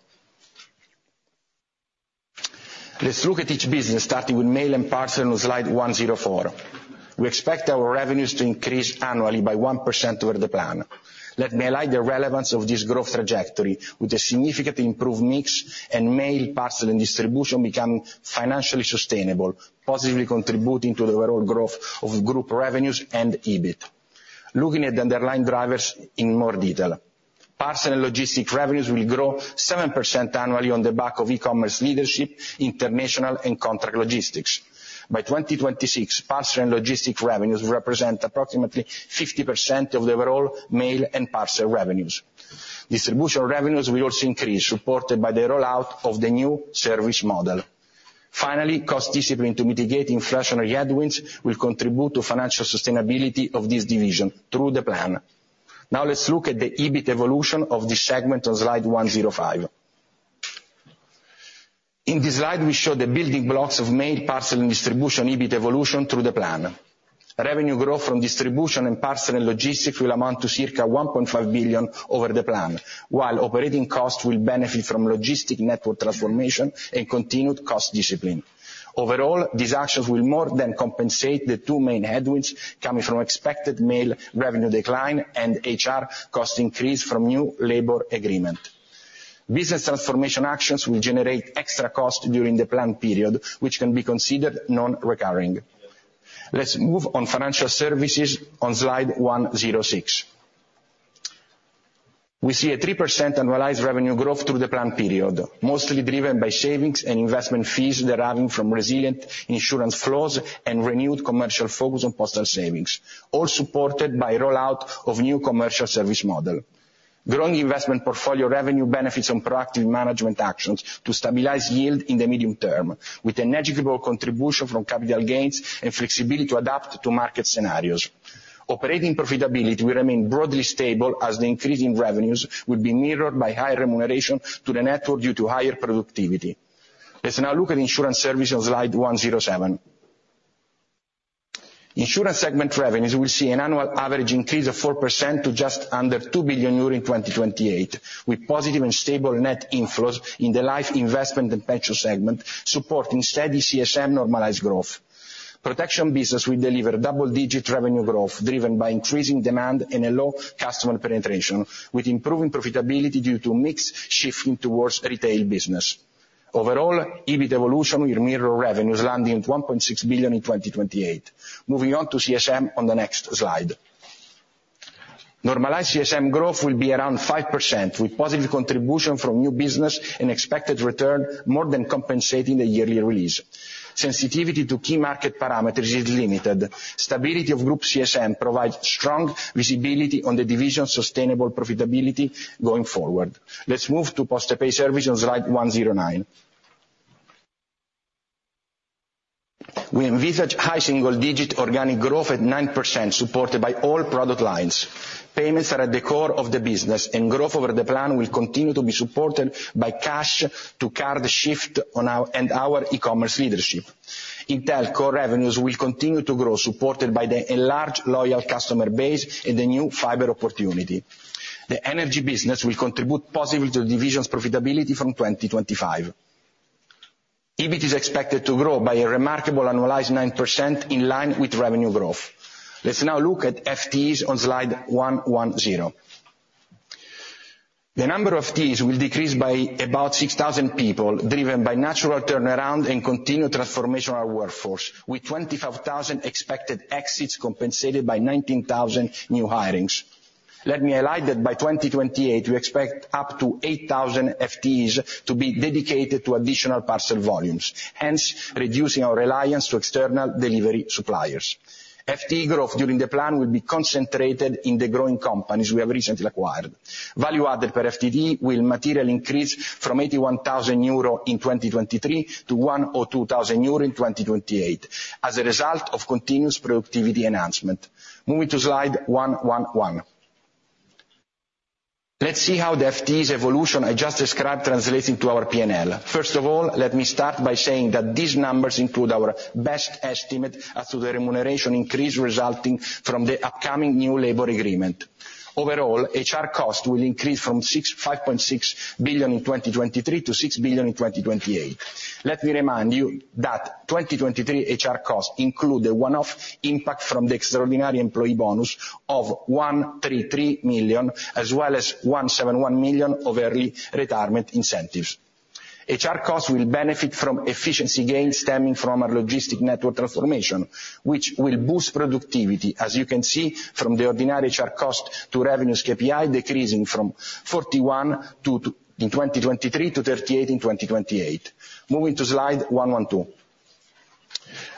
Let's look at each business, starting with mail and parcel on slide 104. We expect our revenues to increase annually by 1% over the plan. Let me highlight the relevance of this growth trajectory, with a significantly improved mix and mail, parcel, and distribution becoming financially sustainable, positively contributing to the overall growth of group revenues and EBIT. Looking at the underlying drivers in more detail, parcel and logistics revenues will grow 7% annually on the back of e-commerce leadership, international, and contract logistics. By 2026, parcel and logistics revenues will represent approximately 50% of the overall mail and parcel revenues. Distribution revenues will also increase, supported by the rollout of the new service model. Finally, cost discipline to mitigating inflationary headwinds will contribute to financial sustainability of this division through the plan. Now, let's look at the EBIT evolution of this segment on slide 105. In this slide, we show the building blocks of mail, parcel, and distribution EBIT evolution through the plan. Revenue growth from distribution and parcel and logistics will amount to circa 1.5 billion over the plan, while operating costs will benefit from logistic network transformation and continued cost discipline. Overall, these actions will more than compensate the two main headwinds coming from expected mail revenue decline and HR cost increase from new labor agreement. Business transformation actions will generate extra cost during the plan period, which can be considered non-recurring. Let's move on Financial Services on slide 106. We see a 3% annualized revenue growth through the plan period, mostly driven by savings and investment fees deriving from resilient insurance flows and renewed commercial focus on postal savings, all supported by rollout of new commercial service model. Growing investment portfolio revenue benefits and proactive management actions to stabilize yield in the medium term, with a negligible contribution from capital gains and flexibility to adapt to market scenarios. Operating profitability will remain broadly stable, as the increase in revenues will be mirrored by higher remuneration to the network due to higher productivity. Let's now look at Insurance Service on slide 107. Insurance segment revenues will see an annual average increase of 4% to just under 2 billion euro in 2028, with positive and stable net inflows in the life investment and pension segment, supporting steady CSM normalized growth. Protection business will deliver double-digit revenue growth, driven by increasing demand and a low customer penetration, with improving profitability due to mix shifting towards retail business. Overall, EBIT evolution will mirror revenues, landing at 1.6 billion in 2028. Moving on to CSM on the next slide. Normalized CSM growth will be around 5%, with positive contribution from new business and expected return more than compensating the yearly release. Sensitivity to key market parameters is limited. Stability of group CSM provides strong visibility on the division's sustainable profitability going forward. Let's move to PostePay Services on slide 109. We envisage high single-digit organic growth at 9%, supported by all product lines. Payments are at the core of the business, and growth over the plan will continue to be supported by cash to card shift on our, and our e-commerce leadership. In telco revenues will continue to grow, supported by the enlarged loyal customer base and the new fiber opportunity. The energy business will contribute positively to the division's profitability from 2025. EBIT is expected to grow by a remarkable annualized 9%, in line with revenue growth. Let's now look at FTEs on slide 110. The number of FTEs will decrease by about 6,000 people, driven by natural turnaround and continued transformational workforce, with 25,000 expected exits, compensated by 19,000 new hirings. Let me highlight that by 2028, we expect up to 8,000 FTEs to be dedicated to additional parcel volumes, hence reducing our reliance to external delivery suppliers. FTE growth during the plan will be concentrated in the growing companies we have recently acquired. Value added per FTE will materially increase from 81,000 euro in 2023 to 1,000 or 2,000 euro in 2028, as a result of continuous productivity enhancement. Moving to slide 111. Let's see how the FTEs evolution I just described translates into our P&L. First of all, let me start by saying that these numbers include our best estimate as to the remuneration increase resulting from the upcoming new labor agreement. Overall, HR costs will increase from 5.6 billion in 2023 to 6 billion in 2028. Let me remind you that 2023 HR costs include the one-off impact from the extraordinary employee bonus of 133 million, as well as 171 million of early retirement incentives. HR costs will benefit from efficiency gains stemming from our logistics network transformation, which will boost productivity, as you can see from the ordinary HR cost to revenues KPI decreasing from 41% in 2023 to 38% in 2028. Moving to Slide 112.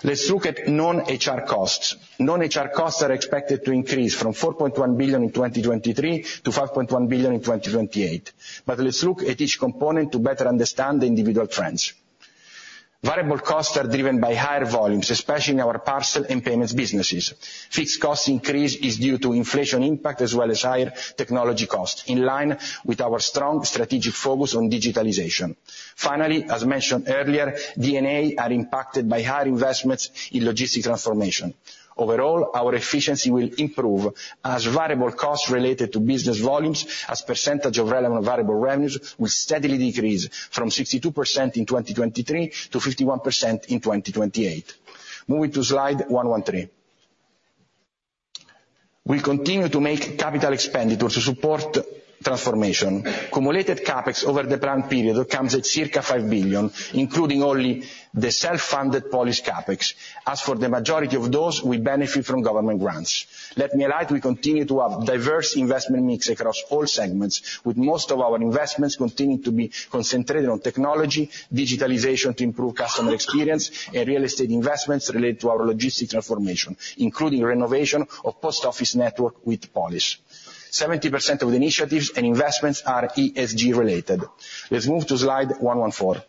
Let's look at non-HR costs. Non-HR costs are expected to increase from 4.1 billion in 2023 to 5.1 billion in 2028. But let's look at each component to better understand the individual trends. Variable costs are driven by higher volumes, especially in our parcel and payments businesses. Fixed cost increase is due to inflation impact as well as higher technology costs, in line with our strong strategic focus on digitalization. Finally, as mentioned earlier, D&A are impacted by higher investments in logistics transformation. Overall, our efficiency will improve as variable costs related to business volumes as percentage of relevant variable revenues will steadily decrease from 62% in 2023 to 51% in 2028. Moving to slide 113. We continue to make capital expenditures to support transformation. Cumulated CapEx over the planned period comes at circa 5 billion, including only the self-funded Polis CapEx. As for the majority of those, we benefit from government grants. Let me highlight, we continue to have diverse investment mix across all segments, with most of our investments continuing to be concentrated on technology, digitalization to improve customer experience, and real estate investments related to our logistics transformation, including renovation of post office network with Polis. 70% of initiatives and investments are ESG related. Let's move to slide 114.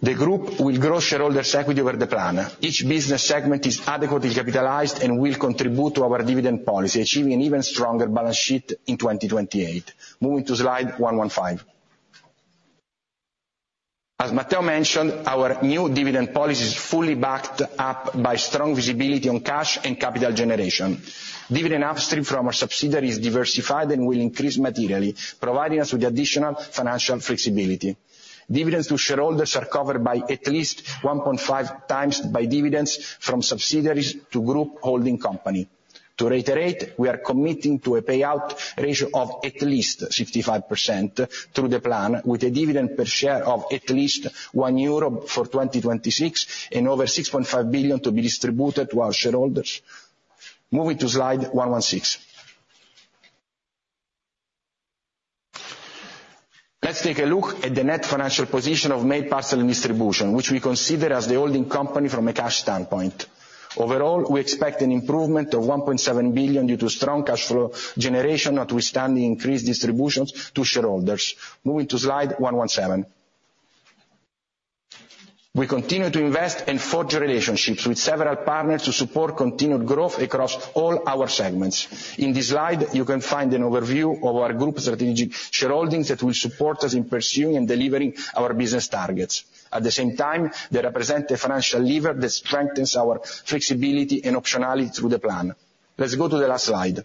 The group will grow shareholders' equity over the plan. Each business segment is adequately capitalized and will contribute to our dividend policy, achieving an even stronger balance sheet in 2028. Moving to Slide 115. As Matteo mentioned, our new dividend policy is fully backed up by strong visibility on cash and capital generation. Dividend upstream from our subsidiary is diversified and will increase materially, providing us with additional financial flexibility. Dividends to shareholders are covered by at least 1.5 times by dividends from subsidiaries to group holding company.... To reiterate, we are committing to a payout ratio of at least 55% through the plan, with a dividend per share of at least 1 euro for 2026, and over 6.5 billion to be distributed to our shareholders. Moving to Slide 116. Let's take a look at the net financial position of Mail Parcel and Distribution, which we consider as the holding company from a cash standpoint. Overall, we expect an improvement of 1.7 billion due to strong cash flow generation, notwithstanding increased distributions to shareholders. Moving to Slide 117. We continue to invest and forge relationships with several partners to support continued growth across all our segments. In this slide, you can find an overview of our group strategic shareholdings that will support us in pursuing and delivering our business targets. At the same time, they represent a financial lever that strengthens our flexibility and optionality through the plan. Let's go to the last slide.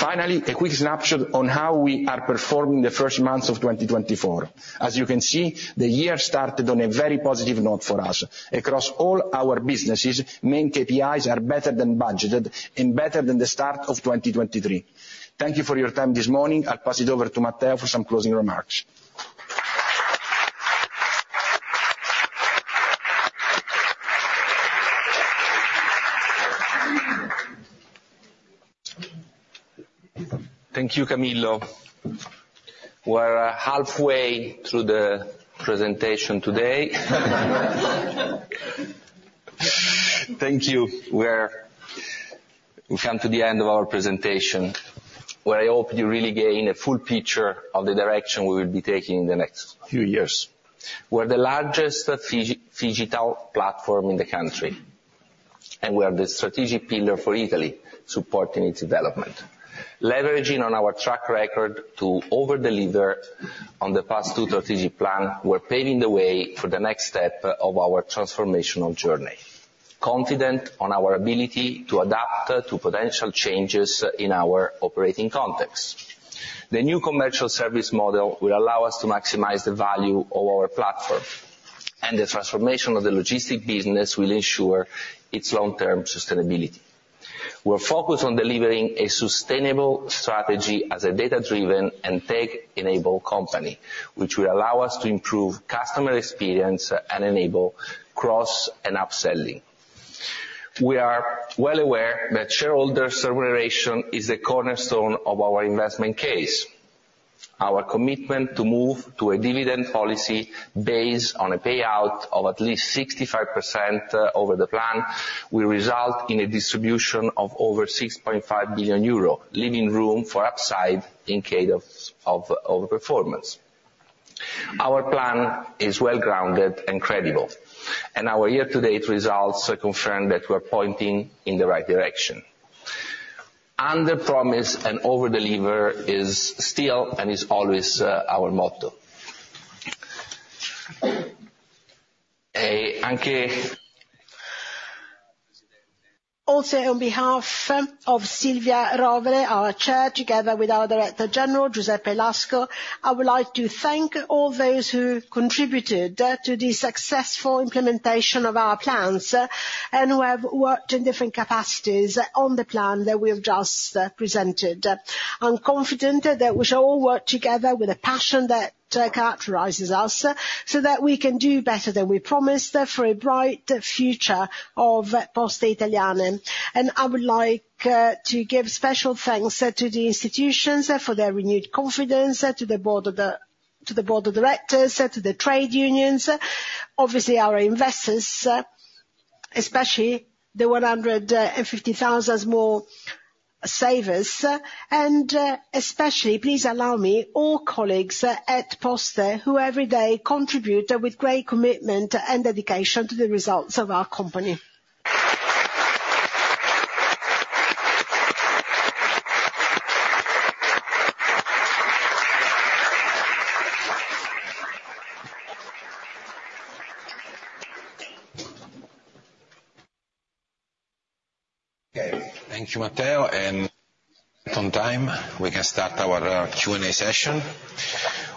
Finally, a quick snapshot on how we are performing the first months of 2024. As you can see, the year started on a very positive note for us. Across all our businesses, main KPIs are better than budgeted and better than the start of 2023. Thank you for your time this morning. I'll pass it over to Matteo for some closing remarks. Thank you, Camillo. We're halfway through the presentation today. Thank you. We've come to the end of our presentation, where I hope you really gain a full picture of the direction we will be taking in the next few years. We're the largest phygital platform in the country, and we are the strategic pillar for Italy, supporting its development. Leveraging on our track record to over-deliver on the past two strategic plan, we're paving the way for the next step of our transformational journey, confident on our ability to adapt to potential changes in our operating context. The new commercial service model will allow us to maximize the value of our platform, and the transformation of the logistic business will ensure its long-term sustainability. We're focused on delivering a sustainable strategy as a data-driven and tech-enabled company, which will allow us to improve customer experience and enable cross and upselling. We are well aware that shareholder generation is a cornerstone of our investment case. Our commitment to move to a dividend policy based on a payout of at least 65% over the plan will result in a distribution of over 6.5 billion euro, leaving room for upside in case of performance. Our plan is well-grounded and credible, and our year-to-date results confirm that we're pointing in the right direction. Under promise and over-deliver is still and is always our motto. Also, on behalf of Silvia Rovere, our Chair, together with our Director General, Giuseppe Lasco, I would like to thank all those who contributed to the successful implementation of our plans, and who have worked in different capacities on the plan that we have just presented. I'm confident that we shall all work together with a passion that characterizes us, so that we can do better than we promised for a bright future of Poste Italiane. I would like to give special thanks to the institutions for their renewed confidence, to the board of the, to the board of directors, to the trade unions, obviously our investors, especially the 150,000 more savers, and, especially, please allow me, all colleagues at Poste, who every day contribute with great commitment and dedication to the results of our company. Okay. Thank you, Matteo. And on time, we can start our Q&A session.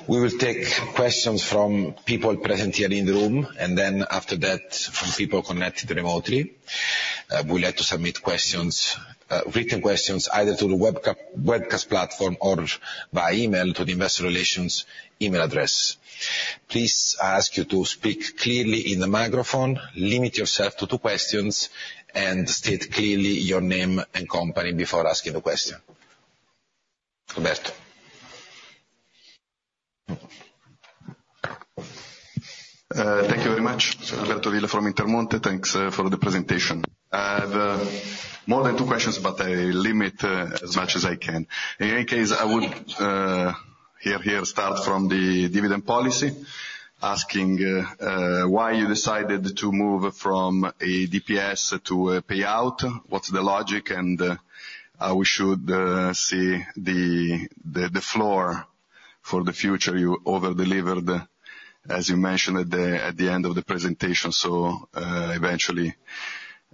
We will take questions from people present here in the room, and then after that, from people connected remotely. We'd like to submit questions, written questions, either to the webcast platform or by email to the investor relations email address. Please, I ask you to speak clearly in the microphone, limit yourself to two questions, and state clearly your name and company before asking the question. Roberto? Thank you very much. Alberto Villa from Intermonte. Thanks for the presentation. I have more than two questions, but I limit as much as I can. In any case, I would here start from the dividend policy, asking why you decided to move from a DPS to a payout? What's the logic, and how we should see the floor for the future? You over-delivered, as you mentioned at the end of the presentation, so eventually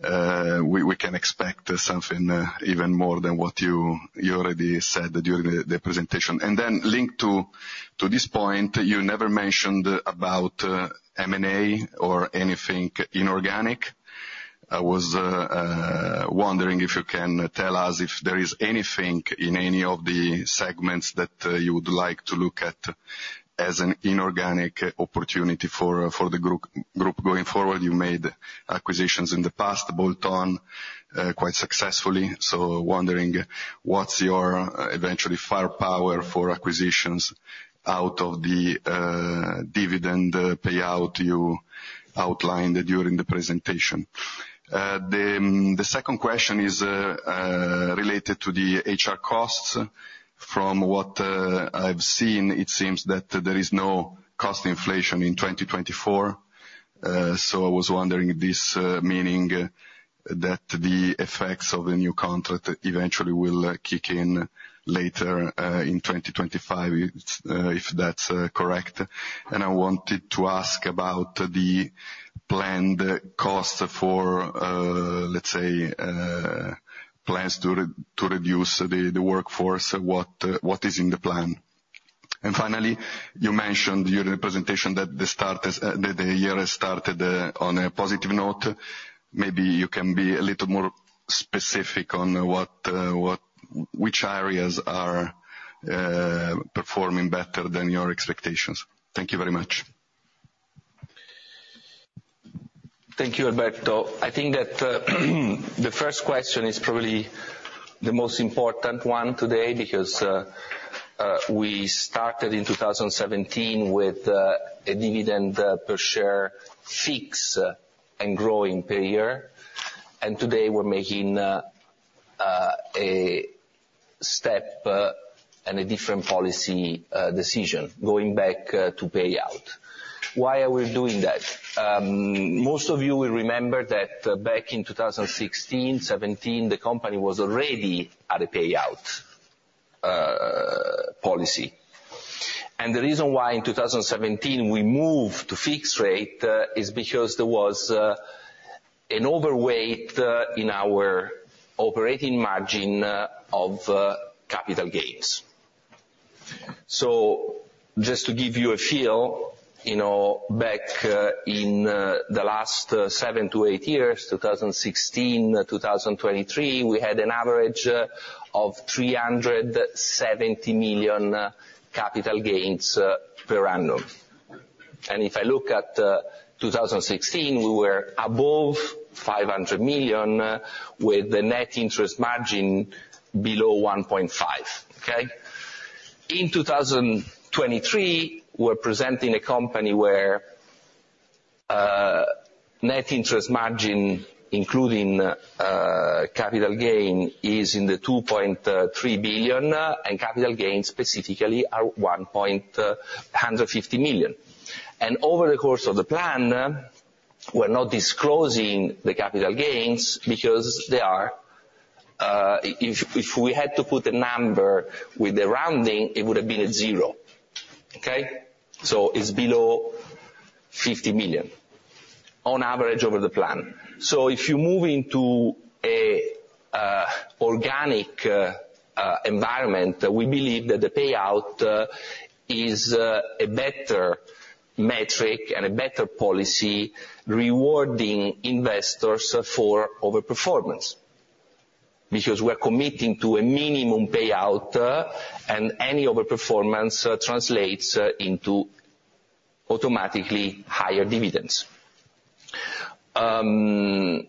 we can expect something even more than what you already said during the presentation. And then linked to this point, you never mentioned about M&A or anything inorganic. I was wondering if you can tell us if there is anything in any of the segments that you would like to look at as an inorganic opportunity for the group going forward? You made acquisitions in the past, bolt-on, quite successfully, so wondering what's your eventual firepower for acquisitions out of the dividend payout you outlined during the presentation. The second question is related to the HR costs. From what I've seen, it seems that there is no cost inflation in 2024, so I was wondering this meaning that the effects of the new contract eventually will kick in later in 2025, if that's correct. I wanted to ask about the planned costs for, let's say, plans to reduce the workforce, what is in the plan? Finally, you mentioned during the presentation that the year has started on a positive note. Maybe you can be a little more specific on what which areas are performing better than your expectations. Thank you very much. Thank you, Alberto. I think that the first question is probably the most important one today, because we started in 2017 with a dividend per share fixed and growing payout, and today we're making a step and a different policy decision, going back to payout. Why are we doing that? Most of you will remember that back in 2016-2017, the company was already at a payout policy. And the reason why in 2017 we moved to fixed rate is because there was an overweight in our operating margin of capital gains. So just to give you a feel, you know, back in the last 7-8 years, 2016-2023, we had an average of 370 million capital gains per annum. And if I look at 2016, we were above 500 million, with the net interest margin below 1.5, okay? In 2023, we're presenting a company where net interest margin, including capital gain, is 2.3 billion, and capital gains specifically are 150 million. And over the course of the plan, we're not disclosing the capital gains because they are, if we had to put a number with the rounding, it would have been a zero, okay? So it's below 50 million, on average over the plan. So if you move into a organic environment, we believe that the payout is a better metric and a better policy, rewarding investors for over-performance. Because we're committing to a minimum payout, and any over-performance translates into automatically higher dividends. M&A,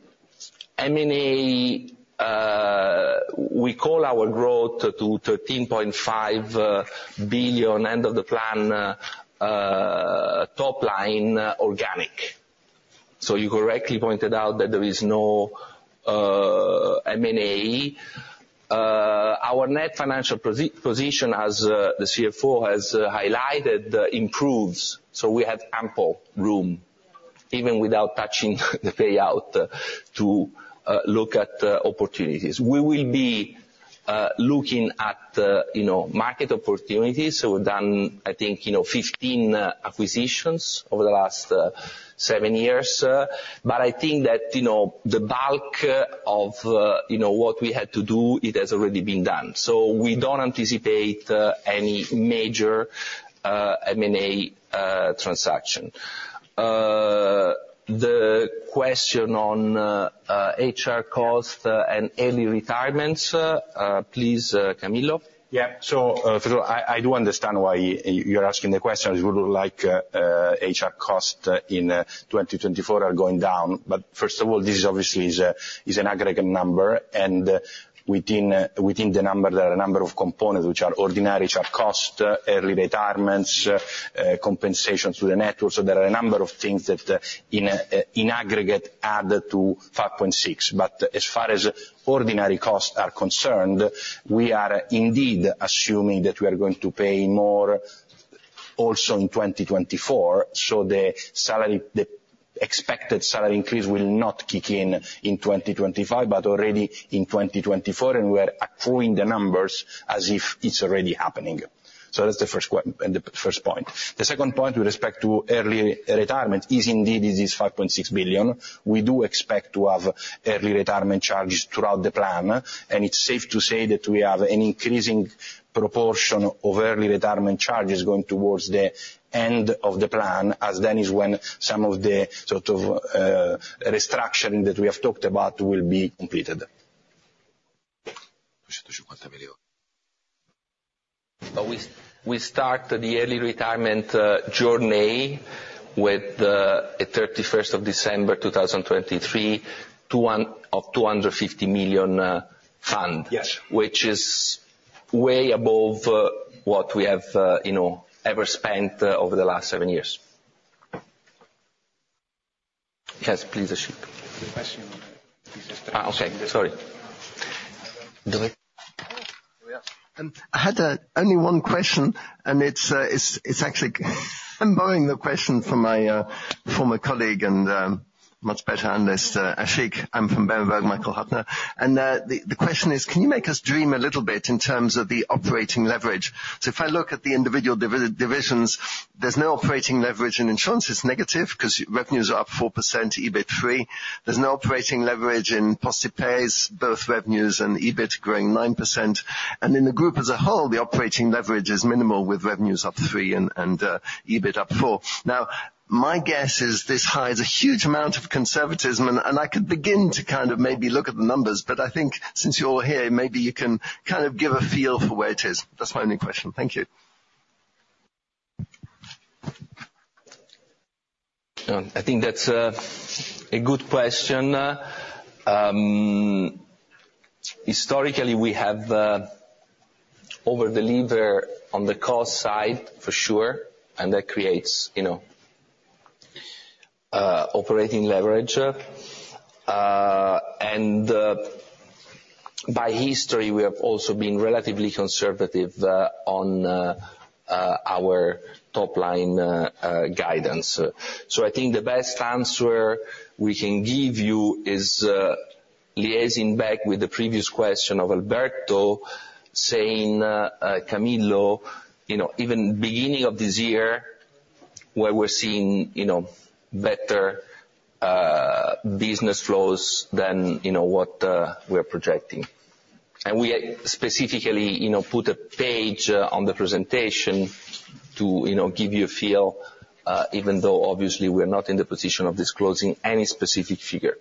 we call our growth to 13.5 billion end of the plan, top line organic. So you correctly pointed out that there is no M&A. Our net financial position, as the CFO has highlighted, improves, so we have ample room, even without touching the payout, to look at opportunities. We will be looking at, you know, market opportunities, so we've done, I think, you know, 15 acquisitions over the last 7 years. But I think that, you know, the bulk of, you know, what we had to do, it has already been done. So we don't anticipate any major M&A transaction. The question on HR cost and early retirements, please, Camillo. Yeah. So, I do understand why you're asking the question. It would look like HR costs in 2024 are going down. But first of all, this obviously is an aggregate number, and within the number, there are a number of components which are ordinary HR costs, early retirements, compensations to the network. So there are a number of things that in aggregate add to 5.6. But as far as ordinary costs are concerned, we are indeed assuming that we are going to pay more also in 2024, so the salary, the expected salary increase will not kick in in 2025, but already in 2024, and we are accruing the numbers as if it's already happening. So that's the first point. The second point, with respect to early retirement, is indeed this 5.6 billion. We do expect to have early retirement charges throughout the plan, and it's safe to say that we have an increasing proportion of early retirement charges going towards the end of the plan, as then is when some of the sort of restructure that we have talked about will be completed.... But we start the early retirement journey with the at December 31, 2023, of 250 million fund? Yes. Which is way above, what we have, you know, ever spent over the last seven years. Yes, please, Ashik. The question on the- Ah, okay. Sorry. Do it. I had only one question, and it's actually I'm borrowing the question from my former colleague, and much better on this, Ashik. I'm from Berenberg, Michael Huttner. The question is: Can you make us dream a little bit in terms of the operating leverage? So if I look at the individual divisions, there's no operating leverage, and in insurance it's negative, 'cause revenues are up 4%, EBIT 3. There's no operating leverage in PostePay's, both revenues and EBIT growing 9%. In the group as a whole, the operating leverage is minimal, with revenues up 3% and EBIT up 4%. Now, my guess is this hides a huge amount of conservatism, and I could begin to kind of maybe look at the numbers, but I think since you're here, maybe you can kind of give a feel for where it is. That's my only question. Thank you. I think that's a good question. Historically, we have over-delivered on the cost side, for sure, and that creates, you know, operating leverage. And by history, we have also been relatively conservative on our top line guidance. So I think the best answer we can give you is, liaising back with the previous question of Alberto, saying, Camillo, you know, even beginning of this year, where we're seeing, you know, better business flows than, you know, what we're projecting. And we specifically, you know, put a page on the presentation to, you know, give you a feel, even though obviously we're not in the position of disclosing any specific figure.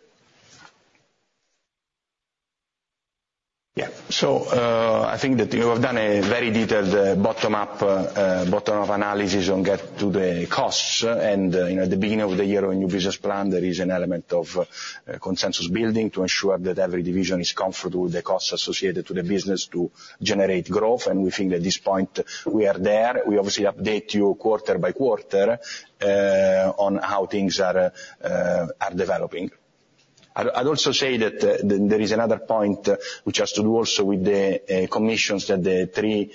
Yeah. So, I think that we have done a very detailed bottom-up analysis on getting to the costs. You know, at the beginning of the year, our new business plan, there is an element of consensus building to ensure that every division is comfortable with the costs associated to the business to generate growth, and we think at this point, we are there. We obviously update you quarter by quarter on how things are developing. I'd also say that there is another point which has to do also with the commissions that the three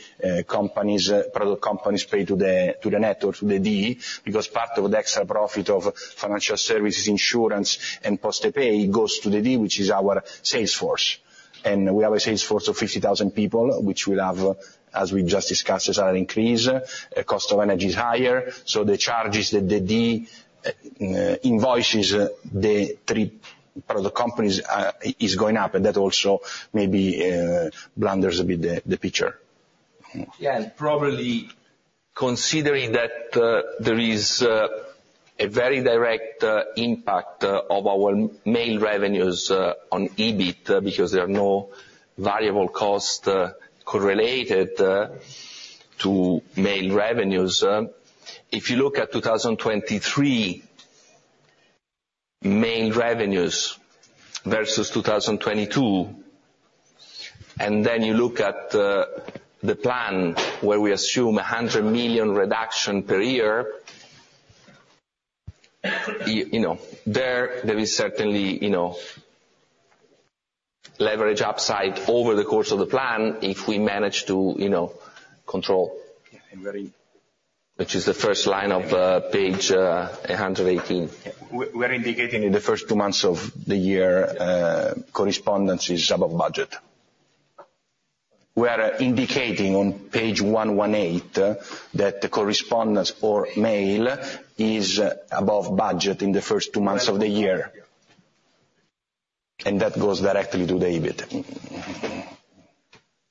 product companies pay to the network, to the DE, because part of the extra profit of financial services, insurance, and PostePay goes to the DE, which is our sales force. We have a sales force of 50,000 people, which will have, as we just discussed, has had an increase. Cost of energy is higher, so the charges that the DE invoices the three product companies is going up, and that also maybe blunders a bit the picture. Yeah, and probably considering that, there is a very direct impact of our mail revenues on EBIT, because there are no variable costs correlated to mail revenues. If you look at 2023 mail revenues versus 2022, and then you look at the plan, where we assume a 100 million reduction per year, you know, there is certainly, you know, leverage upside over the course of the plan if we manage to, you know, control. Yeah, and very- Which is the first line of page 118. We're indicating in the first two months of the year, correspondence is above budget. We are indicating on page 118, that the correspondence or mail is above budget in the first two months of the year. That goes directly to the EBIT.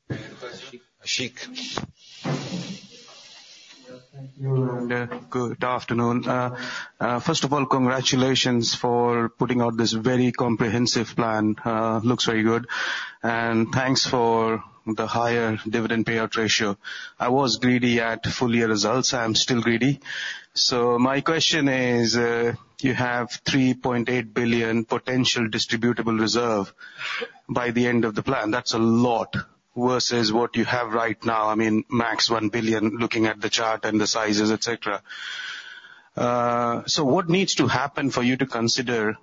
Any question? Ashik. Yes, thank you. Good afternoon. First of all, congratulations for putting out this very comprehensive plan. Looks very good. And thanks for the higher dividend payout ratio. I was greedy at full year results, I am still greedy. So my question is, you have 3.8 billion potential distributable reserve by the end of the plan. That's a lot, versus what you have right now, I mean, max 1 billion, looking at the chart and the sizes, et cetera. So what needs to happen for you to consider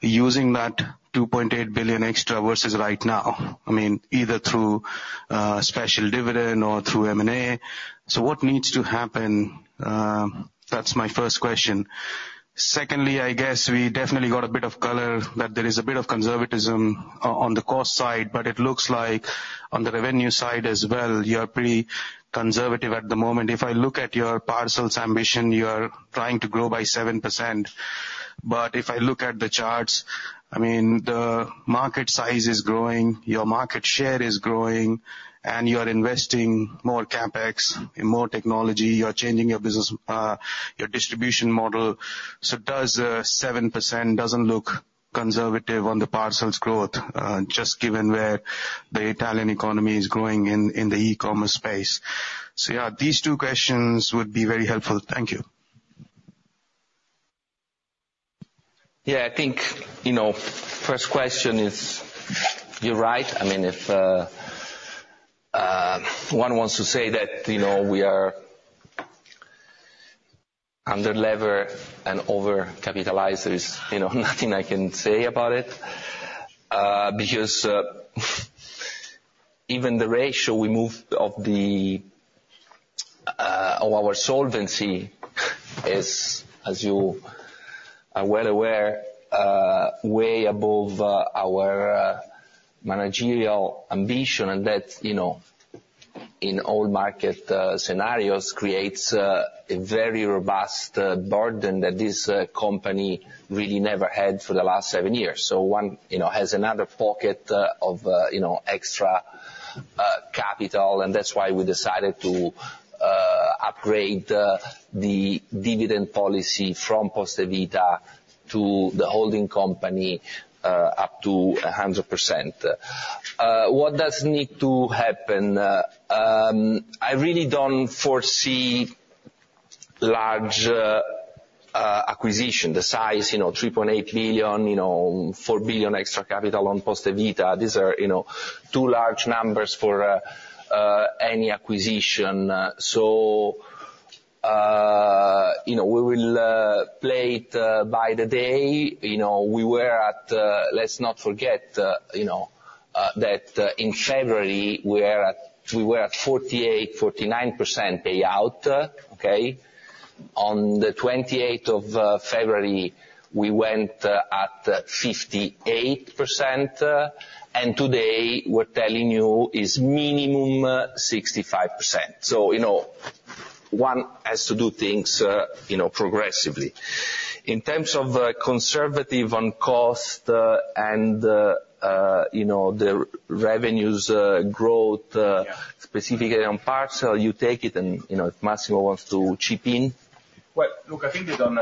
using that 2.8 billion extra versus right now? I mean, either through special dividend or through M&A. So what needs to happen? That's my first question. Secondly, I guess we definitely got a bit of color that there is a bit of conservatism on the cost side, but it looks like on the revenue side as well, you are pretty conservative at the moment. If I look at your parcels ambition, you are trying to grow by 7%, but if I look at the charts, I mean, the market size is growing, your market share is growing, and you are investing more CapEx in more technology, you are changing your business, your distribution model. So does seven percent doesn't look conservative on the parcels growth, just given where the Italian economy is growing in the e-commerce space. So yeah, these two questions would be very helpful. Thank you. Yeah, I think, you know, first question is, you're right. I mean, if one wants to say that, you know, we are under lever and overcapitalized, there is, you know, nothing I can say about it. Because, even the ratio we moved of the of our solvency is, as you are well aware, way above our managerial ambition. And that, you know, in all market scenarios, creates a very robust burden that this company really never had for the last seven years. So one, you know, has another pocket of, you know, extra capital, and that's why we decided to upgrade the dividend policy from Poste Vita to the holding company up to 100%. What does need to happen? I really don't foresee large acquisition. The size, you know, 3.8 billion, you know, 4 billion extra capital on Poste Vita, these are, you know, two large numbers for any acquisition. So, you know, we will play it by the day. You know, we were at. Let's not forget, you know, that in February, we were at, we were at 48-49% payout, okay? On the 28th of February, we went at 58%, and today we're telling you is minimum 65%. So, you know, one has to do things, you know, progressively. In terms of conservative on cost, and you know, the revenues growth, Yeah... specifically on parcel, you take it, and, you know, if Massimo wants to chip in. Well, look, I think that on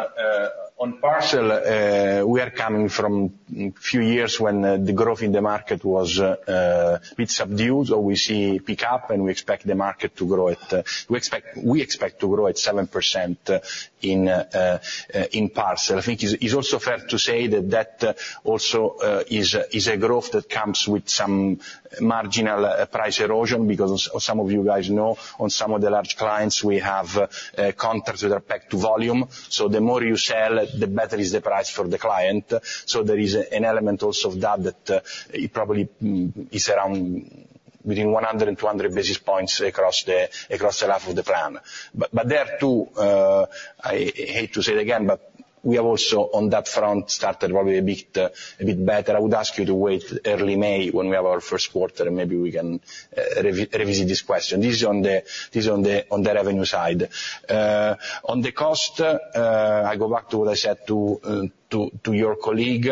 parcel, we are coming from a few years when the growth in the market was a bit subdued, or we see pick-up, and we expect the market to grow at-- we expect to grow at 7% in parcel. I think it's also fair to say that that also is a growth that comes with some marginal price erosion, because some of you guys know, on some of the large clients, we have contracts that are pegged to volume. So the more you sell, the better is the price for the client. So there is an element also of that, that it probably is around between 100 and 200 basis points across the life of the plan. But, but there, too, I hate to say it again, but we have also, on that front, started probably a bit, a bit better. I would ask you to wait early May when we have our first quarter, and maybe we can, revisit this question. This is on the, this is on the, on the revenue side. On the cost, I go back to what I said to, to your colleague.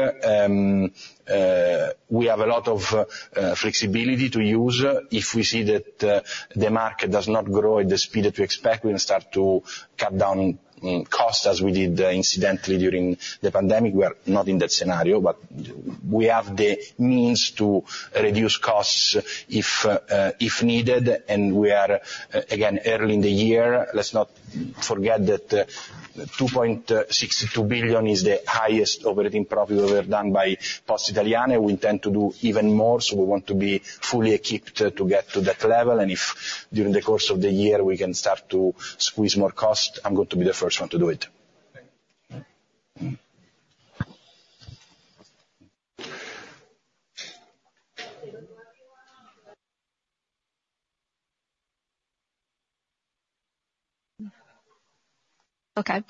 We have a lot of flexibility to use. If we see that, the market does not grow at the speed that we expect, we will start to cut down costs, as we did, incidentally during the pandemic. We are not in that scenario, but we have the means to reduce costs if, if needed, and we are, again, early in the year. Let's not forget that, 2.62 billion is the highest operating profit ever done by Poste Italiane. We intend to do even more, so we want to be fully equipped, to get to that level, and if, during the course of the year, we can start to squeeze more cost, I'm going to be the first one to do it. Thank you. Mm. Okay.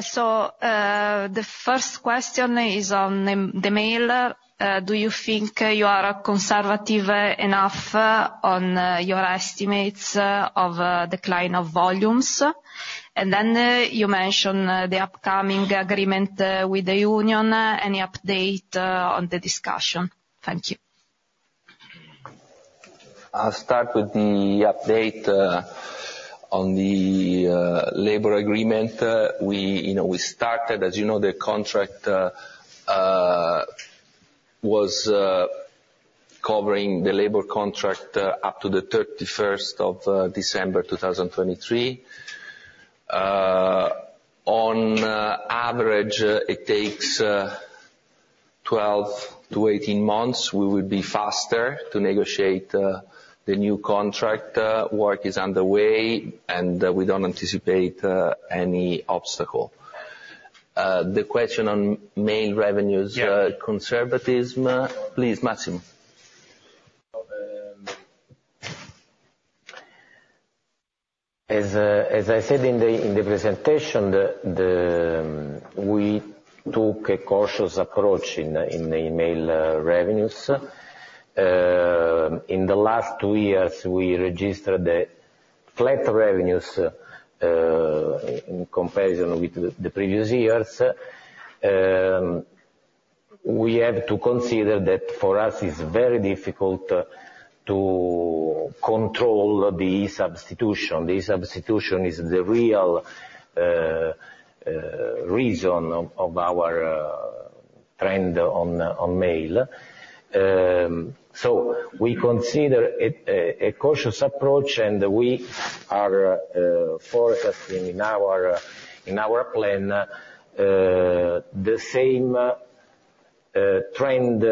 So, the first question is on the mail. Do you think you are conservative enough on your estimates of decline of volumes? And then, you mentioned the upcoming agreement with the union. Any update on the discussion? Thank you. I'll start with the update on the labor agreement. We, you know, as you know, the contract was covering the labor contract up to the 31st of December, 2023. On average, it takes 12-18 months. We will be faster to negotiate the new contract. Work is underway, and we don't anticipate any obstacle. The question on mail revenues- Yeah... conservatism, please, Massimo. Um- As I said in the presentation, we took a cautious approach in the mail revenues. In the last two years, we registered flat revenues in comparison with the previous years. We have to consider that for us, it's very difficult to- ... control the substitution. The substitution is the real reason of our trend on mail. So we consider it a cautious approach, and we are forecasting in our plan the same trend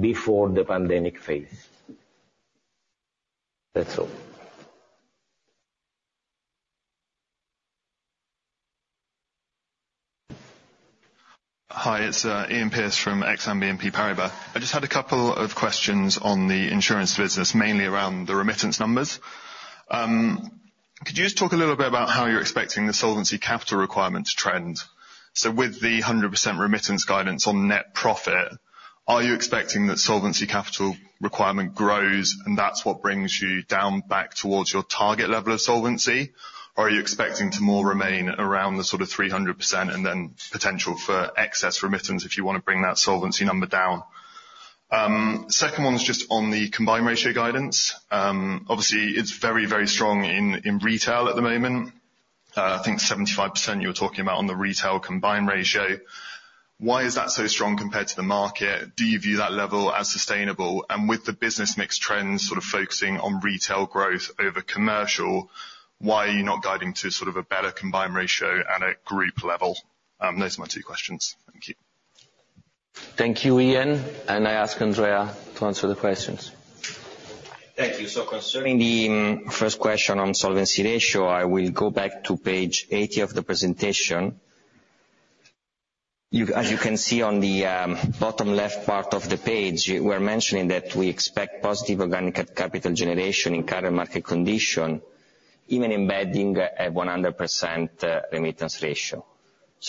before the pandemic phase. That's all. Hi, it's Ian Pearce from Exane BNP Paribas. I just had a couple of questions on the insurance business, mainly around the remittance numbers. Could you just talk a little bit about how you're expecting the solvency capital requirement to trend? So with the 100% remittance guidance on net profit, are you expecting that solvency capital requirement grows, and that's what brings you down back towards your target level of solvency? Or are you expecting to more remain around the sort of 300% and then potential for excess remittance if you wanna bring that solvency number down? Second one is just on the combined ratio guidance. Obviously, it's very, very strong in retail at the moment. I think 75% you were talking about on the retail combined ratio. Why is that so strong compared to the market? Do you view that level as sustainable? And with the business mix trends sort of focusing on retail growth over commercial, why are you not guiding to sort of a better combined ratio at a group level? Those are my two questions. Thank you. Thank you, Ian, and I ask Andrea to answer the questions. Thank you. Concerning the first question on solvency ratio, I will go back to page 80 of the presentation. As you can see on the bottom left part of the page, we're mentioning that we expect positive organic capital generation in current market condition, even embedding a 100% remittance ratio.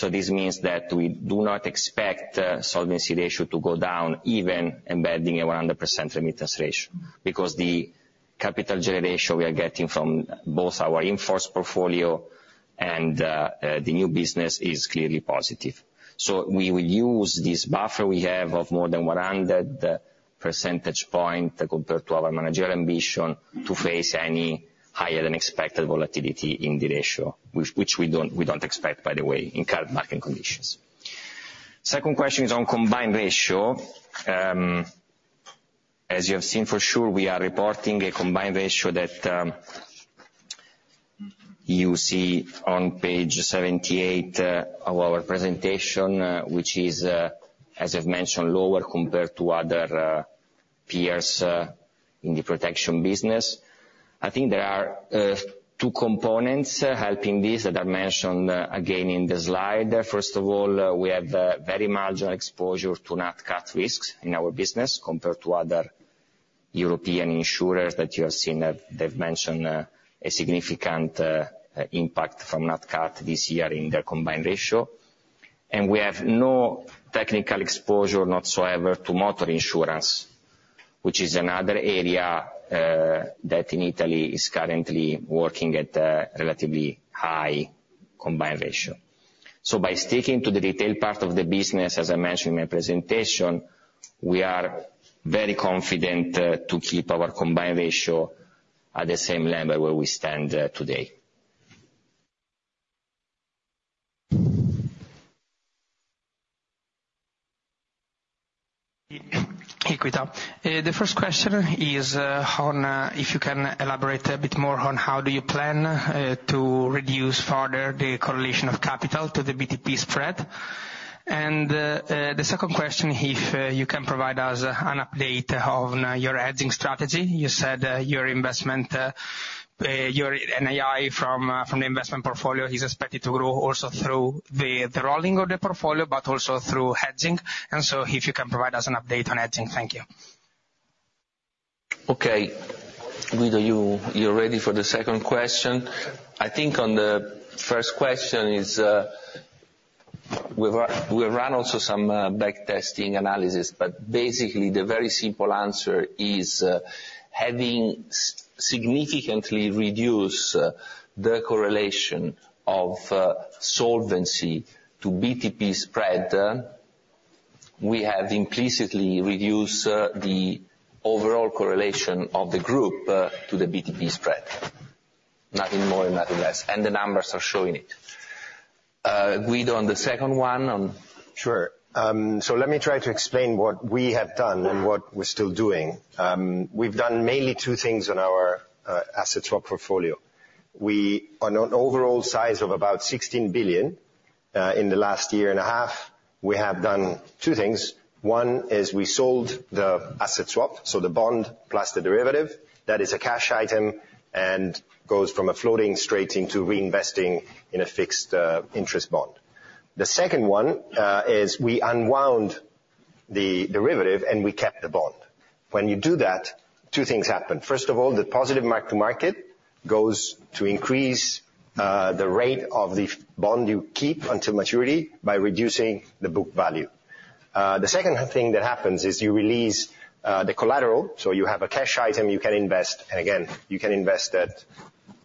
This means that we do not expect solvency ratio to go down, even embedding a 100% remittance ratio, because the capital generation we are getting from both our in-force portfolio and the new business is clearly positive. We will use this buffer we have of more than 100 percentage points compared to our managerial ambition to face any higher than expected volatility in the ratio, which we don't expect, by the way, in current market conditions. Second question is on combined ratio. As you have seen, for sure, we are reporting a combined ratio that, you see on page 78, of our presentation, which is, as I've mentioned, lower compared to other, peers, in the protection business. I think there are, two components helping this that are mentioned, again in the slide. First of all, we have a very marginal exposure to Nat Cat risks in our business compared to other European insurers that you have seen. They've mentioned, a significant, impact from Nat Cat this year in their combined ratio. And we have no technical exposure, not so ever, to motor insurance, which is another area, that in Italy is currently working at a relatively high combined ratio. By sticking to the retail part of the business, as I mentioned in my presentation, we are very confident to keep our combined ratio at the same level where we stand today. Equita. The first question is on if you can elaborate a bit more on how you plan to reduce further the correlation of capital to the BTP spread? And the second question, if you can provide us an update on your hedging strategy. You said your investment your NII from the investment portfolio is expected to grow also through the rolling of the portfolio, but also through hedging. And so if you can provide us an update on hedging. Thank you. Okay. Guido, you're ready for the second question? I think on the first question is, we've run, we ran also some back-testing analysis, but basically the very simple answer is, having significantly reduce the correlation of solvency to BTP spread, we have implicitly reduced the overall correlation of the group to the BTP spread. Nothing more and nothing less, and the numbers are showing it. Guido, on the second one on? Sure. So let me try to explain what we have done and what we're still doing. We've done mainly two things on our asset swap portfolio. We, on an overall size of about 16 billion, in the last year and a half, we have done two things. One is we sold the asset swap, so the bond plus the derivative. That is a cash item and goes from a floating straight into reinvesting in a fixed interest bond. The second one is we unwound the derivative, and we kept the bond. When you do that, two things happen. First of all, the positive mark to market goes to increase the rate of the fixed bond you keep until maturity by reducing the book value. The second thing that happens is you release the collateral, so you have a cash item you can invest, and again, you can invest it-...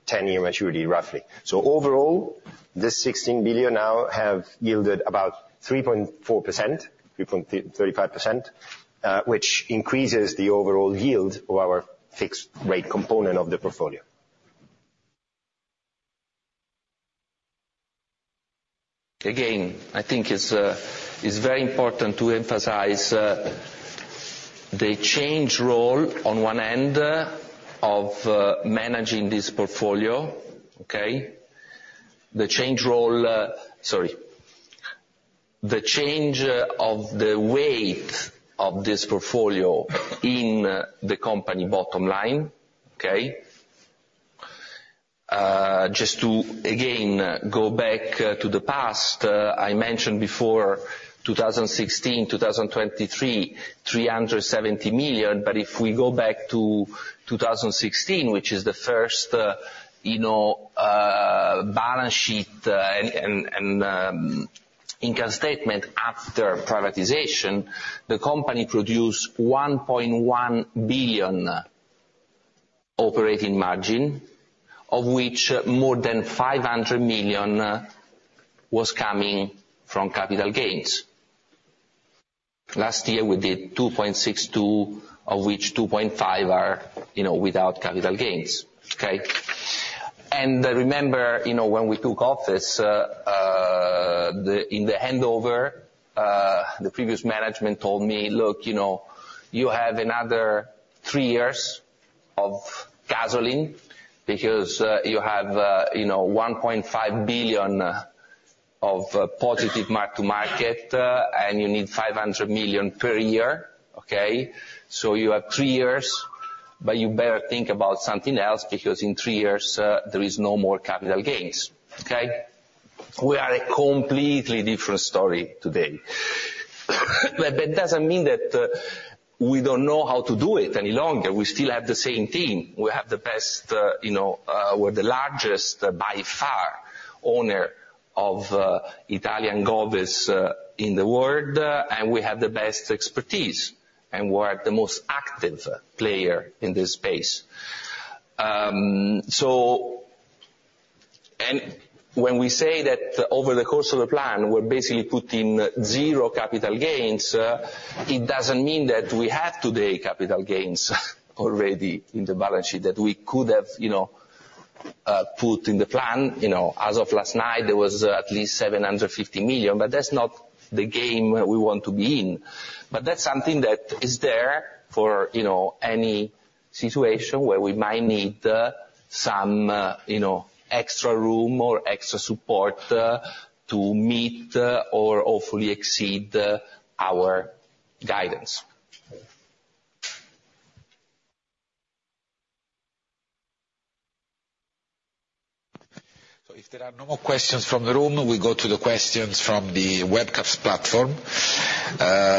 10-year maturity, roughly. So overall, this 16 billion now have yielded about 3.4%, 3.35%, which increases the overall yield of our fixed rate component of the portfolio. Again, I think it's very important to emphasize the changed role on one end of managing this portfolio, okay? The changed role... Sorry. The change of the weight of this portfolio in the company bottom line, okay? Just to, again, go back to the past, I mentioned before, 2016, 2023, 370 million, but if we go back to 2016, which is the first, you know, balance sheet and income statement after privatization, the company produced 1.1 billion operating margin, of which more than 500 million was coming from capital gains. Last year, we did 2.62, of which 2.5 are, you know, without capital gains, okay? I remember, you know, when we took office, in the handover, the previous management told me, "Look, you know, you have another three years of gasoline because, you know, 1.5 billion of positive mark to market, and you need 500 million per year, okay? So you have three years, but you better think about something else, because in three years, there is no more capital gains," okay? We are a completely different story today. But that doesn't mean that, we don't know how to do it any longer. We still have the same team. We have the best, you know, we're the largest, by far, owner of Italian governments, in the world, and we have the best expertise, and we're the most active player in this space. So... When we say that over the course of the plan, we're basically putting zero capital gains, it doesn't mean that we have today capital gains already in the balance sheet, that we could have, you know, put in the plan. You know, as of last night, there was at least 750 million, but that's not the game we want to be in. But that's something that is there for, you know, any situation where we might need, some, you know, extra room or extra support, to meet, or hopefully exceed, our guidance. So if there are no more questions from the room, we go to the questions from the Webcast platform,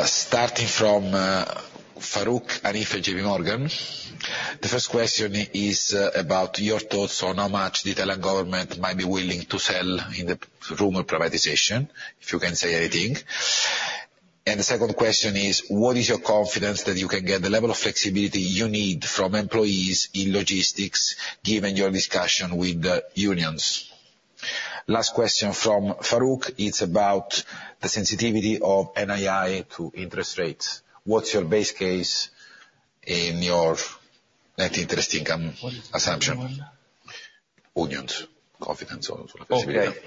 starting from Farooq Hanif, J.P. Morgan. The first question is about your thoughts on how much the Italian government might be willing to sell in the rumored privatization, if you can say anything. And the second question is: What is your confidence that you can get the level of flexibility you need from employees in logistics, given your discussion with the unions? Last question from Farooq, it's about the sensitivity of NII to interest rates. What's your base case in your net interest income assumption? What was the last one? Unions, confidence on flexibility.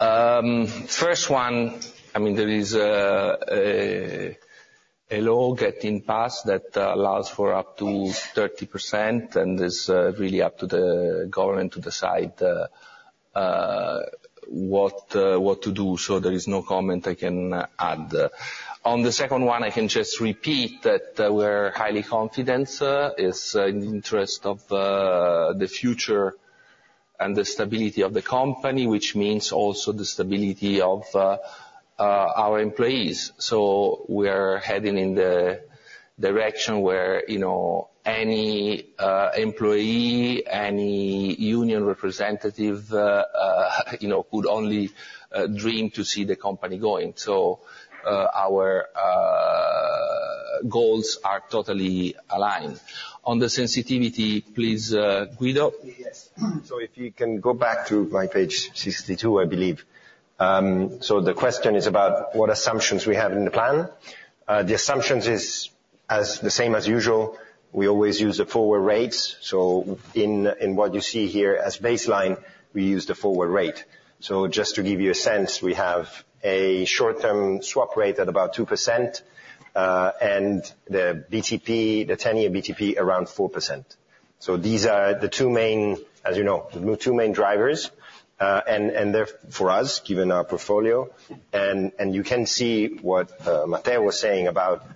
Okay. First one, I mean, there is a law getting passed that allows for up to 30%, and it's really up to the government to decide what to do, so there is no comment I can add. On the second one, I can just repeat that we're highly confident it's an interest of the future and the stability of the company, which means also the stability of our employees. So we are heading in the direction where, you know, any employee, any union representative, you know, could only dream to see the company going. So our goals are totally aligned. On the sensitivity, please, Guido? Yes. So if you can go back to my page 62, I believe. So the question is about what assumptions we have in the plan. The assumptions is as the same as usual. We always use the forward rates, so in what you see here as baseline, we use the forward rate. So just to give you a sense, we have a short-term swap rate at about 2%, and the BTP, the 10-year BTP, around 4%. So these are the two main, as you know, the two main drivers, and they're for us, given our portfolio, and you can see what Matteo was saying about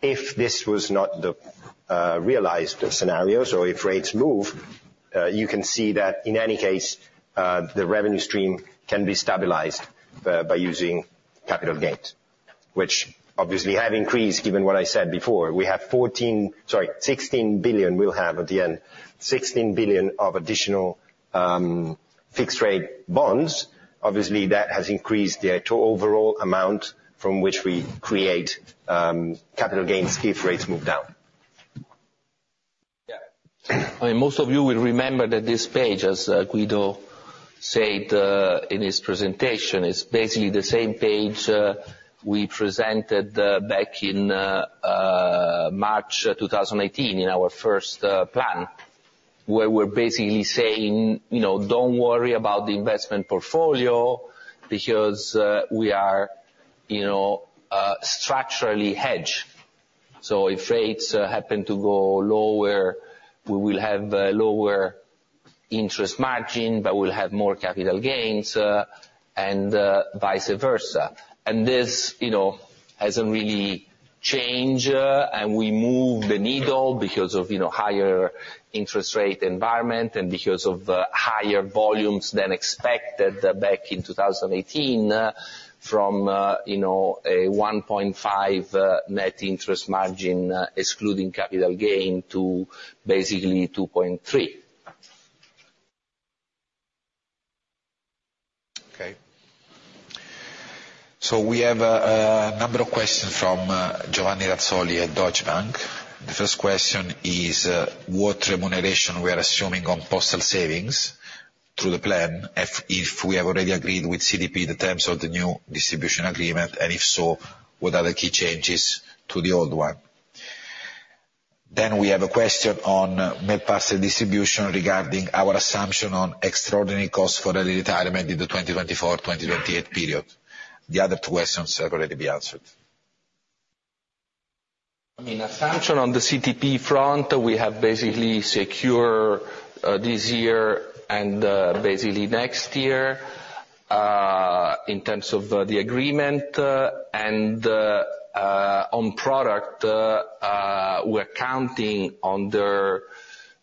if this was not the realized scenarios or if rates move, you can see that in any case, the revenue stream can be stabilized by using capital gains, which obviously have increased, given what I said before. We have 14, sorry, 16 billion we'll have at the end, 16 billion of additional... fixed-rate bonds, obviously, that has increased the total overall amount from which we create, capital gains if rates move down. Yeah. I mean, most of you will remember that this page, as Guido said in his presentation, is basically the same page we presented back in March, 2018, in our first plan, where we're basically saying, you know, "Don't worry about the investment portfolio because we are, you know, structurally hedged. So if rates happen to go lower, we will have lower interest margin, but we'll have more capital gains and vice versa." And this, you know, hasn't really changed, and we moved the needle because of, you know, higher interest rate environment, and because of higher volumes than expected back in 2018 from a 1.5 net interest margin, excluding capital gain, to basically 2.3. Okay. So we have a number of questions from Giovanni Razzoli at Deutsche Bank. The first question is what remuneration we are assuming on postal savings through the plan, if we have already agreed with CDP the terms of the new distribution agreement, and if so, what are the key changes to the old one? Then we have a question on mail parcel distribution regarding our assumption on extraordinary costs for early retirement in the 2024-2028 period. The other two questions have already been answered. I mean, assumption on the BTP front, we have basically secured this year and basically next year in terms of the agreement. On product, we're counting on their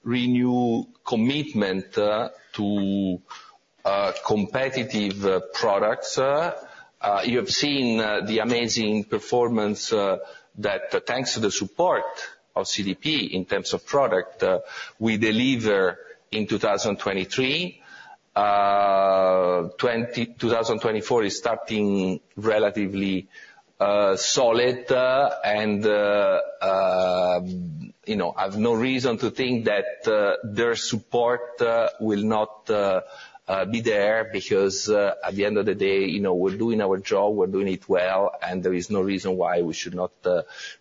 renewed commitment to competitive products. You have seen the amazing performance that, thanks to the support of CDP in terms of product, we delivered in 2023. 2024 is starting relatively solid, and you know, I've no reason to think that their support will not be there, because at the end of the day, you know, we're doing our job, we're doing it well, and there is no reason why we should not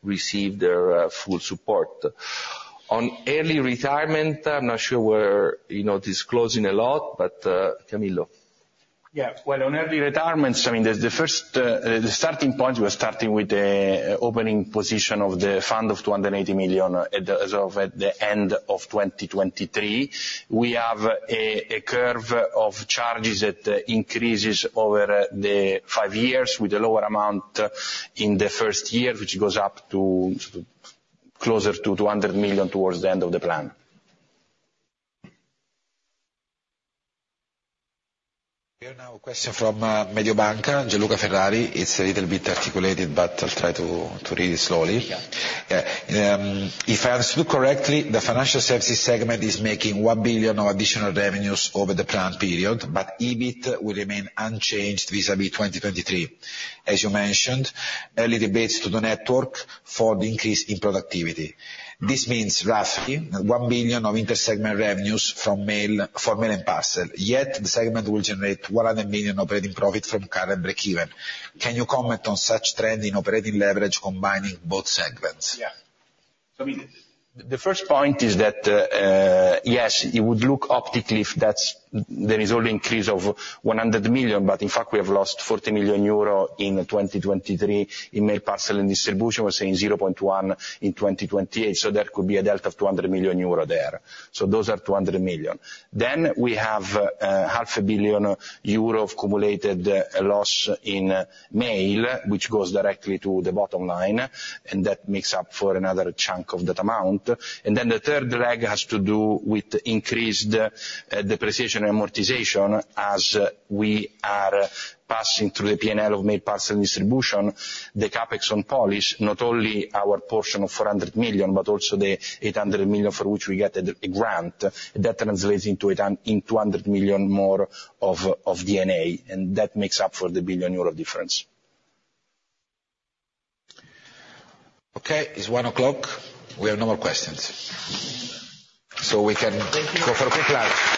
receive their full support. On early retirement, I'm not sure we're, you know, disclosing a lot, but, Camillo? Yeah. Well, on early retirements, I mean, the starting point, we're starting with the opening position of the fund of 280 million as of the end of 2023. We have a curve of charges that increases over the five years, with a lower amount in the first year, which goes up to closer to 200 million towards the end of the plan. We have now a question from Mediobanca, Gianluca Ferrari. It's a little bit articulated, but I'll try to read it slowly. Yeah. If I understood correctly, the financial services segment is making 1 billion of additional revenues over the plan period, but EBIT will remain unchanged vis-à-vis 2023. As you mentioned, allocations to the network for the increase in productivity. This means roughly 1 billion of inter-segment revenues from mail, for mail and parcel, yet the segment will generate 100 million operating profit from current breakeven. Can you comment on such trend in operating leverage combining both segments? Yeah. So, I mean, the first point is that, yes, it would look optically if that's- there is only increase of 100 million, but in fact we have lost 40 million euro in 2023 in mail, parcel, and distribution. We're saying 0.1 in 2028, so there could be a delta of 200 million euro there. So those are 200 million. Then we have half a billion euro of accumulated loss in mail, which goes directly to the bottom line, and that makes up for another chunk of that amount. And then the third leg has to do with increased depreciation amortization as we are passing through the P&L of mail, parcels and distribution, the CapEx on Polis, not only our portion of 400 million, but also the 800 million for which we get a grant. That translates into 200 million more of EBITDA, and that makes up for the 1 billion euro difference. Okay, it's 1:00 P.M. We have no more questions. So we can- Thank you. Go for a quick lunch.